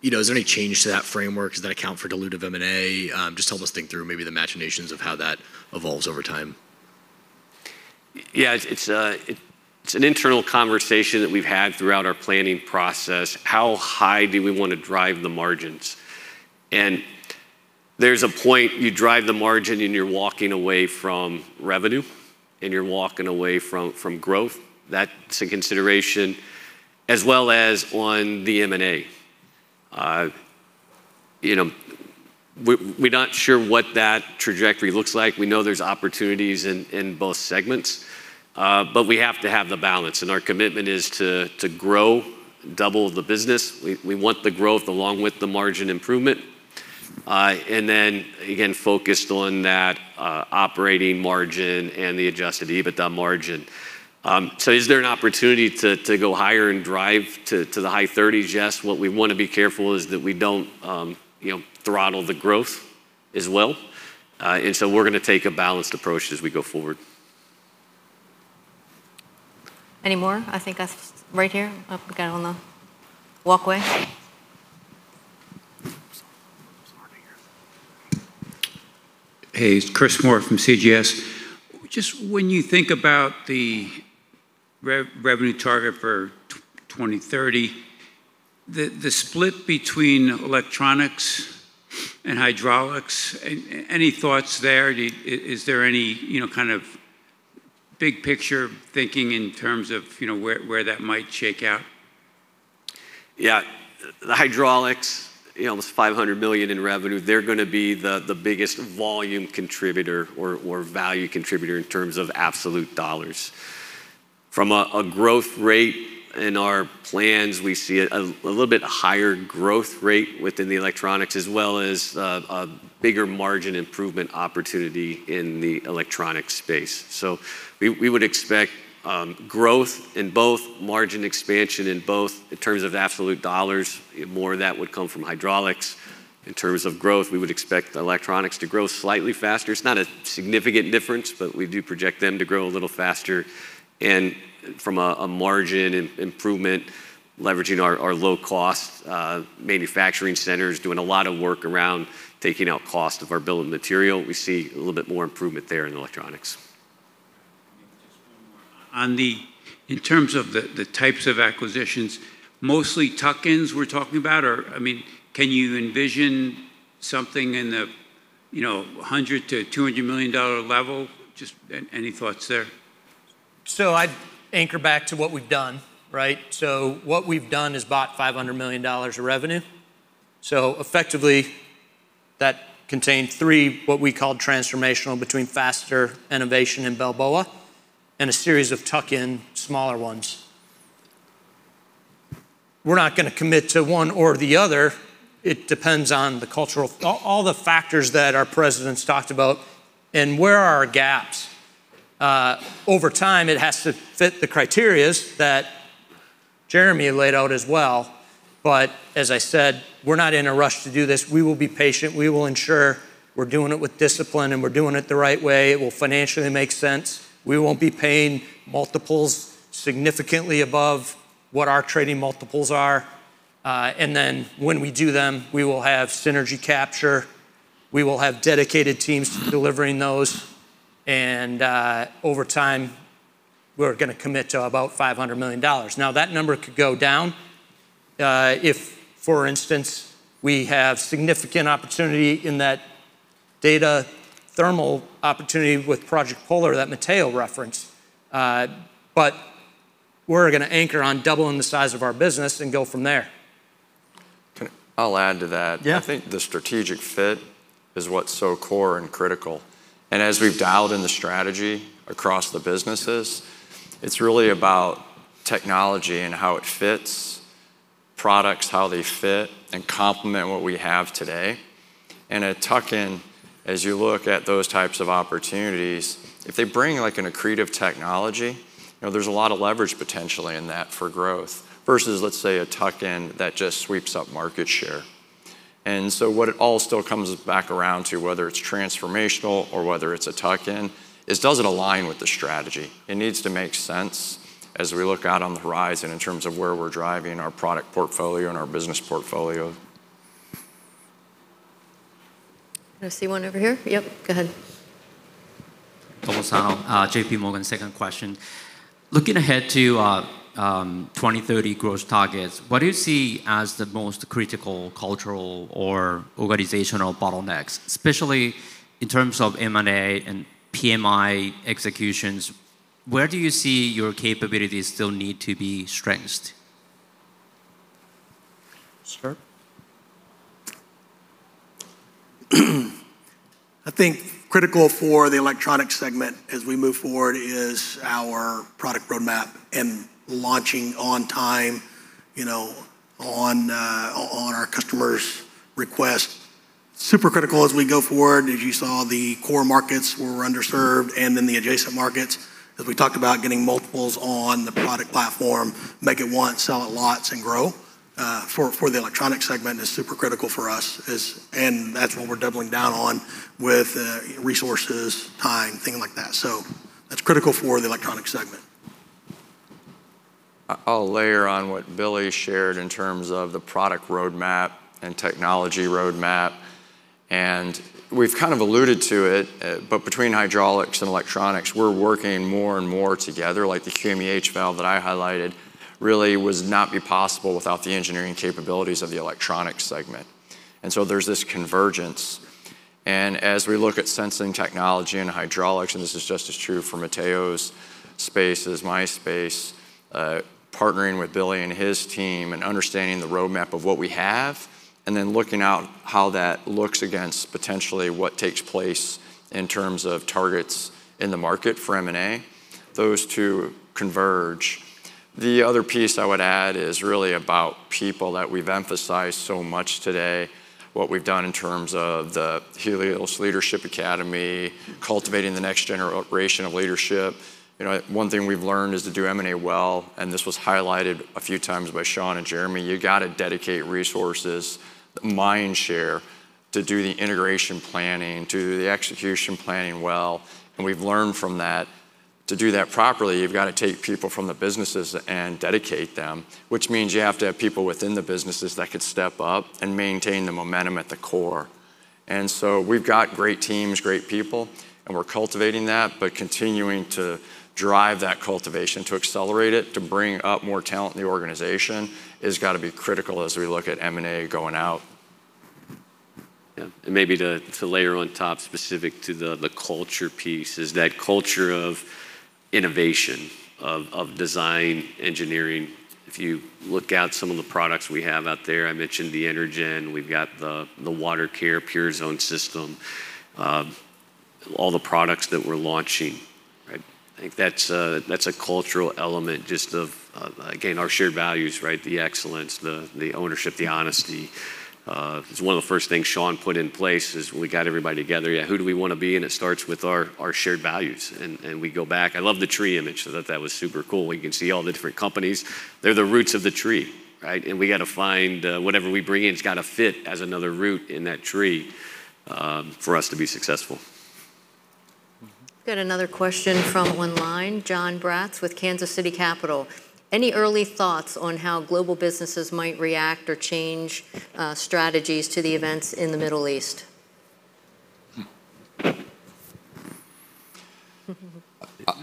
you know, is there any change to that framework? Does that account for dilutive M&A? Just help us think through maybe the machinations of how that evolves over time. Yeah. It's an internal conversation that we've had throughout our planning process. How high do we wanna drive the margins? There's a point you drive the margin and you're walking away from revenue, and you're walking away from growth. That's a consideration, as well as on the M&A. You know, we're not sure what that trajectory looks like. We know there's opportunities in both segments, but we have to have the balance, and our commitment is to grow, double the business. We want the growth along with the margin improvement. And then again, focused on that operating margin and the adjusted EBITDA margin. Is there an opportunity to go higher and drive to the high 30s%? Yes. What we wanna be careful is that we don't, you know, throttle the growth as well. We're gonna take a balanced approach as we go forward. Any more? I think that's right here. Up, like, on the walkway. Sorry. It's hard to hear. Hey, it's Chris Moore from CJS. Just when you think about the revenue target for 2030, the split between electronics and hydraulics, any thoughts there? Is there any, you know, kind of big picture thinking in terms of, you know, where that might shake out? Yeah. The hydraulics, you know, almost $500 million in revenue, they're gonna be the biggest volume contributor or value contributor in terms of absolute dollars. From a growth rate in our plans, we see a little bit higher growth rate within the electronics as well as a bigger margin improvement opportunity in the electronic space. We would expect growth in both margin expansion in terms of absolute dollars, more of that would come from hydraulics. In terms of growth, we would expect electronics to grow slightly faster. It's not a significant difference, but we do project them to grow a little faster. From a margin improvement, leveraging our low cost manufacturing centers, doing a lot of work around taking out cost of our bill of material, we see a little bit more improvement there in electronics. In terms of the types of acquisitions, mostly tuck-ins we're talking about? Or, I mean, can you envision something in the, you know, $100-$200 million level? Just any thoughts there? I'd anchor back to what we've done, right? What we've done is bought $500 million of revenue. Effectively, that contained three what we call transformational between Faster, Enovation, and Balboa and a series of tuck-in smaller ones. We're not gonna commit to one or the other. It depends on the cultural all the factors that our presidents talked about and where are our gaps. Over time, it has to fit the criteria that Jeremy laid out as well. As I said, we're not in a rush to do this. We will be patient. We will ensure we're doing it with discipline, and we're doing it the right way. It will financially make sense. We won't be paying multiples significantly above what our trading multiples are. When we do them, we will have synergy capture. We will have dedicated teams delivering those. Over time, we're gonna commit to about $500 million. Now, that number could go down if, for instance, we have significant opportunity in that data thermal opportunity with Project Polar that Matteo referenced. We're gonna anchor on doubling the size of our business and go from there. I'll add to that. Yeah. I think the strategic fit is what's so core and critical. As we've dialed in the strategy across the businesses, it's really about technology and how it fits, products, how they fit and complement what we have today. A tuck-in, as you look at those types of opportunities, if they bring like an accretive technology, you know, there's a lot of leverage potentially in that for growth versus, let's say, a tuck-in that just sweeps up market share. What it all still comes back around to, whether it's transformational or whether it's a tuck-in, is does it align with the strategy? It needs to make sense as we look out on the horizon in terms of where we're driving our product portfolio and our business portfolio. I see one over here. Yep. Go ahead. JP Morgan, second question. Looking ahead to 2030 growth targets, what do you see as the most critical cultural or organizational bottlenecks, especially in terms of M&A and PMI executions, where do you see your capabilities still need to be strengthened? Sir. I think critical for the electronic segment as we move forward is our product roadmap and launching on time, you know, on our customers' requests. Super critical as we go forward, as you saw the core markets were underserved and in the adjacent markets, as we talked about getting multiples on the product platform, make it once, sell it lots, and grow for the electronic segment is super critical for us and that's what we're doubling down on with resources, time, things like that. That's critical for the electronic segment. I'll layer on what Billy shared in terms of the product roadmap and technology roadmap. We've kind of alluded to it, but between hydraulics and electronics, we're working more and more together. Like the QMEH valve that I highlighted really would not be possible without the engineering capabilities of the electronics segment. There's this convergence. As we look at sensing technology and hydraulics, and this is just as true for Matteo's space as my space, partnering with Billy and his team and understanding the roadmap of what we have and then looking out how that looks against potentially what takes place in terms of targets in the market for M&A, those two converge. The other piece I would add is really about people that we've emphasized so much today, what we've done in terms of the Helios Leadership Academy, cultivating the next generation of leadership. You know, one thing we've learned is to do M&A well, and this was highlighted a few times by Sean and Jeremy, you gotta dedicate resources, mind share, to do the integration planning, to do the execution planning well. We've learned from that. To do that properly, you've got to take people from the businesses and dedicate them, which means you have to have people within the businesses that could step up and maintain the momentum at the core. We've got great teams, great people, and we're cultivating that. Continuing to drive that cultivation, to accelerate it, to bring up more talent in the organization has got to be critical as we look at M&A going out. Yeah. Maybe to layer on top specific to the culture piece is that culture of innovation, of design engineering. If you look at some of the products we have out there, I mentioned the ENERGEN, we've got the WaterCare PureZone system, all the products that we're launching, right? I think that's a cultural element just of, again, our shared values, right? The excellence, the ownership, the honesty. It's one of the first things Sean put in place is we got everybody together. Yeah. Who do we wanna be? It starts with our shared values, and we go back. I love the tree image. That was super cool. We can see all the different companies. They're the roots of the tree, right? We gotta find whatever we bring in, it's gotta fit as another root in that tree for us to be successful. Mm-hmm. Got another question from online, Jon Braatz with Kansas City Capital Associates. Any early thoughts on how global businesses might react or change strategies to the events in the Middle East? Hmm.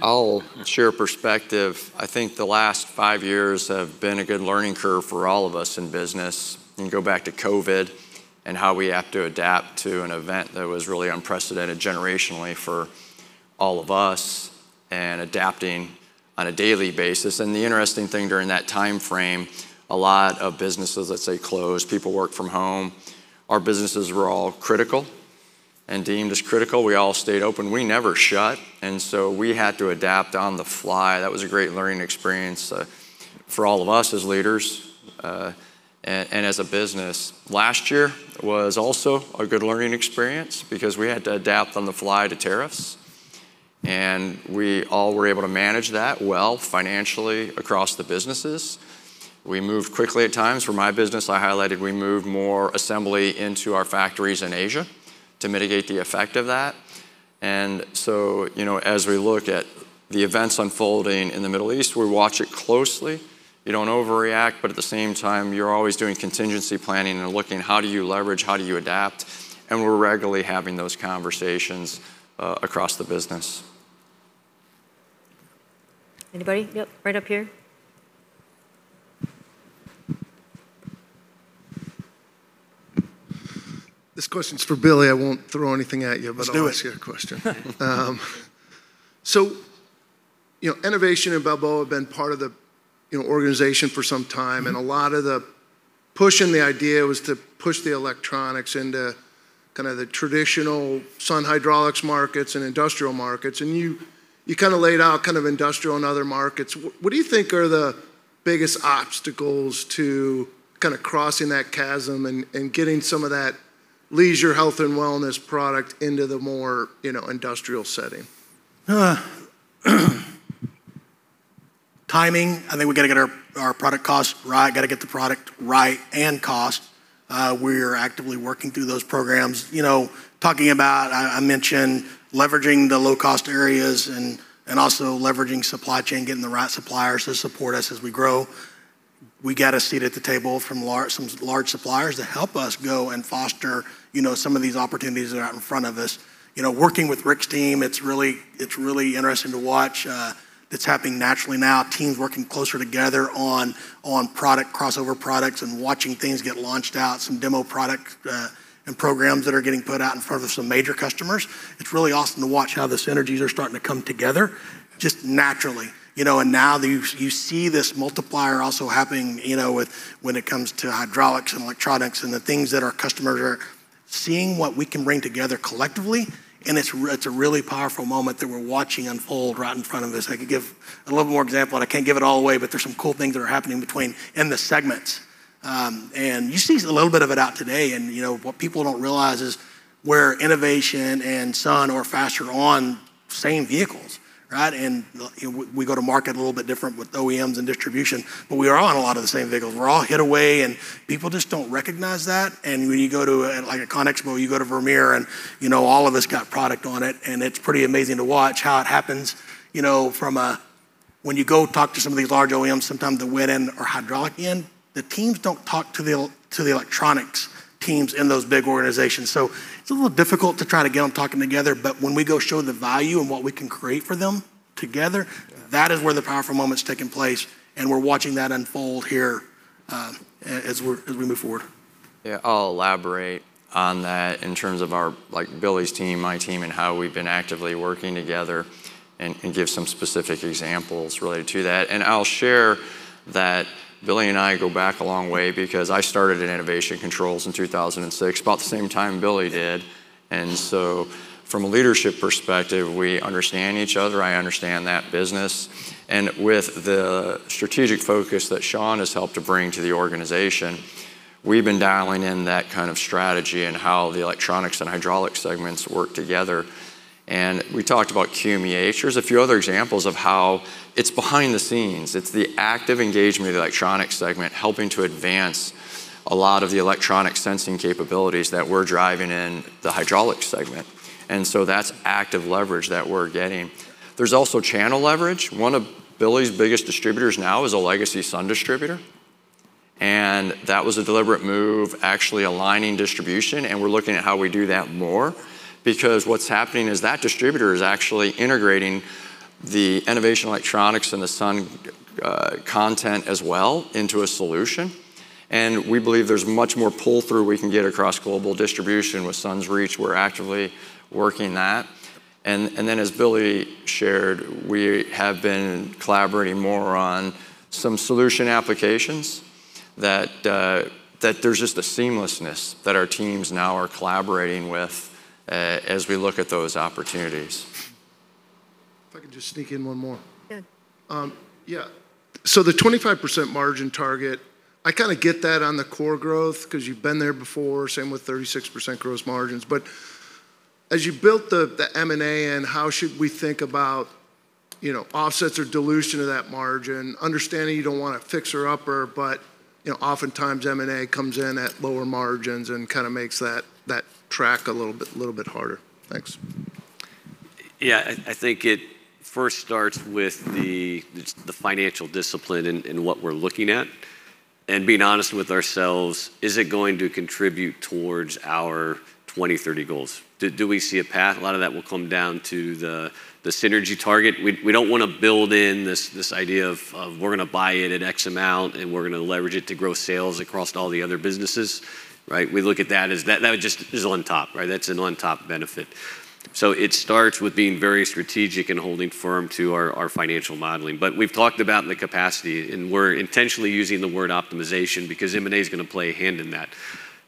I'll share perspective. I think the last five years have been a good learning curve for all of us in business, and go back to COVID and how we have to adapt to an event that was really unprecedented generationally for all of us, and adapting on a daily basis. The interesting thing during that timeframe, a lot of businesses, let's say, closed, people work from home. Our businesses were all critical and deemed as critical. We all stayed open. We never shut, and so we had to adapt on the fly. That was a great learning experience for all of us as leaders, and as a business. Last year was also a good learning experience because we had to adapt on the fly to tariffs, and we all were able to manage that well financially across the businesses. We moved quickly at times. For my business, I highlighted we moved more assembly into our factories in Asia to mitigate the effect of that. You know, as we look at the events unfolding in the Middle East, we watch it closely. You don't overreact, but at the same time, you're always doing contingency planning and looking, how do you leverage, how do you adapt? We're regularly having those conversations across the business. Anybody? Yep, right up here. This question's for Billy. I won't throw anything at you. Let's do it. I'll ask you a question. You know, innovation and Balboa have been part of the, you know, organization for some time. Mm-hmm. A lot of the push in the idea was to push the electronics into kind of the traditional Sun Hydraulics markets and industrial markets. You kinda laid out kind of industrial and other markets. What do you think are the biggest obstacles to kinda crossing that chasm and getting some of that leisure health and wellness product into the more, you know, industrial setting? Timing, I think we gotta get our product costs right, gotta get the product right and cost. We're actively working through those programs. You know, talking about, I mentioned leveraging the low-cost areas and also leveraging supply chain, getting the right suppliers to support us as we grow. We got a seat at the table from some large suppliers to help us go and foster, you know, some of these opportunities that are out in front of us. You know, working with Rick's team, it's really interesting to watch, it's happening naturally now, teams working closer together on product, crossover products and watching things get launched out, some demo product, and programs that are getting put out in front of some major customers. It's really awesome to watch how the synergies are starting to come together just naturally, you know. Now you see this multiplier also happening, you know, with when it comes to hydraulics and electronics and the things that our customers are seeing what we can bring together collectively, and it's a really powerful moment that we're watching unfold right in front of us. I could give a little more example, and I can't give it all away, but there's some cool things that are happening between in the segments. You see a little bit of it out today, and, you know, what people don't realize is where Enovation and Sun are Faster on same vehicles, right? You know, we go to market a little bit different with OEMs and distribution, but we are on a lot of the same vehicles. We're all hit hard, and people just don't recognize that. When you go to, like a CONEXPO, you go to Vermeer, and you know, all of us got product on it, and it's pretty amazing to watch how it happens, you know. When you go talk to some of these large OEMs, sometimes the hydraulics teams don't talk to the electronics teams in those big organizations. It's a little difficult to try to get them talking together. When we go show the value and what we can create for them together. Yeah that is where the powerful moment's taking place, and we're watching that unfold here, as we move forward. Yeah, I'll elaborate on that in terms of our, like Billy's team, my team, and how we've been actively working together and give some specific examples related to that. I'll share that Billy and I go back a long way because I started in Enovation Controls in 2006, about the same time Billy did. From a leadership perspective, we understand each other. I understand that business. With the strategic focus that Sean has helped to bring to the organization, we've been dialing in that kind of strategy and how the electronics and hydraulics segments work together. We talked about QMEH. There's a few other examples of how it's behind the scenes. It's the active engagement of the electronics segment helping to advance a lot of the electronic sensing capabilities that we're driving in the hydraulics segment. That's active leverage that we're getting. There's also channel leverage. One of Billy Aldridge's biggest distributors now is a legacy Sun distributor, and that was a deliberate move, actually aligning distribution, and we're looking at how we do that more because what's happening is that distributor is actually integrating. The innovation electronics and the Sun content as well into a solution, and we believe there's much more pull-through we can get across global distribution. With Sun's reach, we're actively working that. Then as Billy shared, we have been collaborating more on some solution applications that that there's just a seamlessness that our teams now are collaborating with as we look at those opportunities. If I could just sneak in one more. Good. Yeah. The 25% margin target, I kinda get that on the core growth 'cause you've been there before, same with 36% gross margins. As you built the M&A in, how should we think about, you know, offsets or dilution of that margin? Understanding you don't want a fixer-upper, but, you know, oftentimes M&A comes in at lower margins and kinda makes that track a little bit harder. Thanks. Yeah. I think it first starts with just the financial discipline in what we're looking at, and being honest with ourselves, is it going to contribute towards our 2030 goals? Do we see a path? A lot of that will come down to the synergy target. We don't wanna build in this idea of we're gonna buy it at X amount, and we're gonna leverage it to grow sales across all the other businesses, right? We look at that as that just is on top, right? That's an on-top benefit. It starts with being very strategic and holding firm to our financial modeling. We've talked about the capacity, and we're intentionally using the word optimization because M&A's gonna play a hand in that.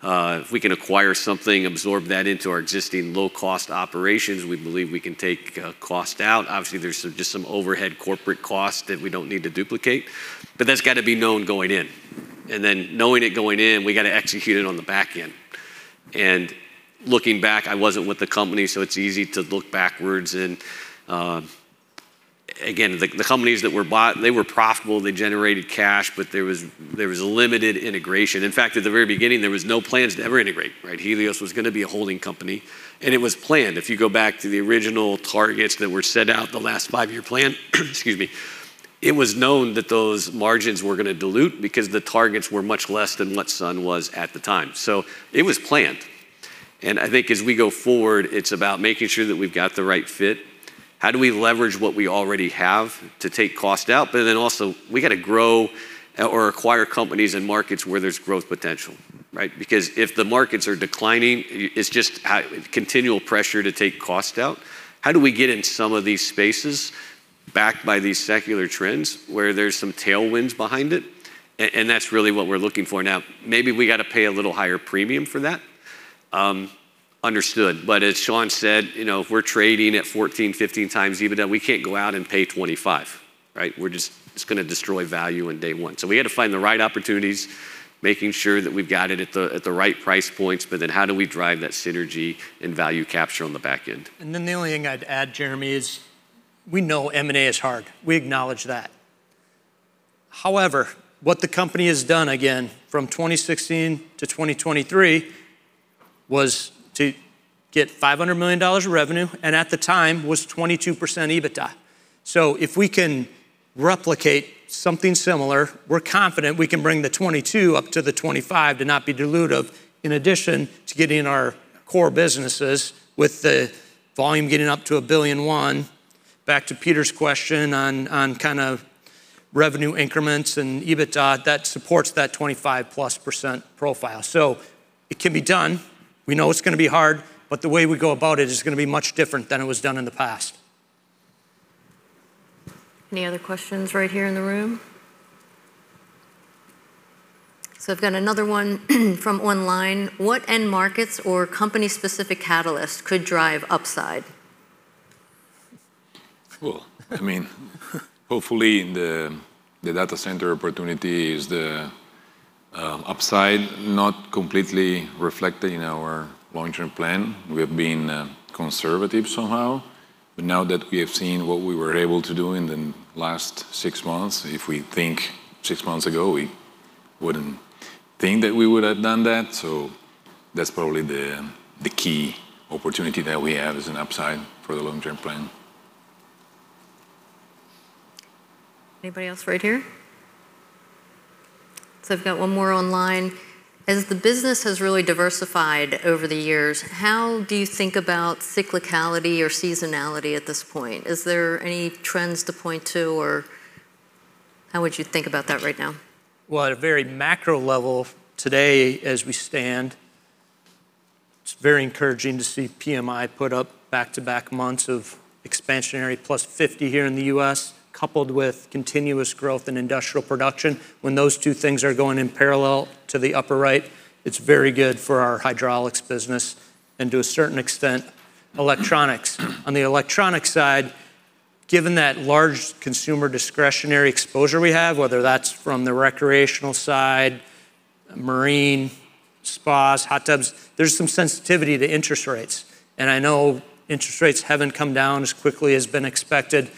If we can acquire something, absorb that into our existing low-cost operations, we believe we can take cost out. Obviously, there's just some overhead corporate costs that we don't need to duplicate, but that's gotta be known going in. Knowing it going in, we gotta execute it on the back end. Looking back, I wasn't with the company, so it's easy to look backwards and again, the companies that were bought, they were profitable, they generated cash, but there was limited integration. In fact, at the very beginning, there was no plans to ever integrate, right? Helios was gonna be a holding company, and it was planned. If you go back to the original targets that were set out in the last five-year plan, excuse me, it was known that those margins were gonna dilute because the targets were much less than what Sun was at the time. It was planned, and I think as we go forward, it's about making sure that we've got the right fit. How do we leverage what we already have to take cost out? Also, we gotta grow or acquire companies in markets where there's growth potential, right? Because if the markets are declining, it's just continual pressure to take cost out. How do we get in some of these spaces backed by these secular trends where there's some tailwinds behind it? That's really what we're looking for now. Maybe we gotta pay a little higher premium for that. Understood. as Sean said, you know, if we're trading at 14-15x EBITDA, we can't go out and pay 25, right? We're just. It's gonna destroy value in day one. we had to find the right opportunities, making sure that we've got it at the right price points, but then how do we drive that synergy and value capture on the back end? The only thing I'd add, Jeremy, is we know M&A is hard. We acknowledge that. However, what the company has done, again, from 2016 to 2023 was to get $500 million of revenue, and at the time was 22% EBITDA. If we can replicate something similar, we're confident we can bring the 22 up to the 25 to not be dilutive in addition to getting our core businesses with the volume getting up to $1.1 billion. Back to Peter's question on kind of revenue increments and EBITDA, that supports that 25%+ profile. It can be done. We know it's gonna be hard, but the way we go about it is gonna be much different than it was done in the past. Any other questions right here in the room? I've got another one from online. What end markets or company-specific catalysts could drive upside? Well, I mean, hopefully in the data center opportunity is the upside not completely reflected in our long-term plan. We have been conservative somehow. Now that we have seen what we were able to do in the last six months, if we think six months ago, we wouldn't think that we would have done that. That's probably the key opportunity that we have as an upside for the long-term plan. Anybody else right here? I've got one more online. As the business has really diversified over the years, how do you think about cyclicality or seasonality at this point? Is there any trends to point to, or how would you think about that right now? Well, at a very macro level today as we stand, it's very encouraging to see PMI put up back-to-back months of expansionary plus fifty here in the U.S., coupled with continuous growth in industrial production. When those two things are going in parallel to the upper right, it's very good for our hydraulics business and to a certain extent, electronics. On the electronic side, given that large consumer discretionary exposure we have, whether that's from the recreational side, marine, spas, hot tubs, there's some sensitivity to interest rates. I know interest rates haven't come down as quickly as been expected,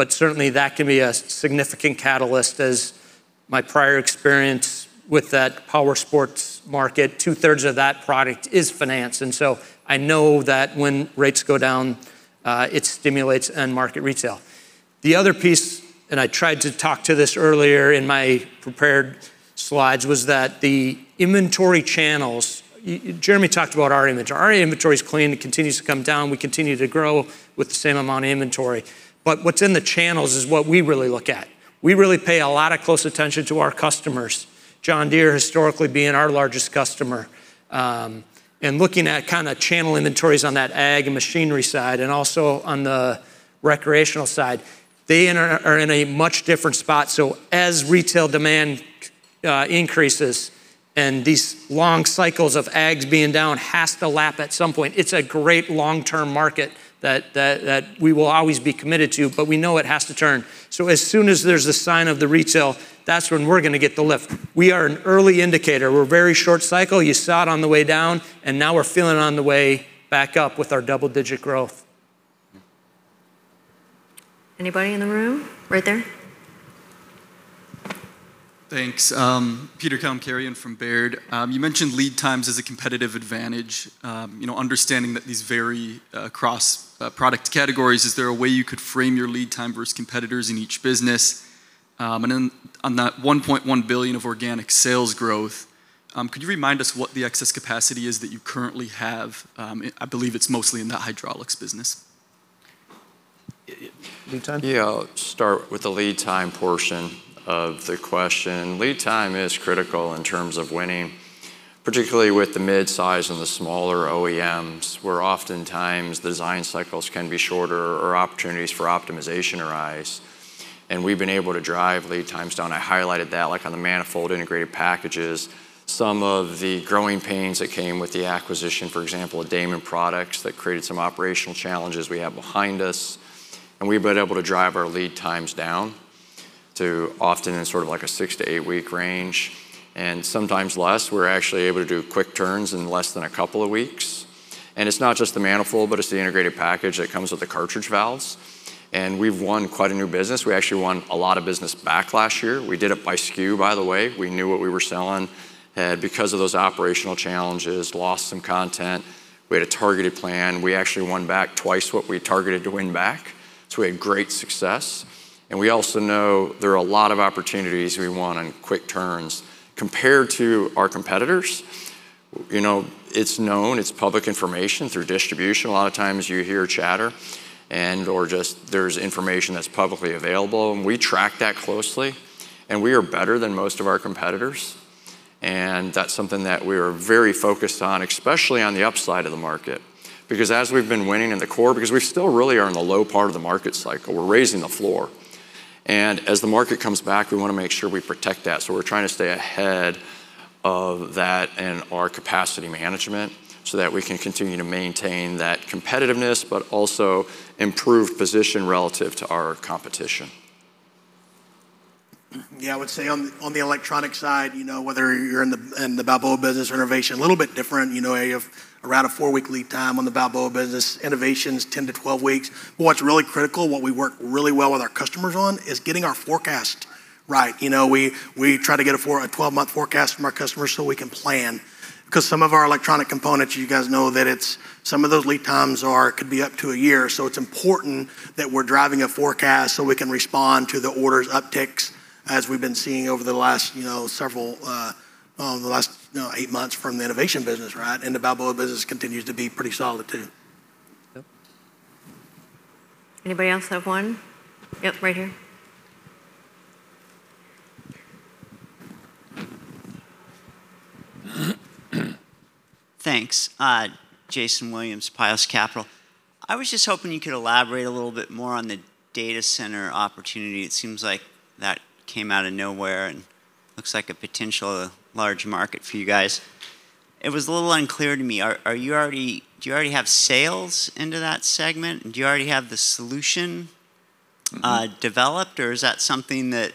but certainly that can be a significant catalyst as my prior experience with that power sports market, two-thirds of that product is finance. I know that when rates go down, it stimulates end market retail. The other piece. I tried to talk to this earlier in my prepared Slides was that the inventory channels. Jeremy talked about our inventory. Our inventory is clean. It continues to come down. We continue to grow with the same amount of inventory. What's in the channels is what we really look at. We really pay a lot of close attention to our customers, John Deere historically being our largest customer, and looking at kinda channel inventories on that ag and machinery side and also on the recreational side. They are in a much different spot, so as retail demand increases and these long cycles of ags being down has to lap at some point. It's a great long-term market that we will always be committed to, but we know it has to turn. As soon as there's a sign of the retail, that's when we're gonna get the lift. We are an early indicator. We're very short cycle. You saw it on the way down, and now we're feeling it on the way back up with our double-digit growth. Anybody in the room? Right there. Thanks. Peter Benevides from Baird. You mentioned lead times as a competitive advantage. You know, understanding that these vary across product categories, is there a way you could frame your lead time versus competitors in each business? On that $1.1 billion of organic sales growth, could you remind us what the excess capacity is that you currently have? I believe it's mostly in the hydraulics business. Lead time? Yeah, I'll start with the lead time portion of the question. Lead time is critical in terms of winning, particularly with the midsize and the smaller OEMs, where oftentimes design cycles can be shorter or opportunities for optimization arise, and we've been able to drive lead times down. I highlighted that, like, on the manifold integrated packages. Some of the growing pains that came with the acquisition, for example, of Daman Products that created some operational challenges we have behind us, and we've been able to drive our lead times down to often in sort of like a 6-8-week range and sometimes less. We're actually able to do quick turns in less than a couple of weeks, and it's not just the manifold, but it's the integrated package that comes with the cartridge valves, and we've won quite a new business. We actually won a lot of business back last year. We did it by SKU, by the way. We knew what we were selling. We had, because of those operational challenges, lost some content. We had a targeted plan. We actually won back twice what we targeted to win back, so we had great success. We also know there are a lot of opportunities we won on quick turns. Compared to our competitors, you know, it's known, it's public information through distribution. A lot of times you hear chatter and/or just there's information that's publicly available, and we track that closely, and we are better than most of our competitors, and that's something that we are very focused on, especially on the upside of the market. Because as we've been winning in the core, because we still really are in the low part of the market cycle, we're raising the floor, and as the market comes back, we wanna make sure we protect that. We're trying to stay ahead of that and our capacity management so that we can continue to maintain that competitiveness but also improve position relative to our competition. Yeah, I would say on the electronic side, you know, whether you're in the Balboa business or Enovation, a little bit different. You know, you have around a 4-week lead time on the Balboa business. Enovation is 10-12 weeks. What's really critical, what we work really well with our customers on, is getting our forecast right. You know, we try to get a 12-month forecast from our customers so we can plan. 'Cause some of our electronic components, you guys know that some of those lead times could be up to a year. It's important that we're driving a forecast so we can respond to the orders upticks as we've been seeing over the last eight months from the Enovation business, right? The Balboa business continues to be pretty solid too. Yep. Anybody else have one? Yep, right here. Thanks. Jason Williams, Pios Capital. I was just hoping you could elaborate a little bit more on the data center opportunity. It seems like that came out of nowhere and looks like a potential large market for you guys. It was a little unclear to me. Do you already have sales into that segment? Do you already have the solution? Mm-hmm... developed, or is that something that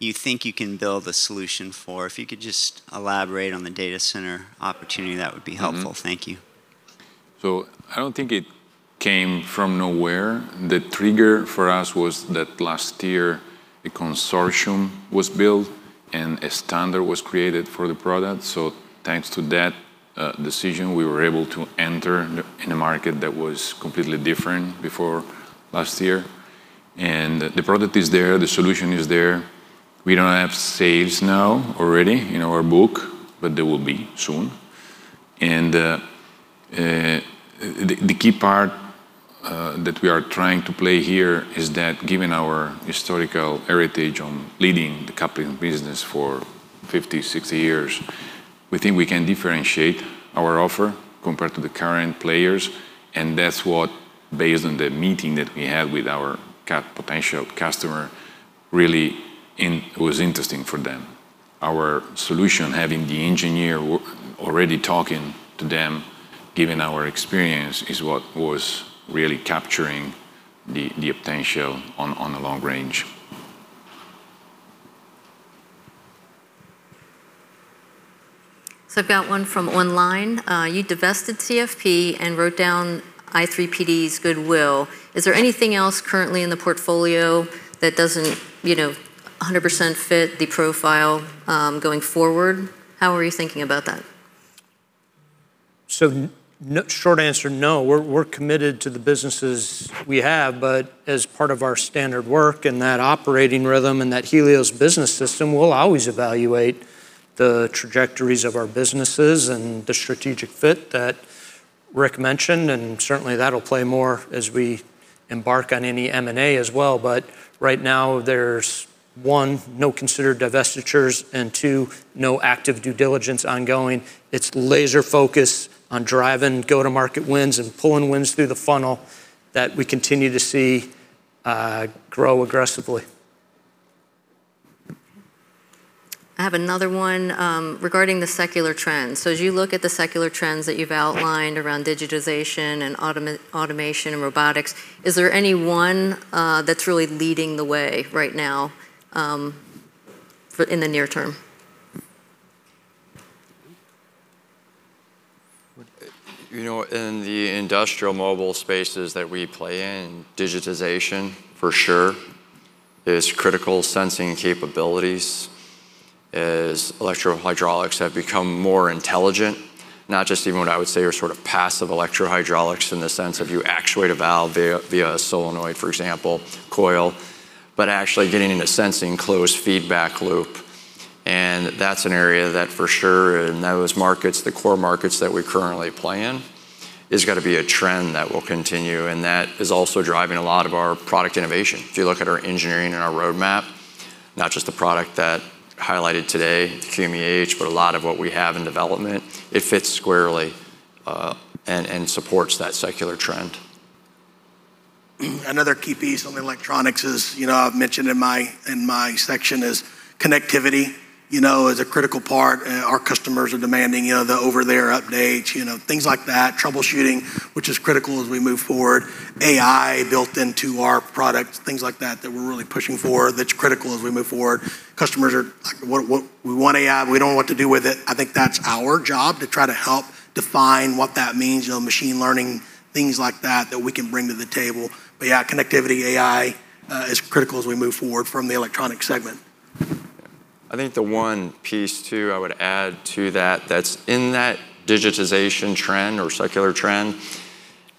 you think you can build a solution for? If you could just elaborate on the data center opportunity, that would be helpful. Mm-hmm. Thank you. I don't think it came from nowhere. The trigger for us was that last year a consortium was built, and a standard was created for the product. Thanks to that decision, we were able to enter in a market that was completely different before last year. The product is there, the solution is there. We don't have sales now already in our book, but there will be soon. The key part that we are trying to play here is that given our historical heritage on leading the coupling business for 50-60 years, we think we can differentiate our offer compared to the current players, and that's what, based on the meeting that we had with our potential customer, it was interesting for them. Our solution, having the engineer already talking to them, given our experience, is what was really capturing the potential on the long range. I've got one from online. You divested CFP and wrote down i3PD's goodwill. Is there anything else currently in the portfolio that doesn't, you know, 100% fit the profile going forward? How are you thinking about that? Short answer, no. We're committed to the businesses we have, but as part of our standard work and that operating rhythm and that Helios Business System, we'll always evaluate the trajectories of our businesses and the strategic fit that Rick mentioned, and certainly that'll play more as we embark on any M&A as well. But right now there's one, no considered divestitures, and two, no active due diligence ongoing. It's laser focus on driving go-to-market wins and pulling wins through the funnel that we continue to see grow aggressively. I have another one, regarding the secular trends. As you look at the secular trends that you've outlined around digitization and automation and robotics, is there any one that's really leading the way right now, in the near term? You know, in the industrial mobile spaces that we play in, digitization for sure is critical. Sensing capabilities, as electro-hydraulics have become more intelligent, not just even what I would say are sort of passive electro-hydraulics in the sense of you actuate a valve via a solenoid, for example, coil, but actually getting into sensing closed feedback loop and that's an area that for sure in those markets, the core markets that we currently play in, is gonna be a trend that will continue, and that is also driving a lot of our product innovation. If you look at our engineering and our roadmap, not just the product that highlighted today, the QMEH, but a lot of what we have in development, it fits squarely and supports that secular trend. Another key piece on the electronics is, you know, I've mentioned in my section is connectivity, you know, is a critical part. Our customers are demanding, you know, the over-the-air updates, you know, things like that. Troubleshooting, which is critical as we move forward. AI built into our product, things like that that we're really pushing for, that's critical as we move forward. Customers are like, "We want AI, but we don't know what to do with it." I think that's our job to try to help define what that means, you know, machine learning, things like that we can bring to the table. Yeah, connectivity, AI, is critical as we move forward from the electronic segment. I think the one piece too I would add to that that's in that digitization trend or secular trend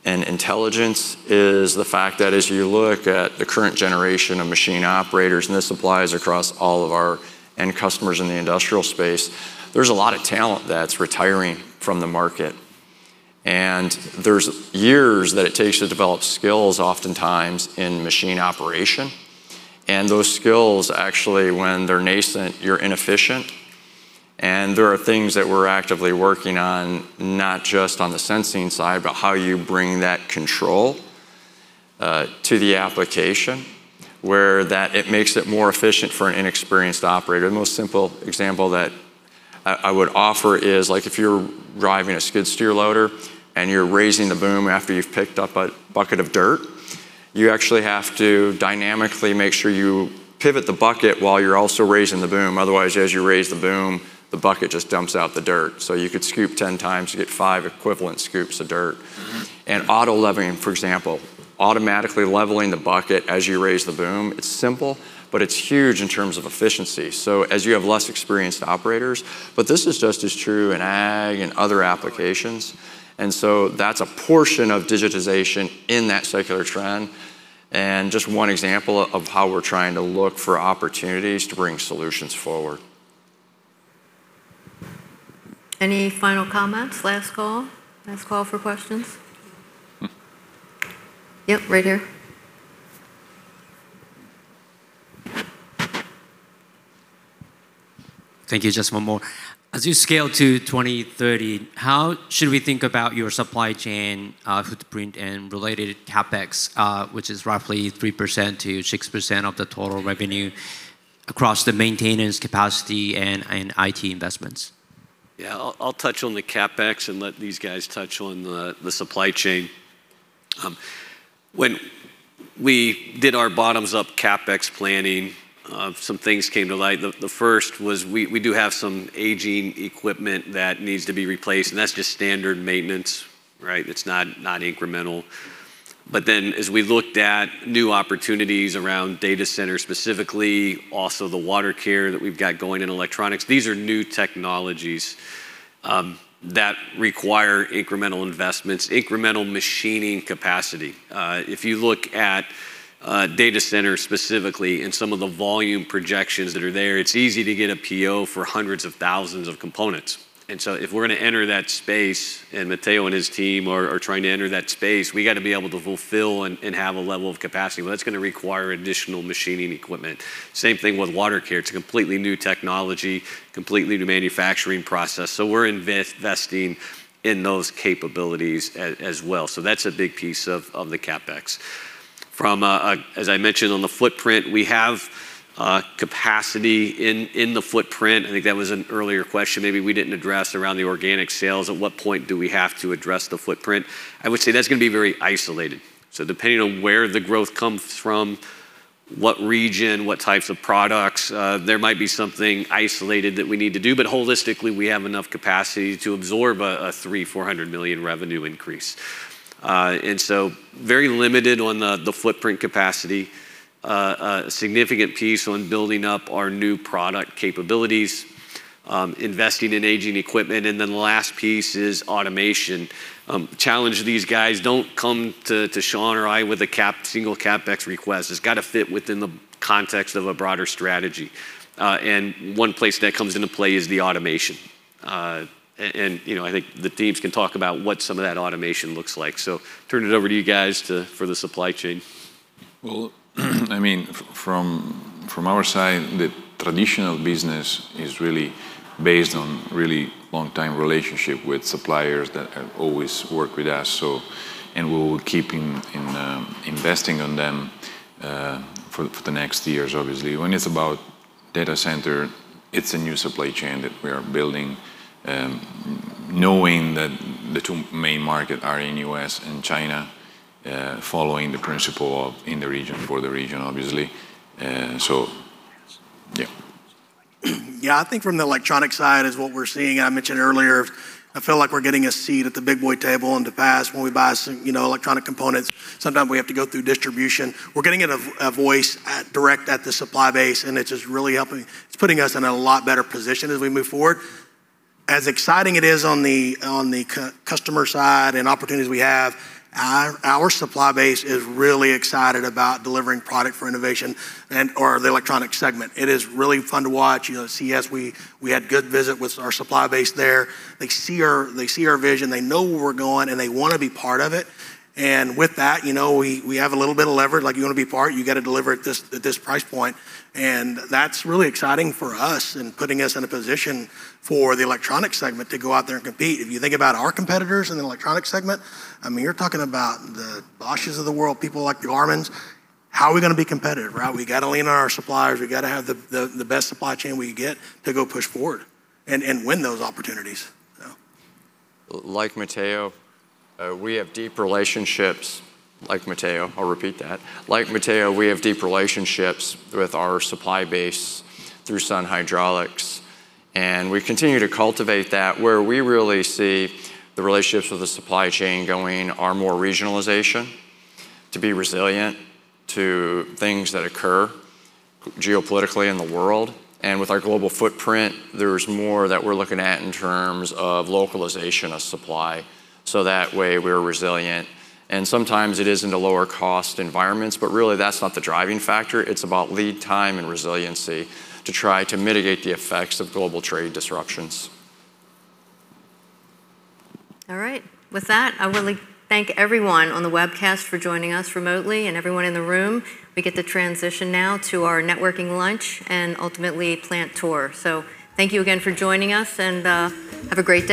and intelligence is the fact that as you look at the current generation of machine operators, and this applies across all of our end customers in the industrial space, there's a lot of talent that's retiring from the market. There's years that it takes to develop skills oftentimes in machine operation. Those skills actually, when they're nascent, you're inefficient. There are things that we're actively working on, not just on the sensing side, but how you bring that control to the application where that it makes it more efficient for an inexperienced operator. The most simple example that I would offer is like if you're driving a skid steer loader and you're raising the boom after you've picked up a bucket of dirt, you actually have to dynamically make sure you pivot the bucket while you're also raising the boom. Otherwise, as you raise the boom, the bucket just dumps out the dirt. You could scoop 10 times, you get 5 equivalent scoops of dirt. Auto-leveling, for example, automatically leveling the bucket as you raise the boom, it's simple, but it's huge in terms of efficiency. As you have less experienced operators, but this is just as true in ag and other applications. That's a portion of digitization in that secular trend and just one example of how we're trying to look for opportunities to bring solutions forward. Any final comments? Last call. Last call for questions. Yep, right here. Thank you. Just one more. As you scale to 2030, how should we think about your supply chain footprint and related CapEx, which is roughly 3%-6% of the total revenue across the maintenance capacity and IT investments? I'll touch on the CapEx and let these guys touch on the supply chain. When we did our bottoms-up CapEx planning, some things came to light. The first was we do have some aging equipment that needs to be replaced, and that's just standard maintenance, right? It's not incremental. As we looked at new opportunities around data centers specifically, also the water care that we've got going in electronics, these are new technologies that require incremental investments, incremental machining capacity. If you look at data centers specifically and some of the volume projections that are there, it's easy to get a PO for hundreds of thousands of components. If we're gonna enter that space, and Matteo and his team are trying to enter that space, we gotta be able to fulfill and have a level of capacity. Well, that's gonna require additional machining equipment. Same thing with water care. It's a completely new technology, completely new manufacturing process, so we're investing in those capabilities as well. That's a big piece of the CapEx. As I mentioned on the footprint, we have capacity in the footprint. I think that was an earlier question maybe we didn't address around the organic sales. At what point do we have to address the footprint? I would say that's gonna be very isolated. Depending on where the growth comes from, what region, what types of products, there might be something isolated that we need to do. Holistically, we have enough capacity to absorb a $300-$400 million revenue increase. Very limited on the footprint capacity. Significant piece on building up our new product capabilities, investing in aging equipment, and then the last piece is automation. Challenge these guys don't come to Sean or I with a single CapEx request. It's gotta fit within the context of a broader strategy. One place that comes into play is the automation. You know, I think the teams can talk about what some of that automation looks like. Turn it over to you guys for the supply chain. Well, I mean, from our side, the traditional business is really based on really long time relationship with suppliers that have always worked with us, so. We're keeping in, investing in them for the next years obviously. When it's about data center, it's a new supply chain that we are building, knowing that the two main market are in US and China, following the principle of in the region, for the region, obviously. So, yeah. Yeah, I think from the electronic side is what we're seeing. I mentioned earlier. I feel like we're getting a seat at the big boy table. In the past when we buy some, you know, electronic components, sometimes we have to go through distribution. We're getting a voice directly to the supply base, and it's just really helping. It's putting us in a lot better position as we move forward. As exciting it is on the customer side and opportunities we have, our supply base is really excited about delivering product for innovation and or the electronic segment. It is really fun to watch, you know, as we had good visit with our supply base there. They see our vision. They know where we're going, and they wanna be part of it. With that, you know, we have a little bit of leverage. Like, you wanna be part, you gotta deliver at this price point. That's really exciting for us in putting us in a position for the electronic segment to go out there and compete. If you think about our competitors in the electronic segment, I mean, you're talking about the Bosch of the world, people like Eaton. How are we gonna be competitive, right? We gotta lean on our suppliers. We gotta have the best supply chain we can get to go push forward and win those opportunities, you know. Like Matteo, we have deep relationships with our supply base through Sun Hydraulics, and we continue to cultivate that. Where we really see the relationships with the supply chain going are more regionalization, to be resilient to things that occur geopolitically in the world. With our global footprint, there's more that we're looking at in terms of localization of supply, so that way we're resilient. Sometimes it is in the lower cost environments, but really that's not the driving factor. It's about lead time and resiliency to try to mitigate the effects of global trade disruptions. All right. With that, I wanna thank everyone on the webcast for joining us remotely, and everyone in the room. We get to transition now to our networking lunch and ultimately plant tour. Thank you again for joining us, and have a great day.